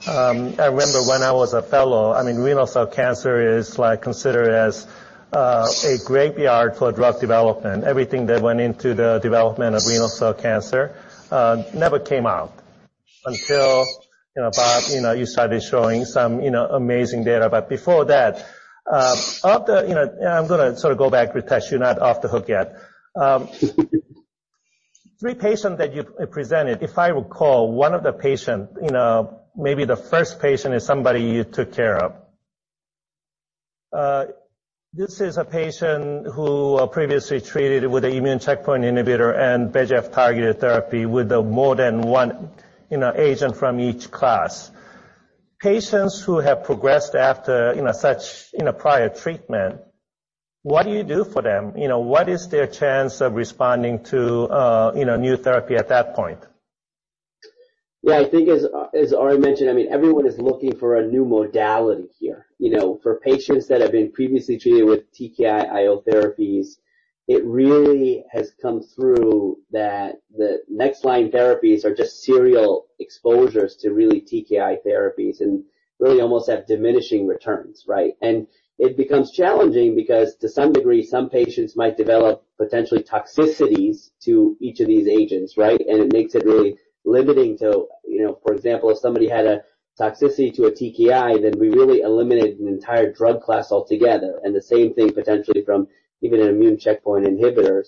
I remember when I was a fellow, I mean, renal cell cancer is like considered as a graveyard for drug development. Everything that went into the development of renal cell cancer never came out until, you know, Bob, you know, you started showing some, you know, amazing data. Before that, after, you know. I'm gonna sort of go back, Ritesh, you're not off the hook yet. 3 patients that you've presented, if I recall, one of the patients, you know, maybe the first patient is somebody you took care of. This is a patient who previously treated with an immune checkpoint inhibitor and VEGF-targeted therapy with more than 1, you know, agent from each class. Patients who have progressed after, you know, such in a prior treatment, what do you do for them? You know, what is their chance of responding to, you know, new therapy at that point? Yeah. I think as Ari mentioned, I mean, everyone is looking for a new modality here. You know, for patients that have been previously treated with TKI IO therapies, it really has come through that the next line therapies are just serial exposures to really TKI therapies and really almost have diminishing returns, right? It becomes challenging because to some degree, some patients might develop potentially toxicities to each of these agents, right? It makes it really limiting to, you know, for example, if somebody had a toxicity to a TKI, then we really eliminated an entire drug class altogether, and the same thing potentially from even an immune checkpoint inhibitor.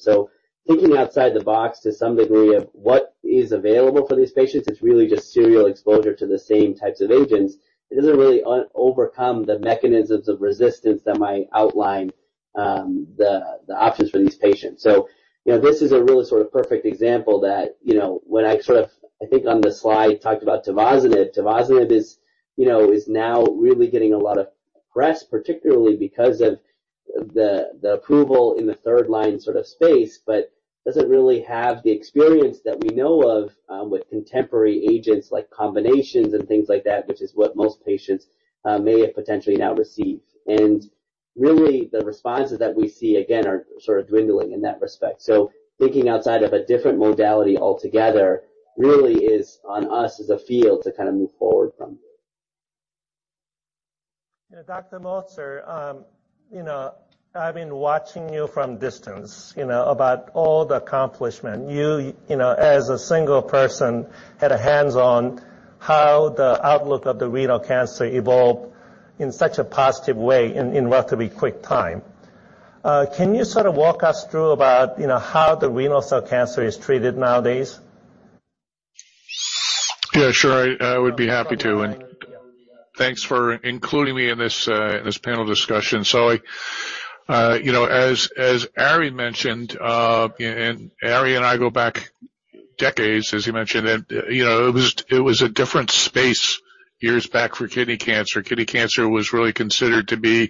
Thinking outside the box to some degree of what is available for these patients, it's really just serial exposure to the same types of agents. It doesn't really overcome the mechanisms of resistance that might outline the options for these patients. You know, this is a really sort of perfect example that, you know, when I sort of I think on the slide talked about Tivozanib. Tivozanib is, you know, is now really getting a lot of press, particularly because of the approval in the third line sort of space, but doesn't really have the experience that we know of with contemporary agents like combinations and things like that, which is what most patients may have potentially now received. Really the responses that we see again are sort of dwindling in that respect. Thinking outside of a different modality altogether really is on us as a field to kind of move forward from. You know, Dr. Motzer, you know, I've been watching you from distance, you know, about all the accomplishment. You, you know, as a single person, had a hands-on how the outlook of the renal cancer evolved in such a positive way in relatively quick time. Can you sort of walk us through about, you know, how the renal cell cancer is treated nowadays? Yeah, sure. I would be happy to. Thanks for including me in this panel discussion. I, you know, as Ari mentioned, and Ari and I go back decades, as he mentioned. You know, it was a different space years back for kidney cancer. Kidney cancer was really considered to be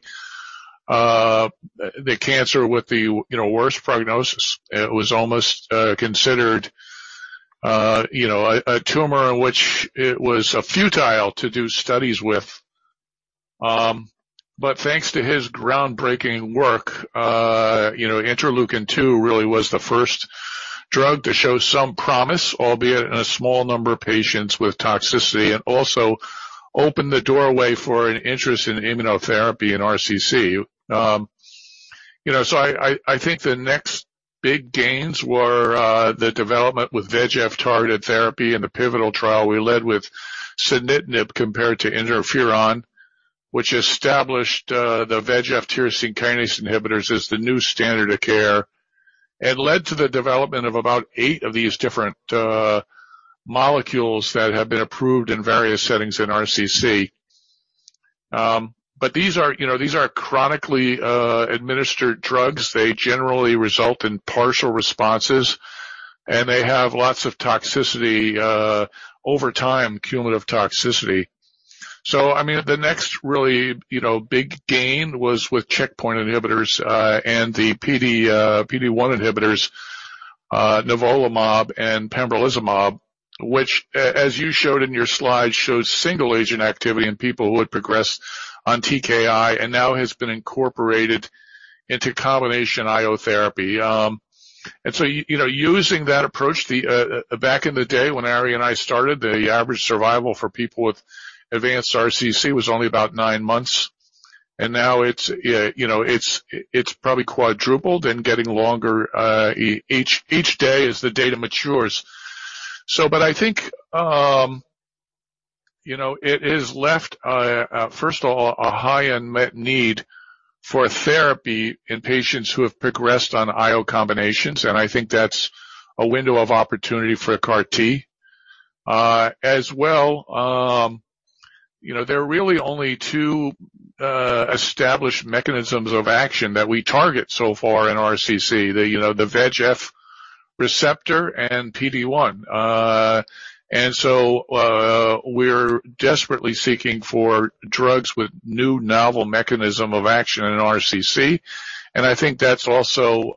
the cancer with the, you know, worst prognosis. It was almost considered, you know, a tumor in which it was futile to do studies with. Thanks to his groundbreaking work, you know, Interleukin-2 really was the first drug to show some promise, albeit in a small number of patients with toxicity, and also opened the doorway for an interest in immunotherapy in RCC. You know, I, I think the next big gains were the development with VEGF-targeted therapy and the pivotal trial we led with sunitinib compared to Interferon, which established the VEGF tyrosine kinase inhibitors as the new standard of care and led to the development of about 8 of these different molecules that have been approved in various settings in RCC. These are, you know, these are chronically administered drugs. They generally result in partial responses, and they have lots of toxicity over time, cumulative toxicity. I mean, the next really, you know, big gain was with checkpoint inhibitors and the PD-1 inhibitors, Nivolumab and Pembrolizumab, which as you showed in your slide, shows single agent activity in people who had progressed on TKI and now has been incorporated into combination IO therapy. You know, using that approach, the back in the day when Ari and I started, the average survival for people with advanced RCC was only about 9 months. Now it's, you know, it's probably quadrupled and getting longer, each day as the data matures. I think, you know, it has left first of all, a high unmet need for therapy in patients who have progressed on IO combinations. I think that's a window of opportunity for a CAR T. As well, you know, there are really only two established mechanisms of action that we target so far in RCC, the, you know, the VEGF receptor and PD-1. We're desperately seeking for drugs with new novel mechanism of action in RCC. I think that's also,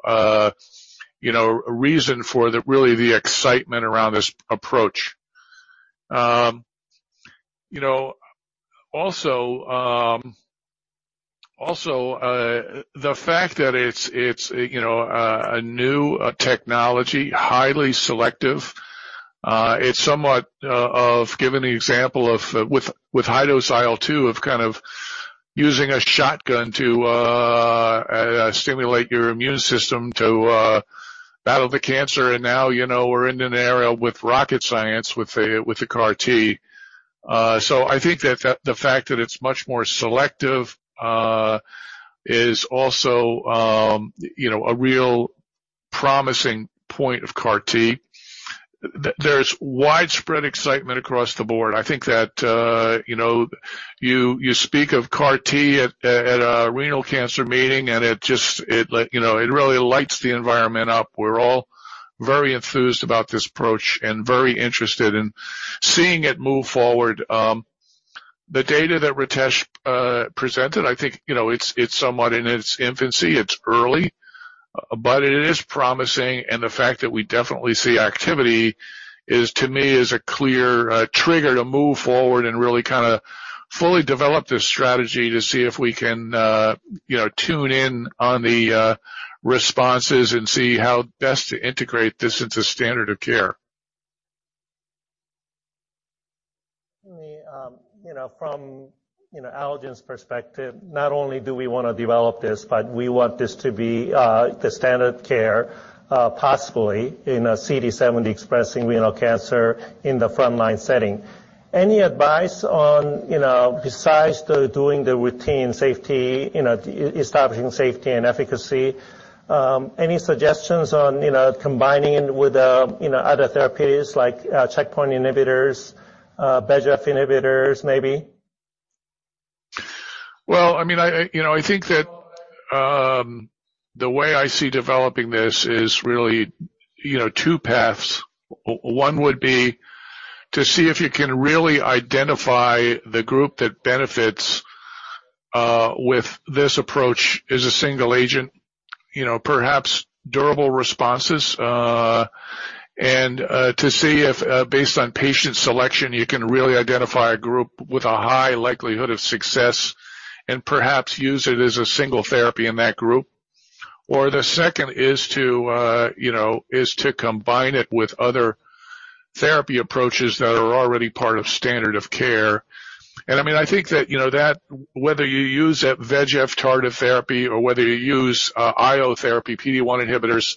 you know, a reason for the really the excitement around this approach. You know, also, the fact that it's, you know, a new technology, highly selective, it's somewhat of giving the example of, with high-dose IL-2 of kind of using a shotgun to stimulate your immune system to battle the cancer. Now, you know, we're in an era with rocket science, with the CAR T. I think that the fact that it's much more selective is also, you know, a real promising point of CAR T. There's widespread excitement across the board. I think that, you know, you speak of CAR T at a renal cancer meeting, and it just like, you know, it really lights the environment up. We're all very enthused about this approach and very interested in seeing it move forward. The data that Ritesh presented, I think, you know, it's somewhat in its infancy. It's early, but it is promising. The fact that we definitely see activity is to me, a clear trigger to move forward and really kind of fully develop this strategy to see if we can, you know, tune in on the responses and see how best to integrate this into standard of care. The, you know, from, you know, Allogene's perspective, not only do we wanna develop this, but we want this to be the standard care, possibly in a CD70-expressing renal cancer in the frontline setting. Any advice on, you know, besides the doing the routine safety, you know, establishing safety and efficacy, any suggestions on, you know, combining it with, you know, other therapies like checkpoint inhibitors, VEGF inhibitors, maybe? Well, I mean, I, you know, I think that, the way I see developing this is really, you know, two paths. One would be to see if you can really identify the group that benefits with this approach as a single agent. You know, perhaps durable responses. To see if, based on patient selection, you can really identify a group with a high likelihood of success and perhaps use it as a single therapy in that group. The second is to, you know, is to combine it with other therapy approaches that are already part of standard of care. I mean, I think that, you know, that whether you use a VEGF targeted therapy or whether you use IO therapy, PD-1 inhibitors,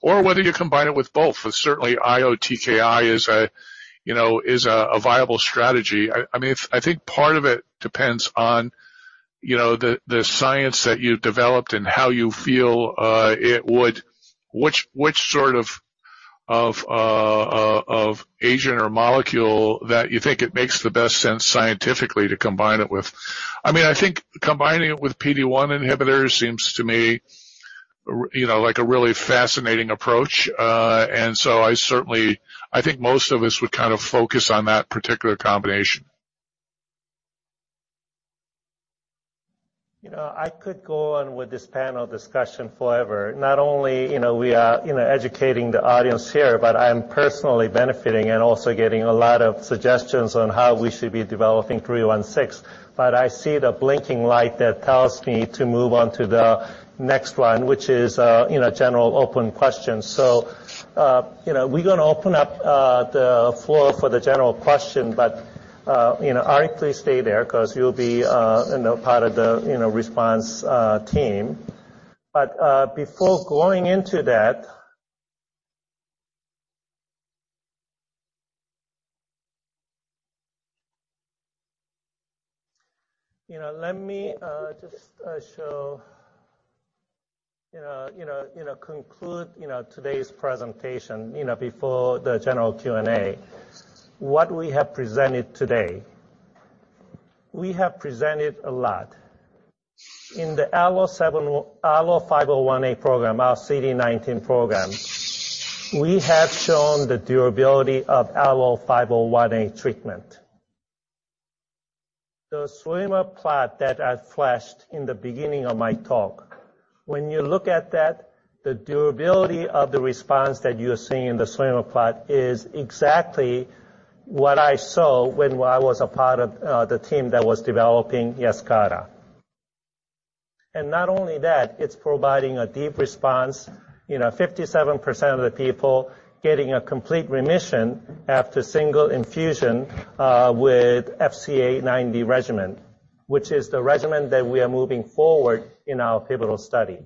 or whether you combine it with both, but certainly IO TKI is a, you know, a viable strategy. I mean, I think part of it depends on, you know, the science that you developed and how you feel, it would. Which sort of of agent or molecule that you think it makes the best sense scientifically to combine it with. I mean, I think combining it with PD-1 inhibitors seems to me, you know, like a really fascinating approach. I certainly. I think most of us would kind of focus on that particular combination. You know, I could go on with this panel discussion forever. Not only, you know, we are, you know, educating the audience here, but I am personally benefiting and also getting a lot of suggestions on how we should be developing ALLO-316. I see the blinking light that tells me to move on to the next one, which is, you know, general open questions. You know, we're gonna open up the floor for the general question, but, you know, Ari, please stay there 'cause you'll be, you know, part of the, you know, response team. Before going into that, you know, let me just show, you know, conclude, you know, today's presentation, you know, before the general Q&A. What we have presented today, we have presented a lot. In the ALLO-501A program, our CD19 program, we have shown the durability of ALLO-501A treatment. The swimmer plot that I flashed in the beginning of my talk, when you look at that, the durability of the response that you're seeing in the swimmer plot is exactly what I saw when I was a part of the team that was developing Yescarta. Not only that, it's providing a deep response, you know, 57% of the people getting a complete remission after single infusion with FCA90 regimen, which is the regimen that we are moving forward in our pivotal study.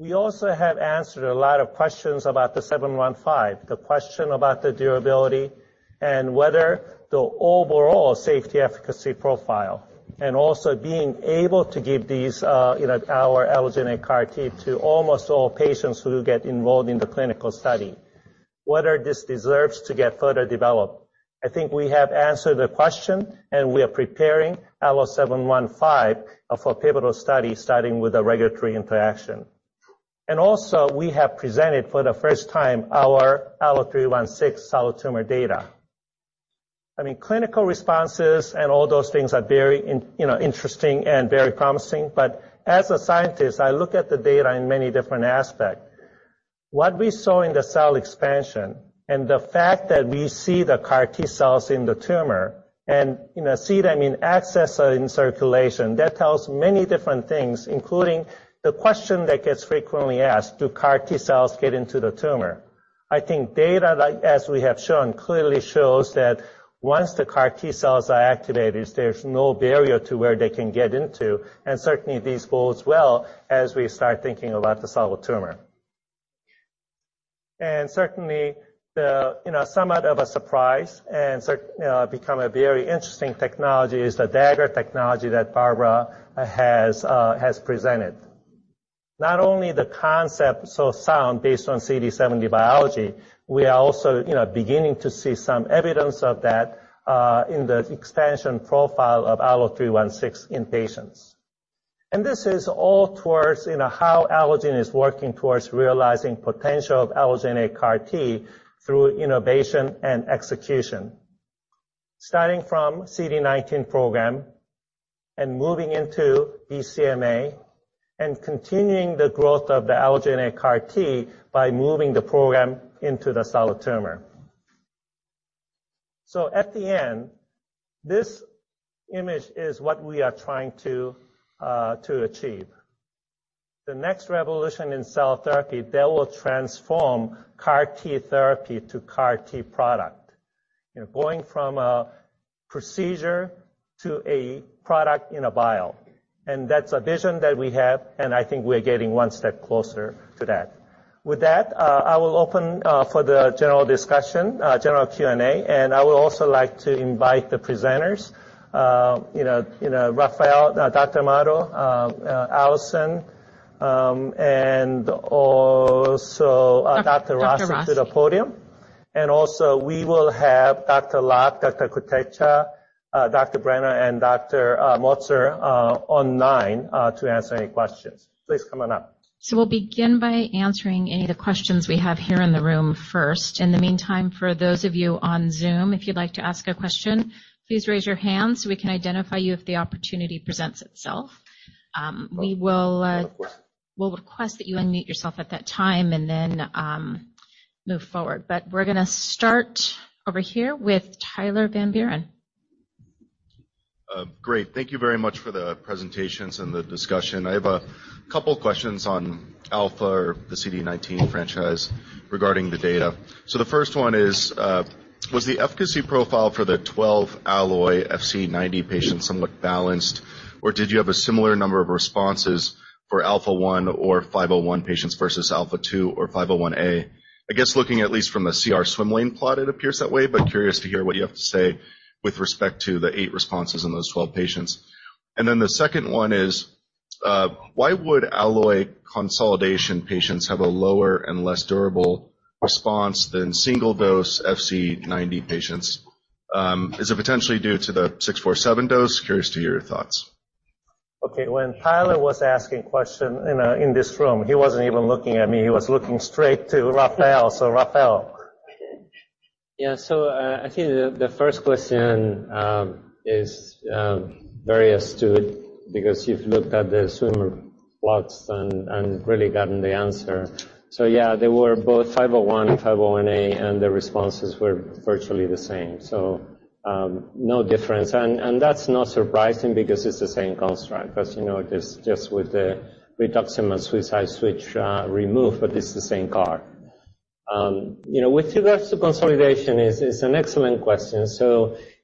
We also have answered a lot of questions about the 715, the question about the durability and whether the overall safety efficacy profile, and also being able to give these, you know, our allogeneic CAR T to almost all patients who get enrolled in the clinical study, whether this deserves to get further developed. I think we have answered the question, we are preparing ALLO-715 for pivotal study, starting with a regulatory interaction. Also, we have presented for the first time our ALLO-316 solid tumor data. I mean, clinical responses and all those things are very, you know, interesting and very promising, but as a scientist, I look at the data in many different aspects. What we saw in the cell expansion and the fact that we see the CAR T-cells in the tumor and, you know, see them in access in circulation, that tells many different things, including the question that gets frequently asked, do CAR T-cells get into the tumor? I think data like as we have shown, clearly shows that once the CAR T-cells are activated, there's no barrier to where they can get into, and certainly these bodes well as we start thinking about the solid tumor. Certainly the, you know, somewhat of a surprise and you know, become a very interesting technology is the Dagger technology that Barbara has presented. Not only the concept so sound based on CD70 biology, we are also, you know, beginning to see some evidence of that in the expansion profile of ALLO-316 in patients. This is all towards, you know, how Allogene is working towards realizing potential of Allogene CAR T through innovation and execution. Starting from CD19 program and moving into BCMA and continuing the growth of the Allogene CAR T by moving the program into the solid tumor. At the end, this image is what we are trying to achieve. The next revolution in cell therapy that will transform CAR T therapy to CAR T product. You know, going from a procedure to a product in a vial. That's a vision that we have, and I think we're getting one step closer to that. With that, I will open for the general discussion, general Q&A, and I would also like to invite the presenters, you know, Rafael, Dr. Amado, Alison, and also Dr. Rossi. Dr. Rossi. -to the podium. Also, we will have Dr. Locke, Dr. Kotecha, Dr. Brenner, and Dr. Motzer, online, to answer any questions. Please come on up. We'll begin by answering any of the questions we have here in the room first. In the meantime, for those of you on Zoom, if you'd like to ask a question, please raise your hand so we can identify you if the opportunity presents itself. Request. We'll request that you unmute yourself at that time and then move forward. We're gonna start over here with Tyler Van Buren. Great. Thank you very much for the presentations and the discussion. I have a couple questions on ALPHA or the CD19 franchise regarding the data. The first one is, was the efficacy profile for the 12 Alloy FC90 patients somewhat balanced, or did you have a similar number of responses for ALPHA or ALLO-501 patients versus ALPHA2 or ALLO-501A? I guess looking at least from the CR swim lane plot, it appears that way, but curious to hear what you have to say with respect to the 8 responses in those 12 patients. The second one is, why would Alloy consolidation patients have a lower and less durable response than single-dose FC90 patients? Is it potentially due to the ALLO-647 dose? Curious to your thoughts. Okay. When Tyler was asking question in this room, he wasn't even looking at me. He was looking straight to Rafael. Rafael. I think the first question is very astute because you've looked at the swimmer plots and really gotten the answer. Yeah, they were both ALLO-501, ALLO-501A, the responses were virtually the same. No difference. That's not surprising because it's the same construct. As you know, just with the rituximab and suicide switch removed, but it's the same CAR. You know, with regards to consolidation is an excellent question.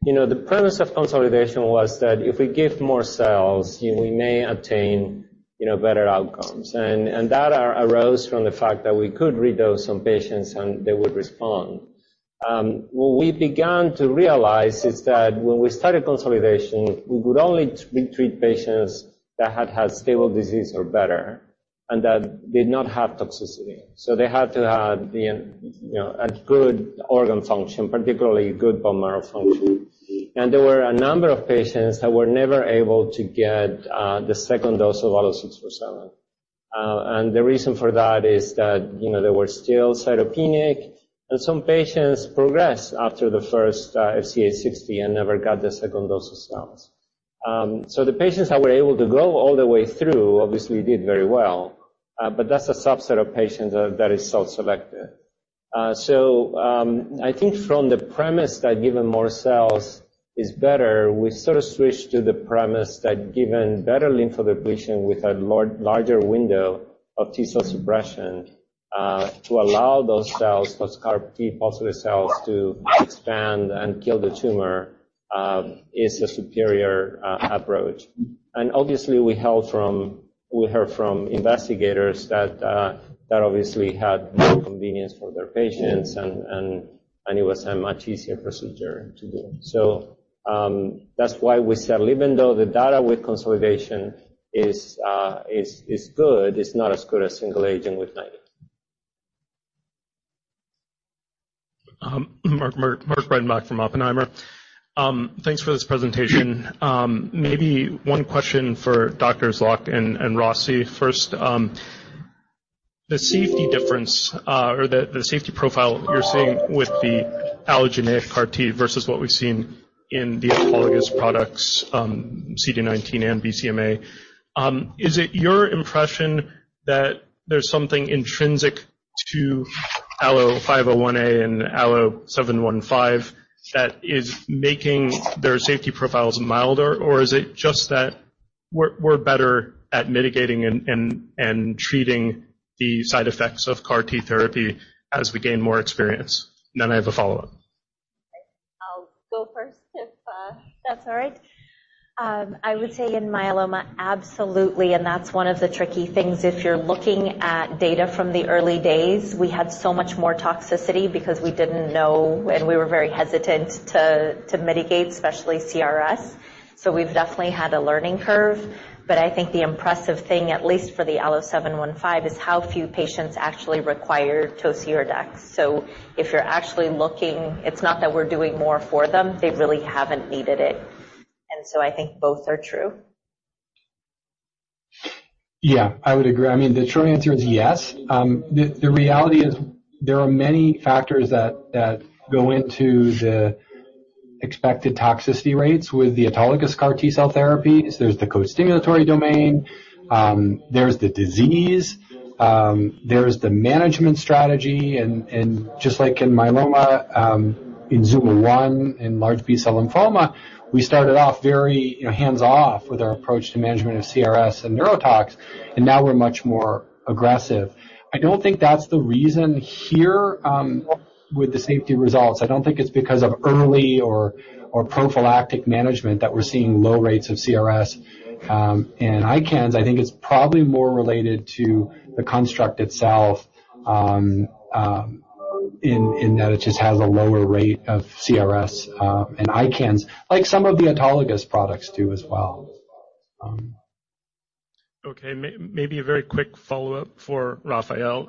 You know, the premise of consolidation was that if we give more cells, you know, we may obtain, you know, better outcomes. That arose from the fact that we could redose some patients, and they would respond. What we began to realize is that when we started consolidation, we could only retreat patients that had stable disease or better and that did not have toxicity. They had to have been, you know, a good organ function, particularly good bone marrow function. There were a number of patients that were never able to get the second dose of ALLO-647. The reason for that is that, you know, they were still cytopenic, and some patients progressed after the first FCA60 and never got the second dose of cells. The patients that were able to go all the way through obviously did very well, but that's a subset of patients that is self-selected. I think from the premise that given more cells is better, we sort of switched to the premise that given better lymphodepletion with a larger window of T-cell suppression, to allow those cells, those CAR T-positive cells to expand and kill the tumor, is a superior approach. Obviously, we heard from investigators that obviously had more convenience for their patients and it was a much easier procedure to do. That's why we said even though the data with consolidation is good, it's not as good as single agent with 90. Mark Breidenbach from Oppenheimer. Thanks for this presentation. Maybe one question for Doctors Locke and Rossi first. The safety difference, or the safety profile you're seeing with the allogeneic CAR T versus what we've seen in the autologous products, CD19 and BCMA. Is it your impression that there's something intrinsic to ALLO-501A and ALLO-715 that is making their safety profiles milder? Or is it just that we're better at mitigating and treating the side effects of CAR T therapy as we gain more experience? I have a follow-up. I'll go first if that's all right. I would say in myeloma, absolutely, and that's one of the tricky things. If you're looking at data from the early days, we had so much more toxicity because we didn't know, and we were very hesitant to mitigate, especially CRS. We've definitely had a learning curve. I think the impressive thing, at least for the ALLO-715, is how few patients actually require tocilizumab. If you're actually looking, it's not that we're doing more for them, they really haven't needed it. I think both are true. Yeah, I would agree. I mean, the short answer is yes. The reality is there are many factors that go into the expected toxicity rates with the autologous CAR T-cell therapy. There's the costimulatory domain, there's the disease, there's the management strategy and just like in myeloma, in ZUMA-1, in large B-cell lymphoma, we started off very, you know, hands-off with our approach to management of CRS and neurotox, and now we're much more aggressive. I don't think that's the reason here, with the safety results. I don't think it's because of early or prophylactic management that we're seeing low rates of CRS, and ICANS. I think it's probably more related to the construct itself, in that it just has a lower rate of CRS, and ICANS, like some of the autologous products do as well. Maybe a very quick follow-up for Rafael.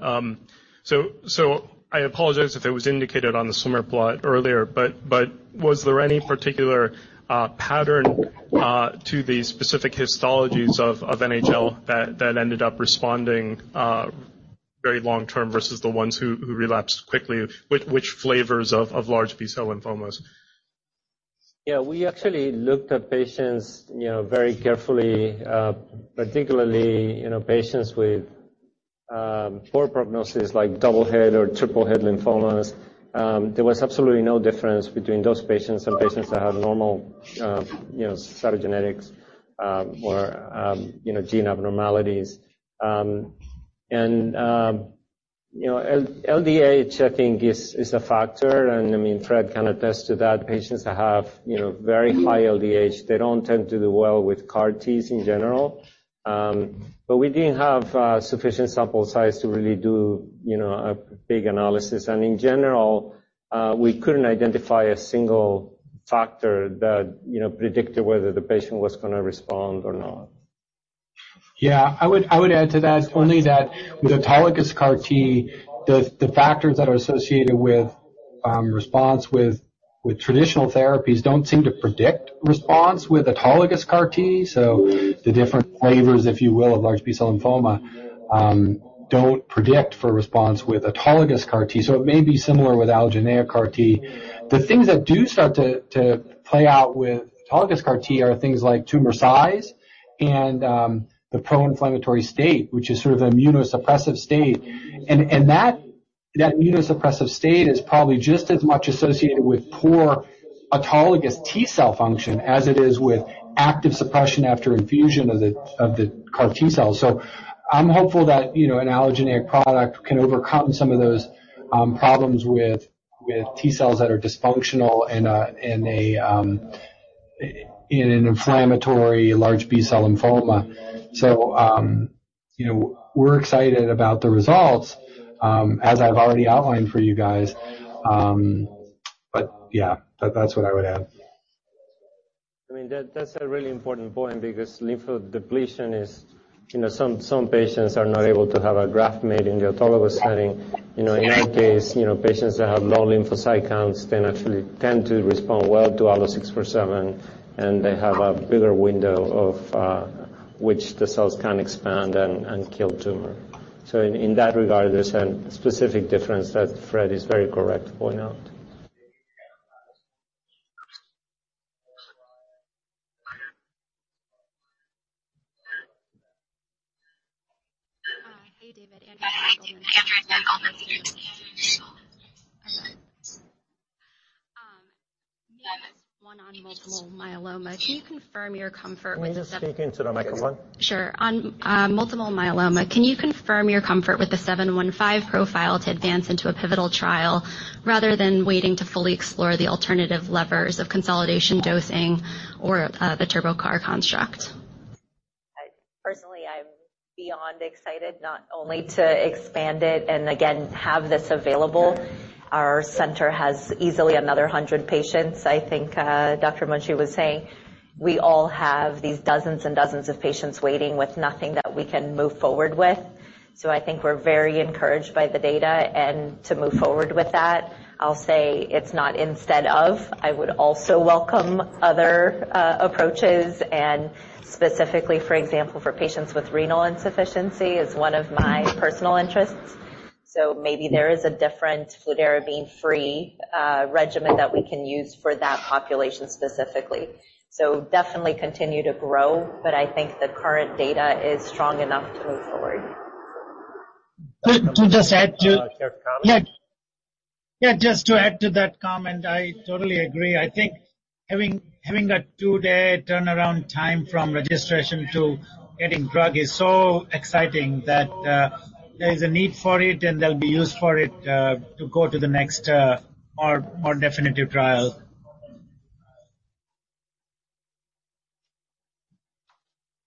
I apologize if it was indicated on the swimmer plot earlier, was there any particular pattern to the specific histologies of NHL that ended up responding very long term versus the ones who relapsed quickly, which flavors of large B-cell lymphomas? Yeah, we actually looked at patients, you know, very carefully, particularly, you know, patients with poor prognosis like double hit or triple hit lymphomas. There was absolutely no difference between those patients and patients that have normal, you know, cytogenetics, or, you know, gene abnormalities. You know, LDH, I think is a factor. I mean, Fred can attest to that. Patients that have, you know, very high LDH, they don't tend to do well with CAR Ts in general. But we didn't have sufficient sample size to really do, you know, a big analysis. In general, we couldn't identify a single factor that, you know, predicted whether the patient was gonna respond or not. Yeah, I would add to that only that with autologous CAR T, the factors that are associated with response with traditional therapies don't seem to predict response with autologous CAR T. The different flavors, if you will, of large B-cell lymphoma don't predict for response with autologous CAR T. It may be similar with allogeneic CAR T. The things that do start to play out with autologous CAR T are things like tumor size and the pro-inflammatory state, which is sort of immunosuppressive state. That immunosuppressive state is probably just as much associated with poor autologous T-cell function as it is with active suppression after infusion of the CAR T-cell. I'm hopeful that, you know, an allogeneic product can overcome some of those problems with T-cells that are dysfunctional in a, in an inflammatory large B-cell lymphoma. You know, we're excited about the results, as I've already outlined for you guys. Yeah, that's what I would add. I mean, that's a really important point because lymphodepletion is, you know, some patients are not able to have a graft made in the autologous setting. You know, in our case, you know, patients that have low lymphocyte counts, they naturally tend to respond well to ALLO-647, and they have a bigger window of which the cells can expand and kill tumor. In that regard, there's a specific difference that Fred is very correct to point out. Hey, David. Andrea, one on multiple myeloma. Can you confirm your comfort with? Can you just speak into the microphone? Sure. On multiple myeloma, can you confirm your comfort with the ALLO-715 profile to advance into a pivotal trial rather than waiting to fully explore the alternative levers of consolidation dosing or the TurboCAR construct? Personally, I'm beyond excited not only to expand it and again, have this available. Our center has easily another 100 patients. I think Dr. Munshi was saying we all have these dozens and dozens of patients waiting with nothing that we can move forward with. I think we're very encouraged by the data and to move forward with that. I'll say it's not instead of, I would also welcome other approaches, and specifically, for example, for patients with renal insufficiency is one of my personal interests. Maybe there is a different fludarabine-free regimen that we can use for that population specifically. Definitely continue to grow, but I think the current data is strong enough to move forward. To just Kaveh comment. Yeah, just to add to that comment. I totally agree. I think having a two day turnaround time from registration to getting drug is so exciting that there is a need for it, and there'll be use for it to go to the next more definitive trial.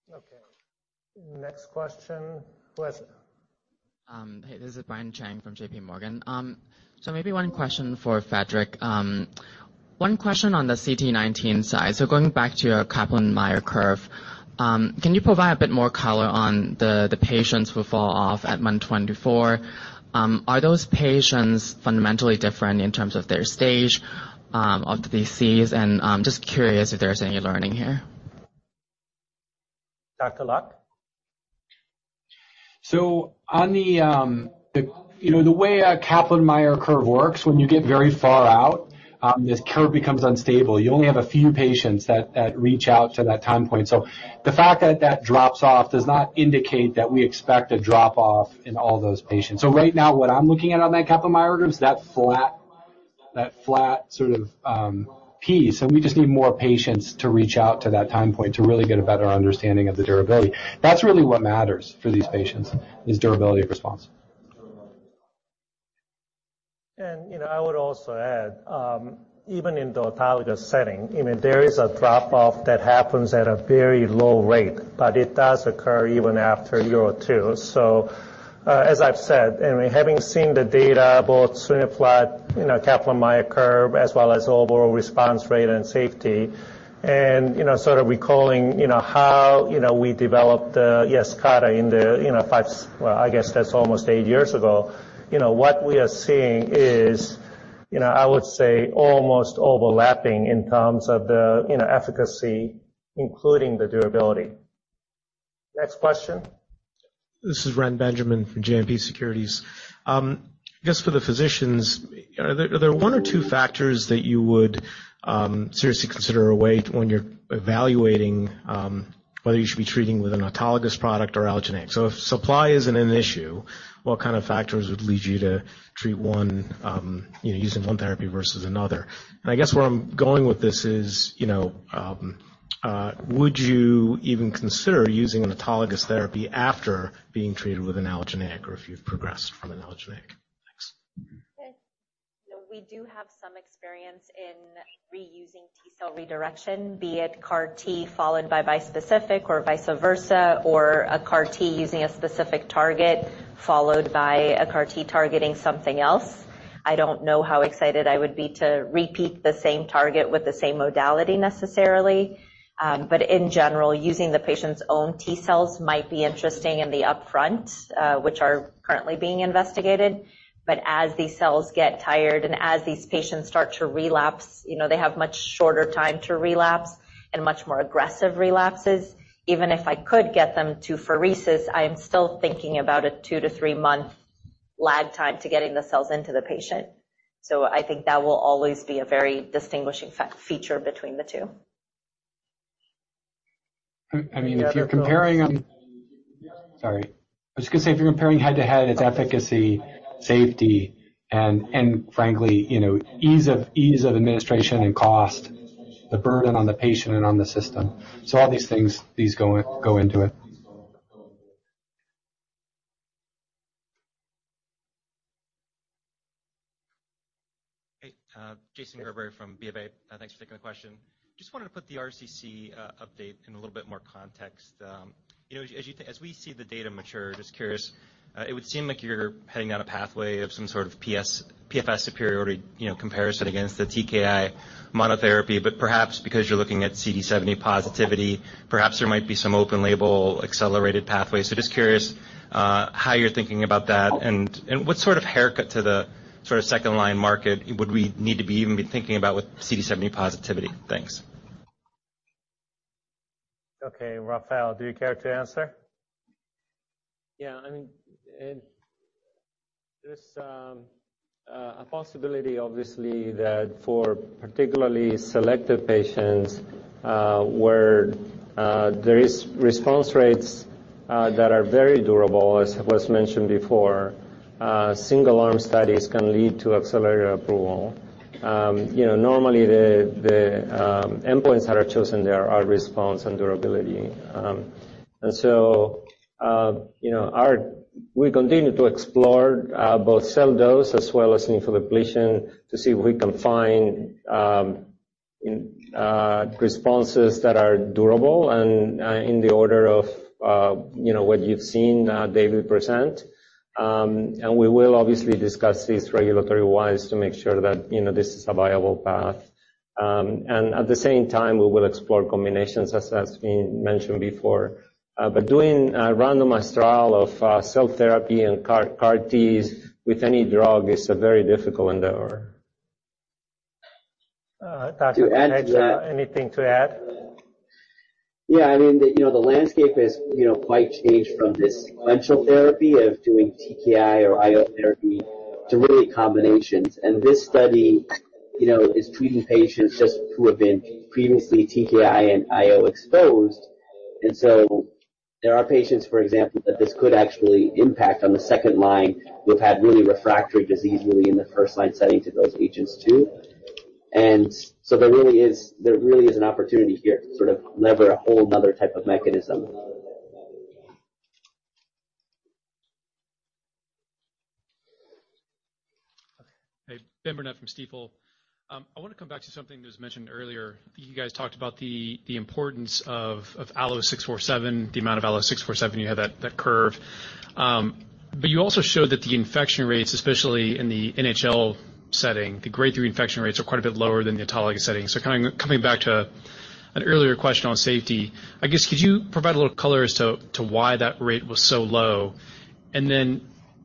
Okay. Next question. Who has it? Hey, this is Brian Cheng from JPMorgan. Maybe one question for Frederick. One question on the CD19 side. Going back to your Kaplan-Meier curve, can you provide a bit more color on the patients who fall off at month 24? Are those patients fundamentally different in terms of their stage of the DCs? Just curious if there's any learning here. Dr. Locke. On the, you know, the way a Kaplan-Meier curve works when you get very far out, this curve becomes unstable. You only have a few patients that reach out to that time point. The fact that that drops off does not indicate that we expect a drop off in all those patients. Right now, what I'm looking at on that Kaplan-Meier curve is that flat sort of piece, and we just need more patients to reach out to that time point to really get a better understanding of the durability. That's really what matters for these patients, is durability of response. I would also add, even in the autologous setting, you know, there is a drop-off that happens at a very low rate, but it does occur even after a year or two. As I've said, and having seen the data, both swimmer plot, you know, Kaplan-Meier curve, as well as overall response rate and safety, and, you know, sort of recalling, you know, how, you know, we developed Yescarta in the, you know, five, well, I guess that's almost eight years ago. You know, what we are seeing is, you know, I would say almost overlapping in terms of the, you know, efficacy, including the durability. Next question. This is Reni Benjamin from JMP Securities. I guess for the physicians, are there one or two factors that you would seriously consider or weigh when you're evaluating whether you should be treating with an autologous product or allogeneic? If supply isn't an issue, what kind of factors would lead you to treat one, you know, using one therapy versus another? I guess where I'm going with this is, you know, would you even consider using an autologous therapy after being treated with an allogeneic or if you've progressed from an allogeneic? Thanks. You know, we do have some experience in reusing T-cell redirection, be it CAR T followed by bispecific or vice versa, or a CAR T using a specific target followed by a CAR T targeting something else. I don't know how excited I would be to repeat the same target with the same modality necessarily. In general, using the patient's own T-cells might be interesting in the upfront, which are currently being investigated. As these cells get tired and as these patients start to relapse, you know, they have much shorter time to relapse and much more aggressive relapses. Even if I could get them to pheresis, I am still thinking about a two to three-month lag time to getting the cells into the patient. I think that will always be a very distinguishing feature between the two. I mean, if you're comparing them. The other- Sorry. I was just gonna say, if you're comparing head-to-head, it's efficacy, safety, and frankly, you know, ease of administration and cost, the burden on the patient and on the system. All these things, these go into it. Hey, Jason Gerberry from BofA. Thanks for taking my question. Just wanted to put the RCC update in a little bit more context. You know, as we see the data mature, just curious, it would seem like you're heading down a pathway of some sort of PFS superiority, you know, comparison against the TKI monotherapy. Perhaps because you're looking at CD70 positivity, perhaps there might be some open label accelerated pathways. Just curious, how you're thinking about that and what sort of haircut to the sort of second line market would we need to be even be thinking about with CD70 positivity? Thanks. Okay, Rafael, do you care to answer? Yeah. I mean, there's a possibility obviously that for particularly selected patients, where there is response rates that are very durable, as was mentioned before, single-arm studies can lead to accelerated approval. You know, normally the endpoints that are chosen there are response and durability. We continue to explore both cell dose as well as lymphodepletion to see if we can find responses that are durable and in the order of, you know, what you've seen David present. We will obviously discuss this regulatory-wise to make sure that, you know, this is a viable path. At the same time, we will explore combinations as we mentioned before. Doing a randomized trial of cell therapy and CAR Ts with any drug is a very difficult endeavor. Dr. Kotecha, anything to add? Yeah, I mean, the, you know, the landscape is, you know, quite changed from this sequential therapy of doing TKI or IO therapy to really combinations. This study, you know, is treating patients just who have been previously TKI and IO exposed. There are patients, for example, that this could actually impact on the second line, who have had really refractory disease really in the first line setting to those agents too. There really is an opportunity here to sort of lever a whole another type of mechanism. Hey. Benjamin Burnett from Stifel. I wanna come back to something that was mentioned earlier. You guys talked about the importance of ALLO-647, the amount of ALLO-647, you had that curve. You also showed that the infection rates, especially in the NHL setting, the grade 3 infection rates are quite a bit lower than the autologous setting. Kind of coming back to an earlier question on safety, I guess could you provide a little color as to why that rate was so low?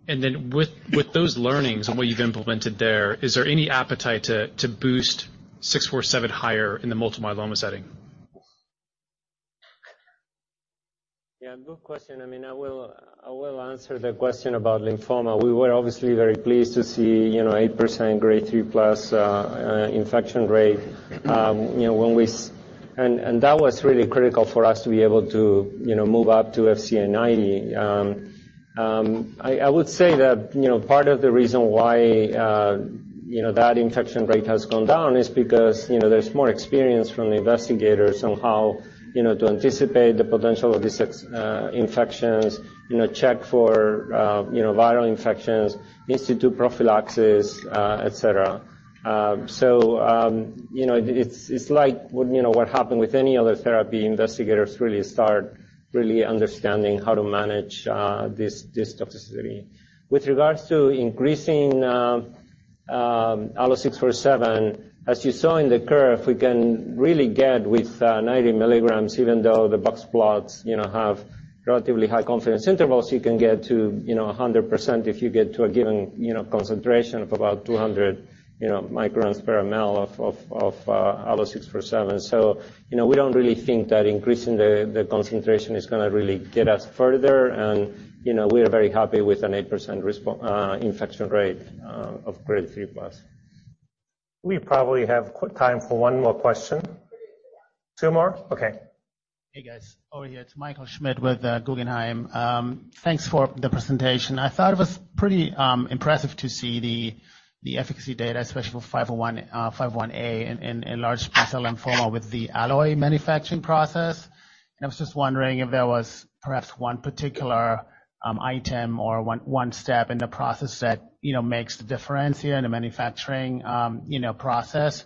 With those learnings and what you've implemented there, is there any appetite to boost ALLO-647 higher in the multiple myeloma setting? Yeah. Good question. I mean, I will answer the question about lymphoma. We were obviously very pleased to see, you know, 8% grade 3 plus infection rate. You know, when that was really critical for us to be able to, you know, move up to FCA90. I would say that, you know, part of the reason why, you know, that infection rate has gone down is because, you know, there's more experience from the investigators on how, you know, to anticipate the potential of these infections. You know, check for viral infections, institute prophylaxis, et cetera. You know, it's like when, you know, what happened with any other therapy, investigators really start understanding how to manage this toxicity. With regards to increasing ALLO-647, as you saw in the curve, we can really get with 90 milligrams, even though the box plots, you know, have relatively high confidence intervals. You can get to, you know, 100% if you get to a given, you know, concentration of about 200, you know, microns per ml of ALLO-647. We don't really think that increasing the concentration is gonna really get us further and, you know, we are very happy with an 8% infection rate of grade 3 plus. We probably have time for one more question. Two more? Okay. Hey, guys. Over here. It's Michael Schmidt with Guggenheim. Thanks for the presentation. I thought it was pretty impressive to see the efficacy data, especially for ALLO-501, ALLO-501A in large B-cell lymphoma with the Alloy manufacturing process. I was just wondering if there was perhaps one particular item or one step in the process that, you know, makes the difference here in the manufacturing, you know, process.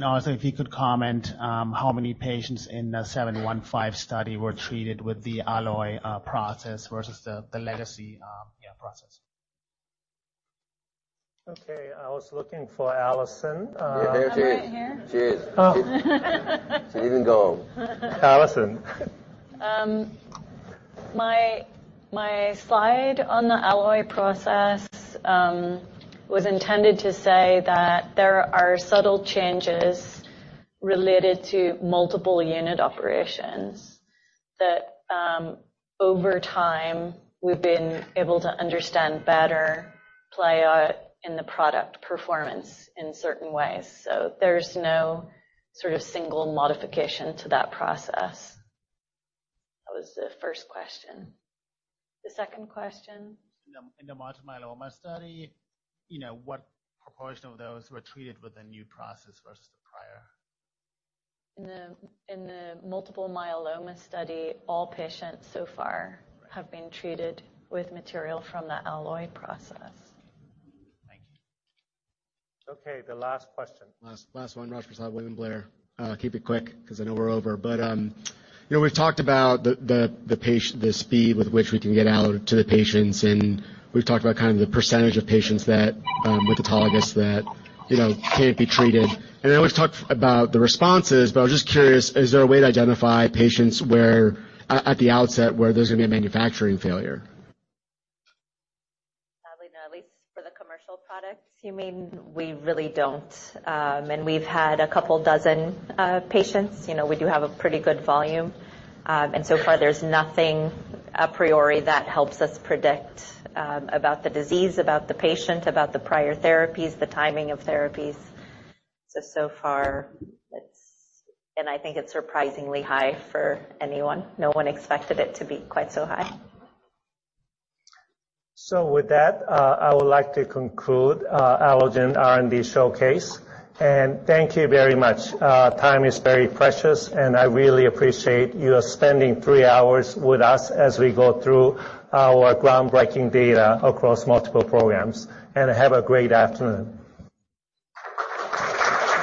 Also, if you could comment, how many patients in the ALLO-715 study were treated with the Alloy process versus the legacy, yeah, process. Okay, I was looking for Alison. Yeah, there she is. I'm right here. She is. She didn't go home. Allison. My slide on the Alloy process was intended to say that there are subtle changes related to multiple unit operations that, over time we've been able to understand better play out in the product performance in certain ways. There's no sort of single modification to that process. That was the first question. The second question? In the multiple myeloma study, you know, what proportion of those were treated with the new process versus the prior? In the multiple myeloma study, all patients so far. Right. have been treated with material from the Alloy process. Thank you. Okay, the last question. Last one. Raju Prasad, William Blair. I'll keep it quick 'cause I know we're over. you know, we've talked about the speed with which we can get Allo to the patients, and we've talked about kind of the percentage of patients that, with autologous that, you know, can't be treated. I know we've talked about the responses, but I was just curious, is there a way to identify patients where at the outset, where there's gonna be a manufacturing failure? Sadly, not least for the commercial products. You mean we really don't. We've had a couple dozen patients. You know, we do have a pretty good volume. So far there's nothing a priori that helps us predict about the disease, about the patient, about the prior therapies, the timing of therapies. so far it's and I think it's surprisingly high for anyone. No one expected it to be quite so high. With that, I would like to conclude Allogene R&D showcase. Thank you very much. Time is very precious, and I really appreciate you spending three hours with us as we go through our groundbreaking data across multiple programs. Have a great afternoon.